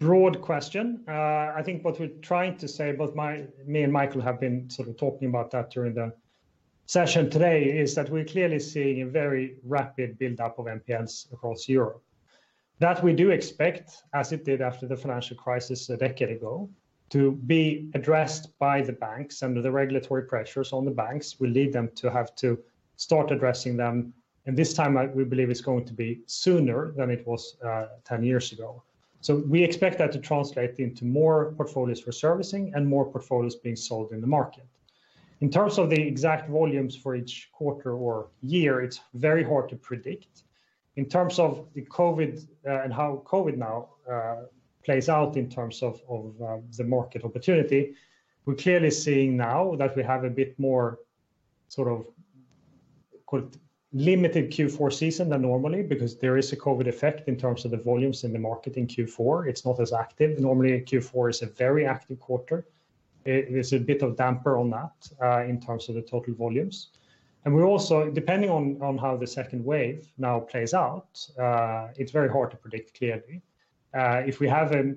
B: Broad question. I think what we're trying to say, both me and Michael have been sort of talking about that during the session today, is that we're clearly seeing a very rapid buildup of NPLs across Europe. That we do expect, as it did after the financial crisis a decade ago, to be addressed by the banks under the regulatory pressures on the banks will lead them to have to start addressing them. This time, we believe it's going to be sooner than it was 10 years ago. We expect that to translate into more portfolios for servicing and more portfolios being sold in the market. In terms of the exact volumes for each quarter or year, it's very hard to predict. In terms of how COVID now plays out in terms of the market opportunity, we're clearly seeing now that we have a bit more sort of limited Q4 season than normally because there is a COVID effect in terms of the volumes in the market in Q4. It's not as active. Normally, a Q4 is a very active quarter. There's a bit of damper on that in terms of the total volumes. Depending on how the second wave now plays out it's very hard to predict clearly. If we have a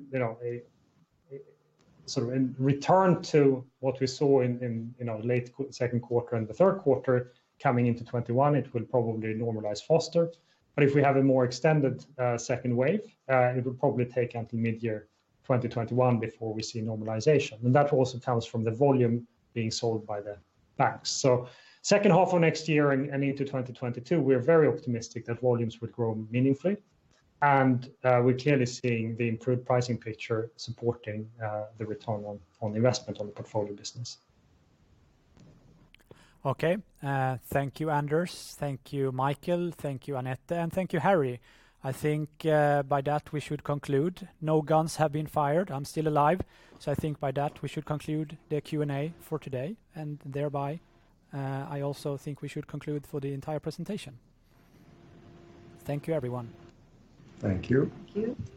B: return to what we saw in our late Q2 and the Q3 coming into 2021, it will probably normalize faster. If we have a more extended second wave it will probably take until mid-year 2021 before we see normalization. That also comes from the volume being sold by the banks. Second half of next year and into 2022, we are very optimistic that volumes would grow meaningfully and we're clearly seeing the improved pricing picture supporting the return on investment on the portfolio business.
G: Okay. Thank you, Anders. Thank you, Michael. Thank you, Anette, and thank you, Harry. I think by that we should conclude. No guns have been fired. I'm still alive. I think by that we should conclude the Q&A for today and thereby I also think we should conclude for the entire presentation. Thank you, everyone.
C: Thank you